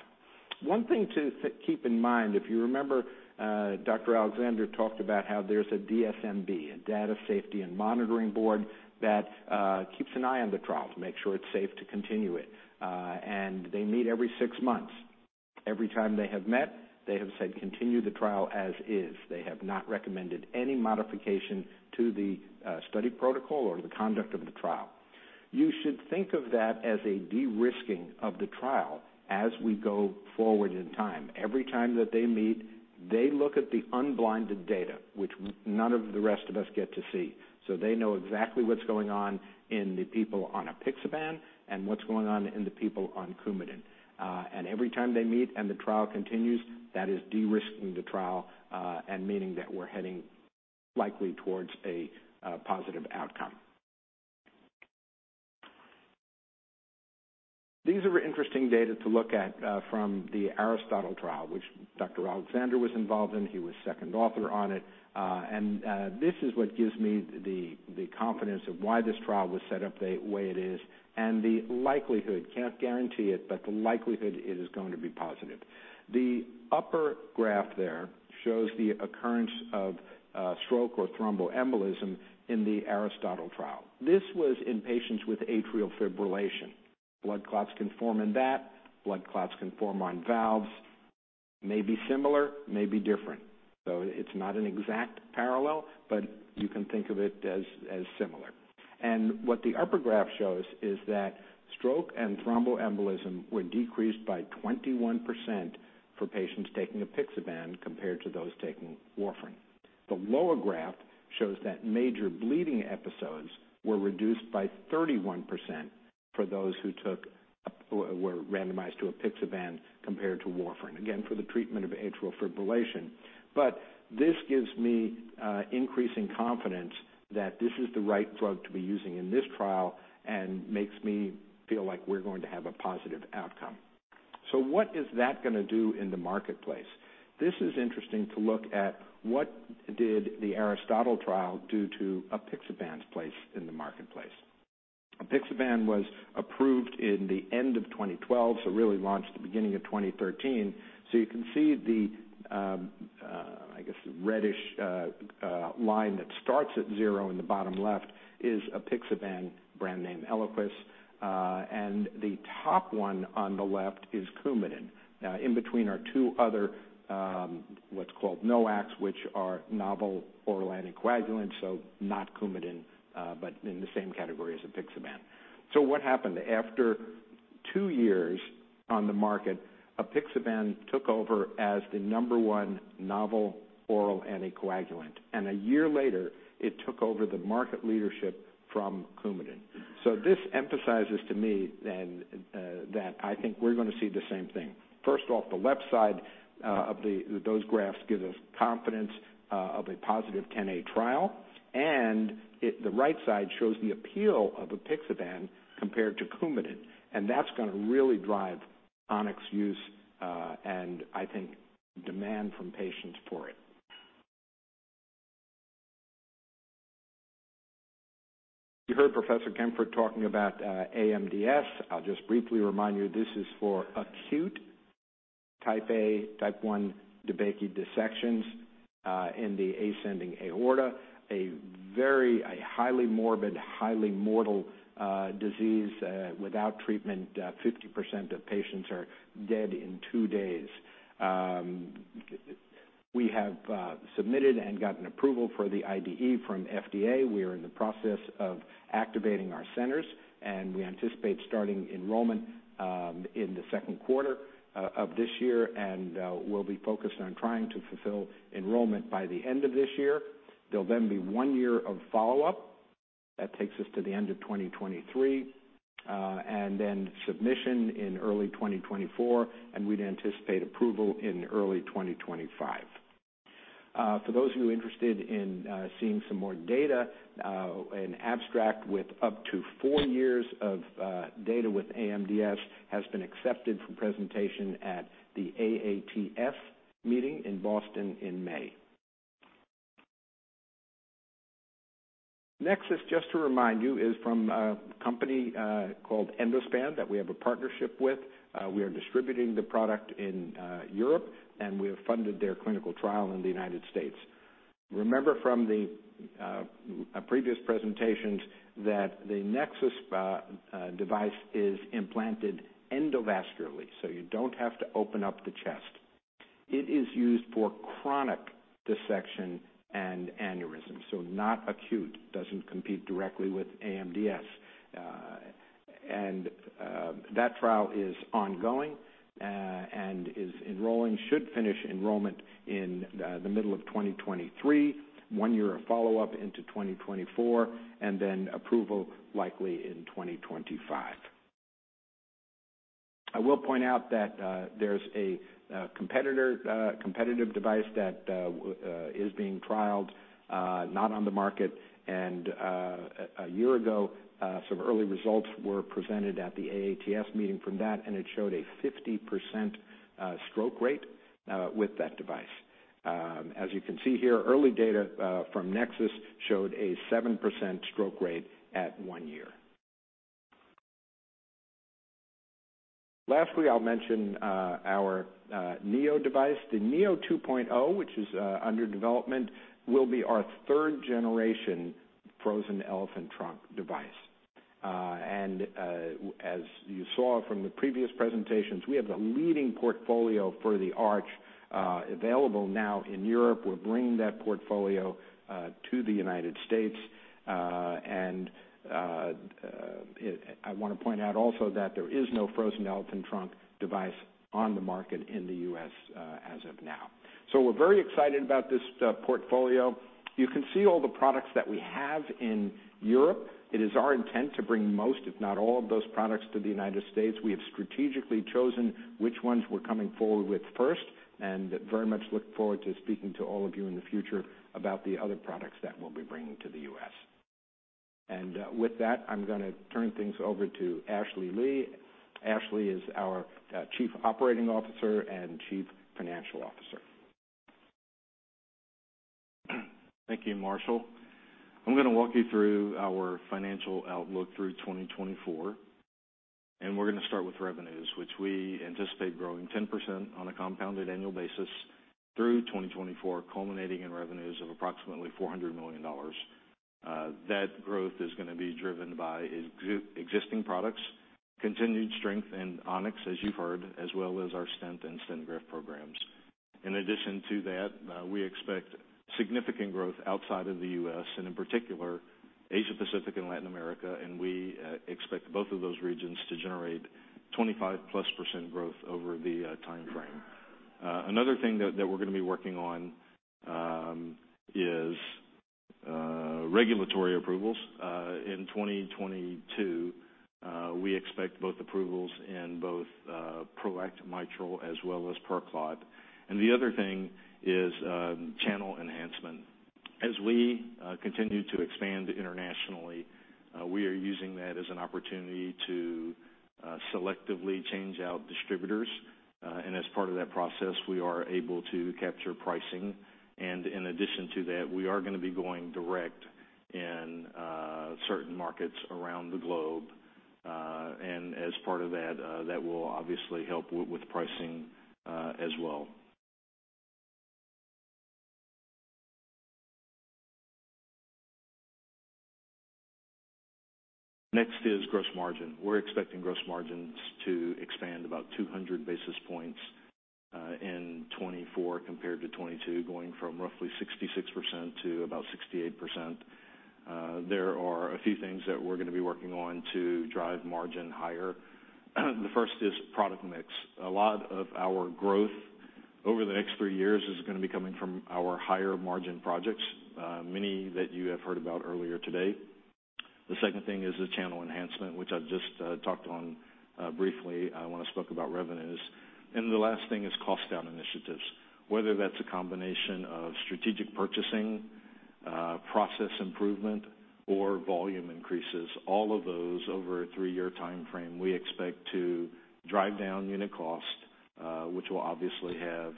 One thing to keep in mind, if you remember, Dr. Alexander talked about how there's a DSMB, a Data Safety and Monitoring Board, that keeps an eye on the trial to make sure it's safe to continue it. They meet every six months. Every time they have met, they have said continue the trial as is. They have not recommended any modification to the study protocol or the conduct of the trial. You should think of that as a de-risking of the trial as we go forward in time. Every time that they meet, they look at the unblinded data, which none of the rest of us get to see. They know exactly what's going on in the people on apixaban and what's going on in the people on Coumadin. Every time they meet and the trial continues, that is de-risking the trial, and meaning that we're heading likely towards a positive outcome. These are interesting data to look at from the ARISTOTLE trial, which Dr. Alexander was involved in. He was second author on it. This is what gives me the confidence of why this trial was set up the way it is and the likelihood, can't guarantee it, but the likelihood it is going to be positive. The upper graph there shows the occurrence of stroke or thromboembolism in the ARISTOTLE trial. This was in patients with atrial fibrillation. Blood clots can form in that. Blood clots can form on valves. May be similar, may be different. So it's not an exact parallel, but you can think of it as similar. What the upper graph shows is that stroke and thromboembolism were decreased by 21% for patients taking apixaban compared to those taking warfarin. The lower graph shows that major bleeding episodes were reduced by 31% for those who were randomized to apixaban compared to warfarin, again, for the treatment of atrial fibrillation. This gives me increasing confidence that this is the right drug to be using in this trial and makes me feel like we're going to have a positive outcome. What is that gonna do in the marketplace? This is interesting to look at what the ARISTOTLE trial did to apixaban's place in the marketplace. Apixaban was approved in the end of 2012, so really launched the beginning of 2013. You can see the, I guess, reddish line that starts at zero in the bottom left is apixaban, brand name Eliquis. The top one on the left is Coumadin. In between are two other, what's called NOACs, which are novel oral anticoagulants, so not Coumadin, but in the same category as apixaban. What happened? After two years on the market, apixaban took over as the number one novel oral anticoagulant, and one year later, it took over the market leadership from Coumadin. This emphasizes to me then that I think we're gonna see the same thing. First off, the left side of those graphs give us confidence of a positive Xa trial, and the right side shows the appeal of apixaban compared to Coumadin, and that's gonna really drive On-X use, and I think demand from patients for it. You heard Professor Kempfert talking about AMDS. I'll just briefly remind you, this is for acute type A, type one DeBakey dissections in the ascending aorta, a highly morbid, highly mortal disease. Without treatment, 50% of patients are dead in two days. We have submitted and gotten approval for the IDE from FDA. We are in the process of activating our centers, and we anticipate starting enrollment in the second quarter of this year. We'll be focused on trying to fulfill enrollment by the end of this year. There'll then be one year of follow-up. That takes us to the end of 2023, and then submission in early 2024, and we'd anticipate approval in early 2025. For those of you interested in seeing some more data, an abstract with up to four years of data with AMDS has been accepted for presentation at the AATS meeting in Boston in May. NEXUS, just to remind you, is from a company called Endospan that we have a partnership with. We are distributing the product in Europe, and we have funded their clinical trial in the United States. Remember from our previous presentations that the NEXUS device is implanted endovascularly, so you don't have to open up the chest. It is used for chronic dissection and aneurysms, so not acute. Doesn't compete directly with AMDS. That trial is ongoing and is enrolling. Should finish enrollment in the middle of 2023, one year of follow-up into 2024, and then approval likely in 2025. I will point out that there's a competitive device that is being trialed, not on the market. A year ago, some early results were presented at the AATS meeting from that, and it showed a 50% stroke rate with that device. As you can see here, early data from NEXUS showed a 7% stroke rate at one year. Lastly, I'll mention our Neo device. The Neo 2.0, which is under development, will be our third-generation frozen elephant trunk device. As you saw from the previous presentations, we have the leading portfolio for the arch available now in Europe. We're bringing that portfolio to the United States. I wanna point out also that there is no frozen elephant trunk device on the market in the U.S. as of now. So we're very excited about this portfolio. You can see all the products that we have in Europe. It is our intent to bring most, if not all of those products to the United States. We have strategically chosen which ones we're coming forward with first and very much look forward to speaking to all of you in the future about the other products that we'll be bringing to the U.S. With that, I'm gonna turn things over to Ashley Lee. Ashley is our Chief Operating Officer and Chief Financial Officer. Thank you, Marshall. I'm gonna walk you through our financial outlook through 2024, and we're gonna start with revenues, which we anticipate growing 10% on a compounded annual basis. Through 2024 culminating in revenues of approximately $400 million. That growth is gonna be driven by existing products, continued strength in On-X, as you've heard, as well as our stent and stent graft programs. In addition to that, we expect significant growth outside of the U.S., and in particular, Asia-Pacific and Latin America, and we expect both of those regions to generate 25%+ growth over the timeframe. Another thing that we're gonna be working on is regulatory approvals. In 2022, we expect both approvals in both PROACT Mitral as well as PerClot. The other thing is channel enhancement. As we continue to expand internationally, we are using that as an opportunity to selectively change out distributors. As part of that process, we are able to capture pricing. In addition to that, we are gonna be going direct in certain markets around the globe. As part of that will obviously help with pricing, as well. Next is gross margin. We're expecting gross margins to expand about 200 basis points in 2024 compared to 2022, going from roughly 66% to about 68%. There are a few things that we're gonna be working on to drive margin higher. The first is product mix. A lot of our growth over the next three years is gonna be coming from our higher margin projects, many that you have heard about earlier today. The second thing is the channel enhancement, which I've just talked on briefly when I spoke about revenues. The last thing is cost down initiatives. Whether that's a combination of strategic purchasing, process improvement, or volume increases, all of those over a three-year timeframe, we expect to drive down unit cost, which will obviously have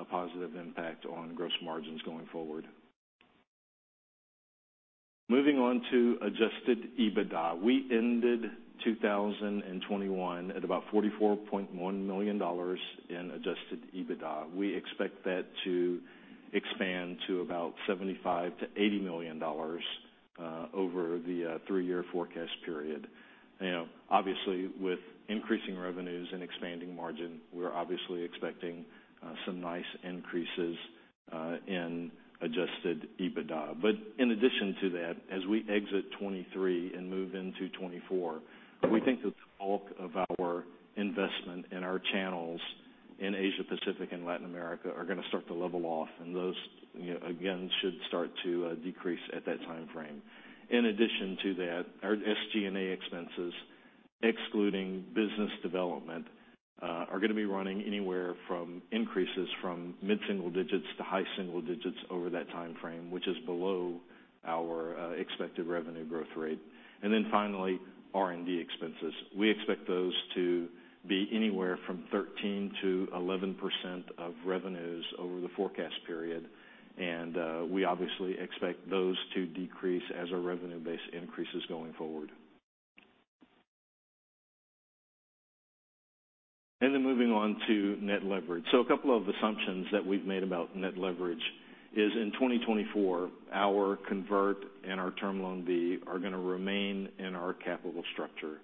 a positive impact on gross margins going forward. Moving on to adjusted EBITDA. We ended 2021 at about $44.1 million in adjusted EBITDA. We expect that to expand to about $75 million-$80 million over the three-year forecast period. You know, obviously, with increasing revenues and expanding margin, we're obviously expecting some nice increases in adjusted EBITDA. In addition to that, as we exit 2023 and move into 2024, we think that the bulk of our investment in our channels in Asia-Pacific and Latin America are gonna start to level off, and those, you know, again, should start to decrease at that timeframe. In addition to that, our SG&A expenses, excluding business development, are gonna be running anywhere from increases from mid-single digits to high single digits over that timeframe, which is below our expected revenue growth rate. Then finally, R&D expenses. We expect those to be anywhere from 13%-11% of revenues over the forecast period. We obviously expect those to decrease as our revenue base increases going forward. Then moving on to net leverage. A couple of assumptions that we've made about net leverage is in 2024, our convert and our Term Loan B are gonna remain in our capital structure.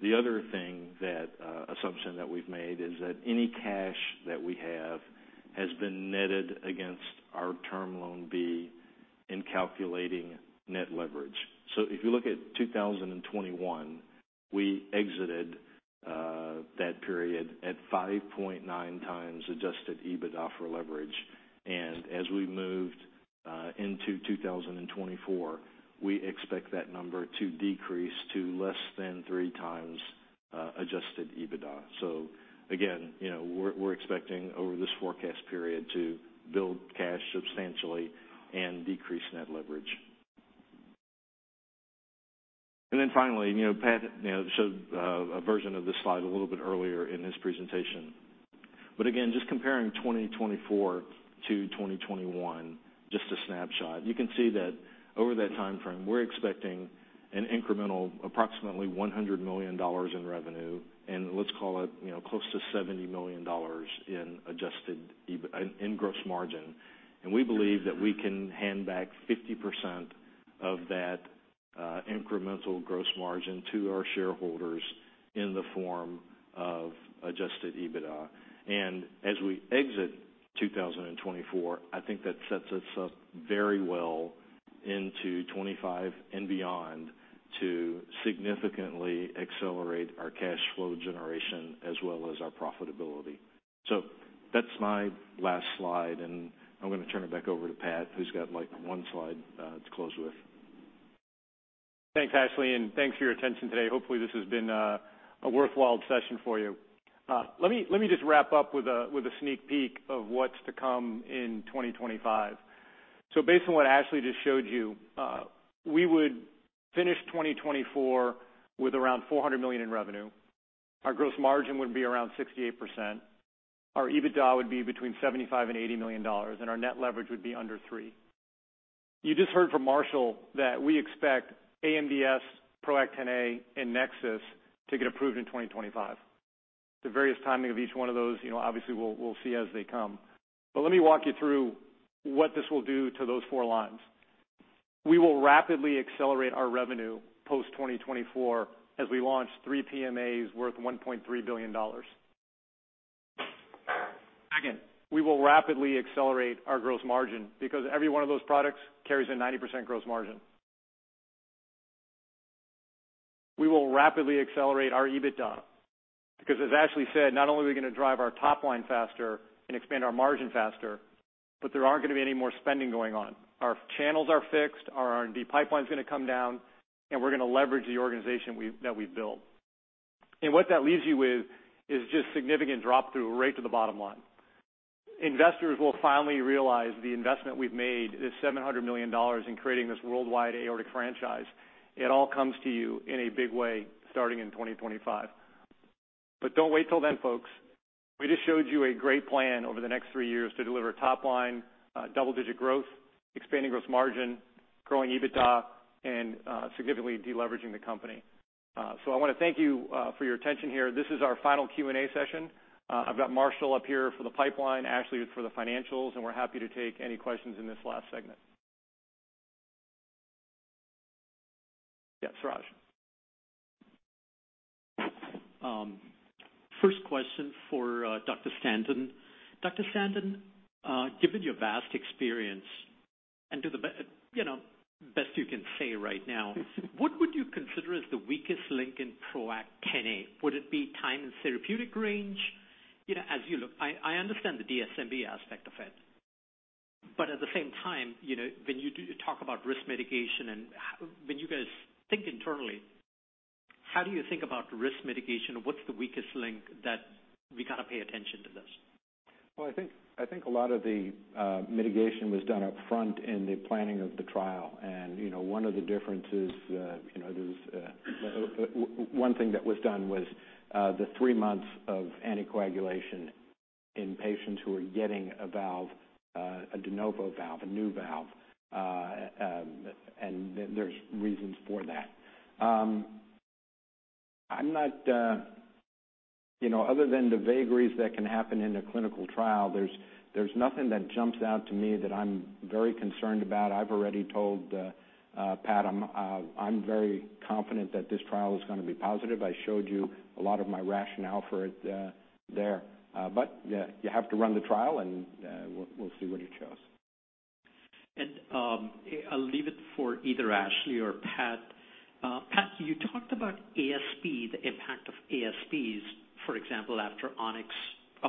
The other thing that assumption that we've made is that any cash that we have has been netted against our Term Loan B in calculating net leverage. If you look at 2021, we exited that period at 5.9x adjusted EBITDA for leverage. As we moved into 2024, we expect that number to decrease to less than 3x adjusted EBITDA. Again, you know, we're expecting over this forecast period to build cash substantially and decrease net leverage. Then finally, you know, Pat, you know, showed a version of this slide a little bit earlier in his presentation. Again, just comparing 2024 to 2021, just a snapshot. You can see that over that timeframe, we're expecting an incremental approximately $100 million in revenue, and let's call it, you know, close to $70 million in adjusted gross margin. We believe that we can hand back 50% of that incremental gross margin to our shareholders in the form of adjusted EBITDA. As we exit 2024, I think that sets us up very well into 2025 and beyond to significantly accelerate our cash flow generation as well as our profitability. That's my last slide, and I'm gonna turn it back over to Pat, who's got one slide to close with. Thanks, Ashley, and thanks for your attention today. Hopefully, this has been a worthwhile session for you. Let me just wrap up with a sneak peek of what's to come in 2025. Based on what Ashley just showed you, we would finish 2024 with around $400 million in revenue. Our gross margin would be around 68%. Our EBITDA would be between $75 million and $80 million, and our net leverage would be under three. You just heard from Marshall that we expect AMDS, PROACT Xa and NEXUS to get approved in 2025. The various timing of each one of those, you know, obviously we'll see as they come. Let me walk you through what this will do to those four lines. We will rapidly accelerate our revenue post 2024 as we launch three PMAs worth $1.3 billion. Second, we will rapidly accelerate our gross margin because every one of those products carries a 90% gross margin. We will rapidly accelerate our EBITDA because as Ashley said, not only are we gonna drive our top line faster and expand our margin faster, but there aren't gonna be any more spending going on. Our channels are fixed, our R&D pipeline's gonna come down, and we're gonna leverage the organization that we've built. What that leaves you with is just significant drop through rate to the bottom line. Investors will finally realize the investment we've made, this $700 million in creating this worldwide aortic franchise. It all comes to you in a big way starting in 2025. Don't wait till then, folks. We just showed you a great plan over the next three years to deliver top line, double-digit growth, expanding gross margin, growing EBITDA, and significantly de-leveraging the company. I wanna thank you for your attention here. This is our final Q&A session. I've got Marshall up here for the pipeline, Ashley for the financials, and we're happy to take any questions in this last segment. Yeah, Suraj. First question for Dr. Stanton. Dr. Stanton, given your vast experience and, you know, to the best you can say right now, what would you consider as the weakest link in PROACT Xa? Would it be time in therapeutic range? You know, as you look. I understand the DSMB aspect of it, but at the same time, you know, when you do talk about risk mitigation and how. When you guys think internally, how do you think about risk mitigation? What's the weakest link that we gotta pay attention to this? I think a lot of the mitigation was done up front in the planning of the trial. One of the differences, there's one thing that was done was the three months of anticoagulation in patients who are getting a valve, a de novo valve, a new valve, and there's reasons for that. I'm not other than the vagaries that can happen in a clinical trial, there's nothing that jumps out to me that I'm very concerned about. I've already told Pat, I'm very confident that this trial is gonna be positive. I showed you a lot of my rationale for it there. But yeah, you have to run the trial and we'll see what it shows. I'll leave it for either Ashley or Pat. Pat, you talked about ASP, the impact of ASPs, for example, after On-X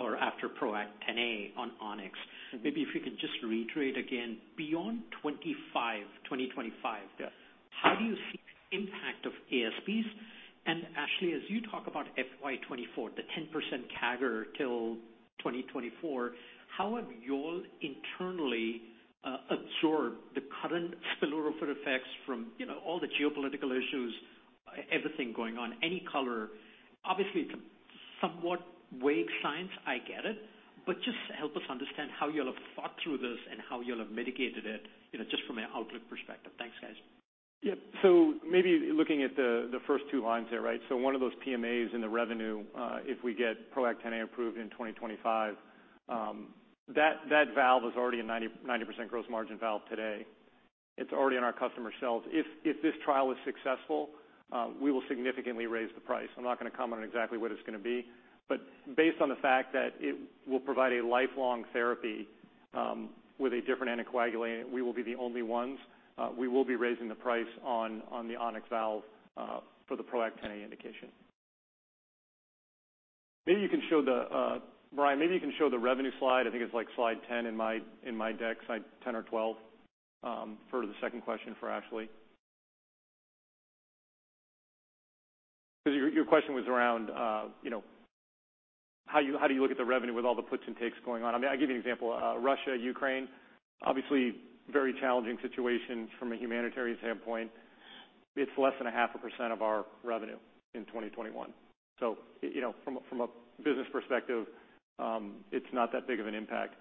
or after PROACT Xa on On-X. Maybe if you could just reiterate again, beyond 2025. Yeah. How do you see the impact of ASPs? Ashley, as you talk about FY 2024, the 10% CAGR till 2024, how have you all internally absorbed the current spillover effects from, you know, all the geopolitical issues, everything going on, any color? Obviously, it's a somewhat vague science, I get it, but just help us understand how you all have thought through this and how you all have mitigated it, you know, just from an outlook perspective. Thanks, guys. Maybe looking at the first two lines there, right? One of those PMAs in the revenue, if we get PROACT Xa approved in 2025, that valve is already a 90% gross margin valve today. It's already on our customer shelves. If this trial is successful, we will significantly raise the price. I'm not gonna comment on exactly what it's gonna be. Based on the fact that it will provide a lifelong therapy with a different anticoagulant, we will be the only ones. We will be raising the price on the On-X valve for the PROACT Xa indication. Maybe you can show the revenue slide, Brian. I think it's like slide 10 in my deck, slide 10 or 12, for the second question for Ashley. Because your question was around, you know, how do you look at the revenue with all the puts and takes going on. I mean, I'll give you an example. Russia, Ukraine, obviously very challenging situation from a humanitarian standpoint. It's less than 0.5% of our revenue in 2021. You know, from a business perspective, it's not that big of an impact.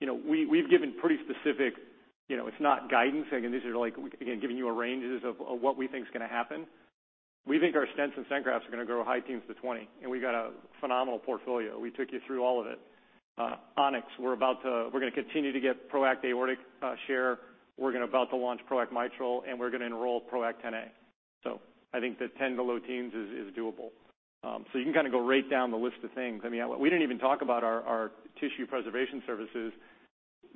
You know, we've given pretty specific, you know, it's not guidance. Again, these are like, again, giving you ranges of what we think is gonna happen. We think our stents and stent grafts are gonna grow high teens to 20%, and we got a phenomenal portfolio. We took you through all of it. On-X, we're gonna continue to get PROACT Aortic share. We're about to launch PROACT Mitral, and we're gonna enroll PROACT Xa. I think the 10% to low teens is doable. You can kind of go right down the list of things. I mean, we didn't even talk about our tissue preservation services.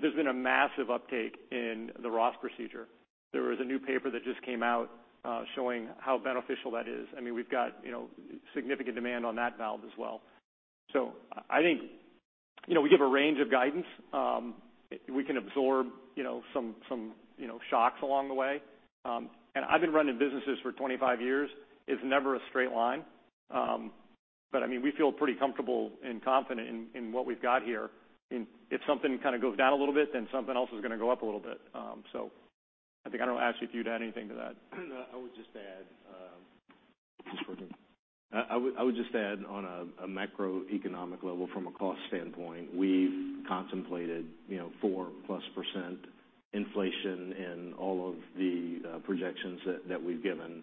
There's been a massive uptake in the Ross procedure. There was a new paper that just came out showing how beneficial that is. I mean, we've got, you know, significant demand on that valve as well. I think, you know, we give a range of guidance. We can absorb, you know, some, you know, shocks along the way. I've been running businesses for 25 years. It's never a straight line. I mean, we feel pretty comfortable and confident in what we've got here. If something kind of goes down a little bit, then something else is gonna go up a little bit. I think I don't know, Ashley, if you'd add anything to that. I would just add, I would just add on a macroeconomic level from a cost standpoint, we've contemplated, you know, 4%+ inflation in all of the projections that we've given.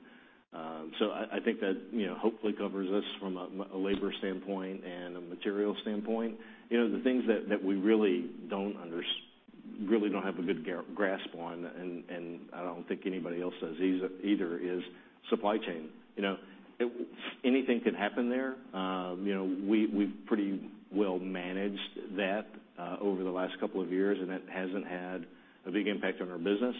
So I think that, you know, hopefully covers us from a labor standpoint and a material standpoint. You know, the things that we really don't have a good grasp on, and I don't think anybody else does either, is supply chain. You know, anything could happen there. You know, we've pretty well managed that over the last couple of years, and that hasn't had a big impact on our business.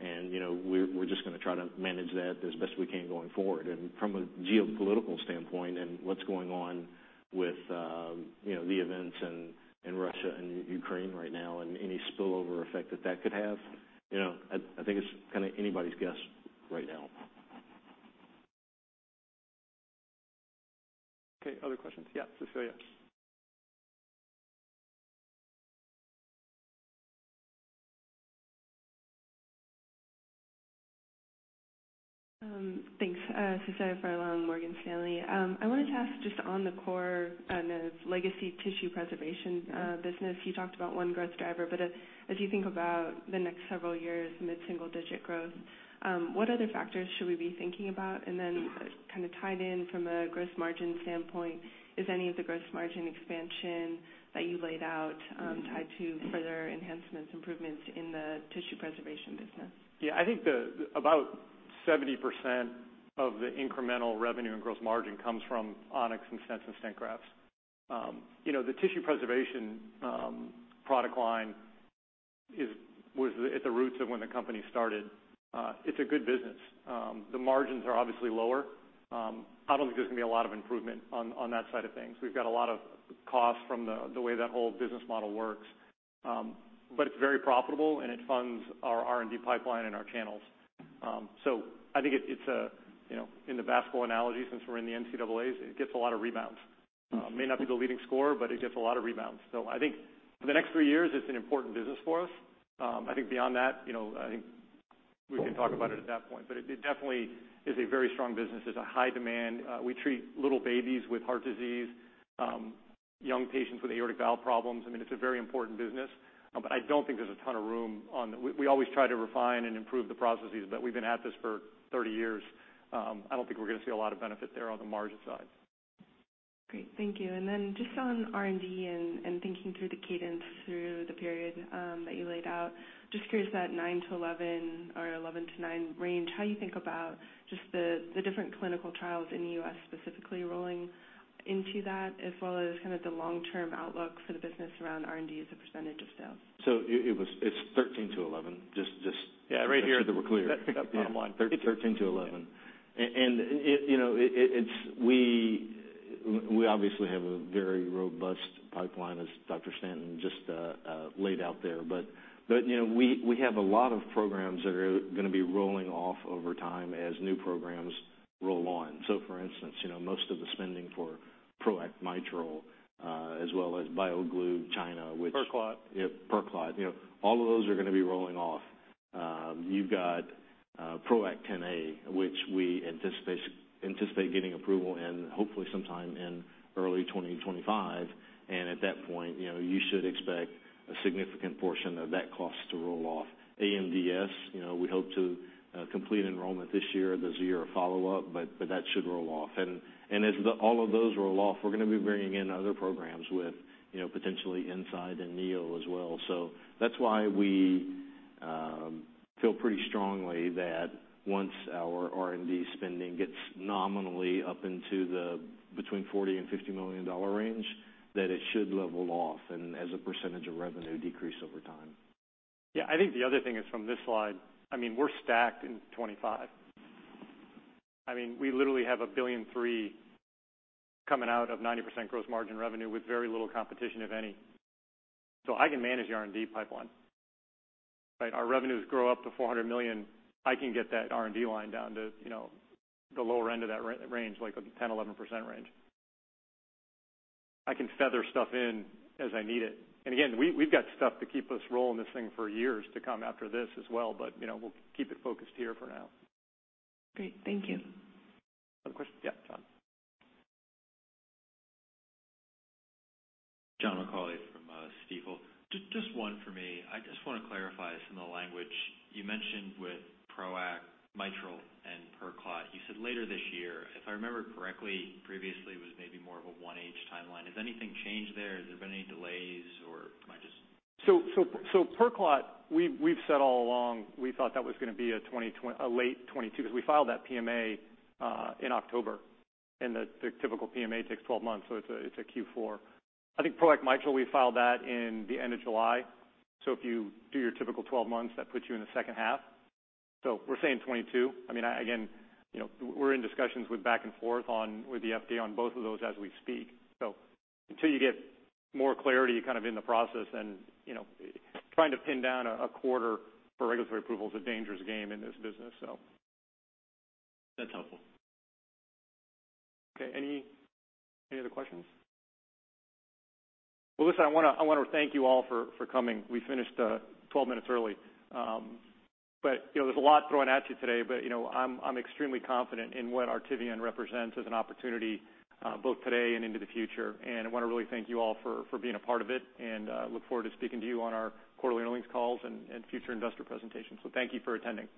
You know, we're just gonna try to manage that as best we can going forward. From a geopolitical standpoint and what's going on with, you know, the events in Russia and Ukraine right now and any spillover effect that could have, you know, I think it's kinda anybody's guess right now. Okay. Other questions? Yeah, Cecilia. Thanks. Cecilia Furlong, Morgan Stanley. I wanted to ask just on the core legacy tissue preservation business. You talked about one growth driver, but as you think about the next several years, mid-single-digit growth, what other factors should we be thinking about? And then kind of tied in from a gross margin standpoint, is any of the gross margin expansion that you laid out tied to further enhancements, improvements in the tissue preservation business? Yeah. I think about 70% of the incremental revenue and gross margin comes from On-X and stents and stent grafts. You know, the tissue preservation product line was at the roots of when the company started. It's a good business. The margins are obviously lower. I don't think there's gonna be a lot of improvement on that side of things. We've got a lot of costs from the way that whole business model works. But it's very profitable and it funds our R&D pipeline and our channels. I think it's a, you know, in the basketball analogy, since we're in the NCAAs, it gets a lot of rebounds. May not be the leading scorer, but it gets a lot of rebounds. I think for the next three years, it's an important business for us. I think beyond that, you know, I think we can talk about it at that point. It definitely is a very strong business. There's a high demand. We treat little babies with heart disease, young patients with aortic valve problems. I mean, it's a very important business. I don't think there's a ton of room. We always try to refine and improve the processes, but we've been at this for 30 years. I don't think we're gonna see a lot of benefit there on the margin side. Great. Thank you. Then just on R&D and thinking through the cadence through the period that you laid out, just curious that 9%-11% or 11%-9% range, how you think about just the different clinical trials in the U.S. specifically rolling into that, as well as kind of the long-term outlook for the business around R&D as a percentage of sales. It's 13% to 11%. Yeah, right here. Just so that we're clear. That bottom line. 13% to 11%. You know, we obviously have a very robust pipeline, as Dr. Stanton just laid out there. You know, we have a lot of programs that are gonna be rolling off over time as new programs roll on. For instance, you know, most of the spending for PROACT Mitral, as well as BioGlue China, which PerClot. Yeah, PerClot. You know, all of those are gonna be rolling off. You've got PROACT Xa, which we anticipate anticipate getting approval in hopefully sometime in early 2025. At that point, you know, you should expect a significant portion of that cost to roll off. AMDS, you know, we hope to complete enrollment this year. There's a year of follow-up, but that should roll off. As all of those roll off, we're gonna be bringing in other programs with, you know, potentially E-nside and Neo as well. That's why we feel pretty strongly that once our R&D spending gets nominally up into the between $40 million and $50 million range, that it should level off and as a percentage of revenue decrease over time. Yeah. I think the other thing is from this slide. I mean, we're stacked in 2025. I mean, we literally have $1.3 billion coming out of 90% gross margin revenue with very little competition, if any. I can manage the R&D pipeline, right? Our revenues grow up to $400 million. I can get that R&D line down to, you know, the lower end of that range, like a 10%-11% range. I can feather stuff in as I need it. Again, we've got stuff to keep us rolling this thing for years to come after this as well, but, you know, we'll keep it focused here for now. Great. Thank you. Other questions? Yeah, John. John McAulay from Stifel. Just one for me. I just wanna clarify some of the language you mentioned with PROACT Mitral and PerClot. You said later this year. If I remember correctly, previously, it was maybe more of a one-year timeline. Has anything changed there? Has there been any delays, or am I just- PerClot, we've said all along we thought that was gonna be a late 2022, 'cause we filed that PMA in October, and the typical PMA takes 12 months, so it's a Q4. I think PROACT Mitral, we filed that in the end of July, so if you do your typical 12 months, that puts you in the second half. We're saying 2022. I mean, you know, we're in discussions with back and forth with the FDA on both of those as we speak. Until you get more clarity kind of in the process and, you know, trying to pin down a quarter for regulatory approval is a dangerous game in this business. That's helpful. Okay, any other questions? Well, listen, I wanna thank you all for coming. We finished 12 minutes early. You know, there's a lot thrown at you today, but you know, I'm extremely confident in what Artivion represents as an opportunity, both today and into the future. I wanna really thank you all for being a part of it, and look forward to speaking to you on our quarterly earnings calls and future investor presentations. Thank you for attending.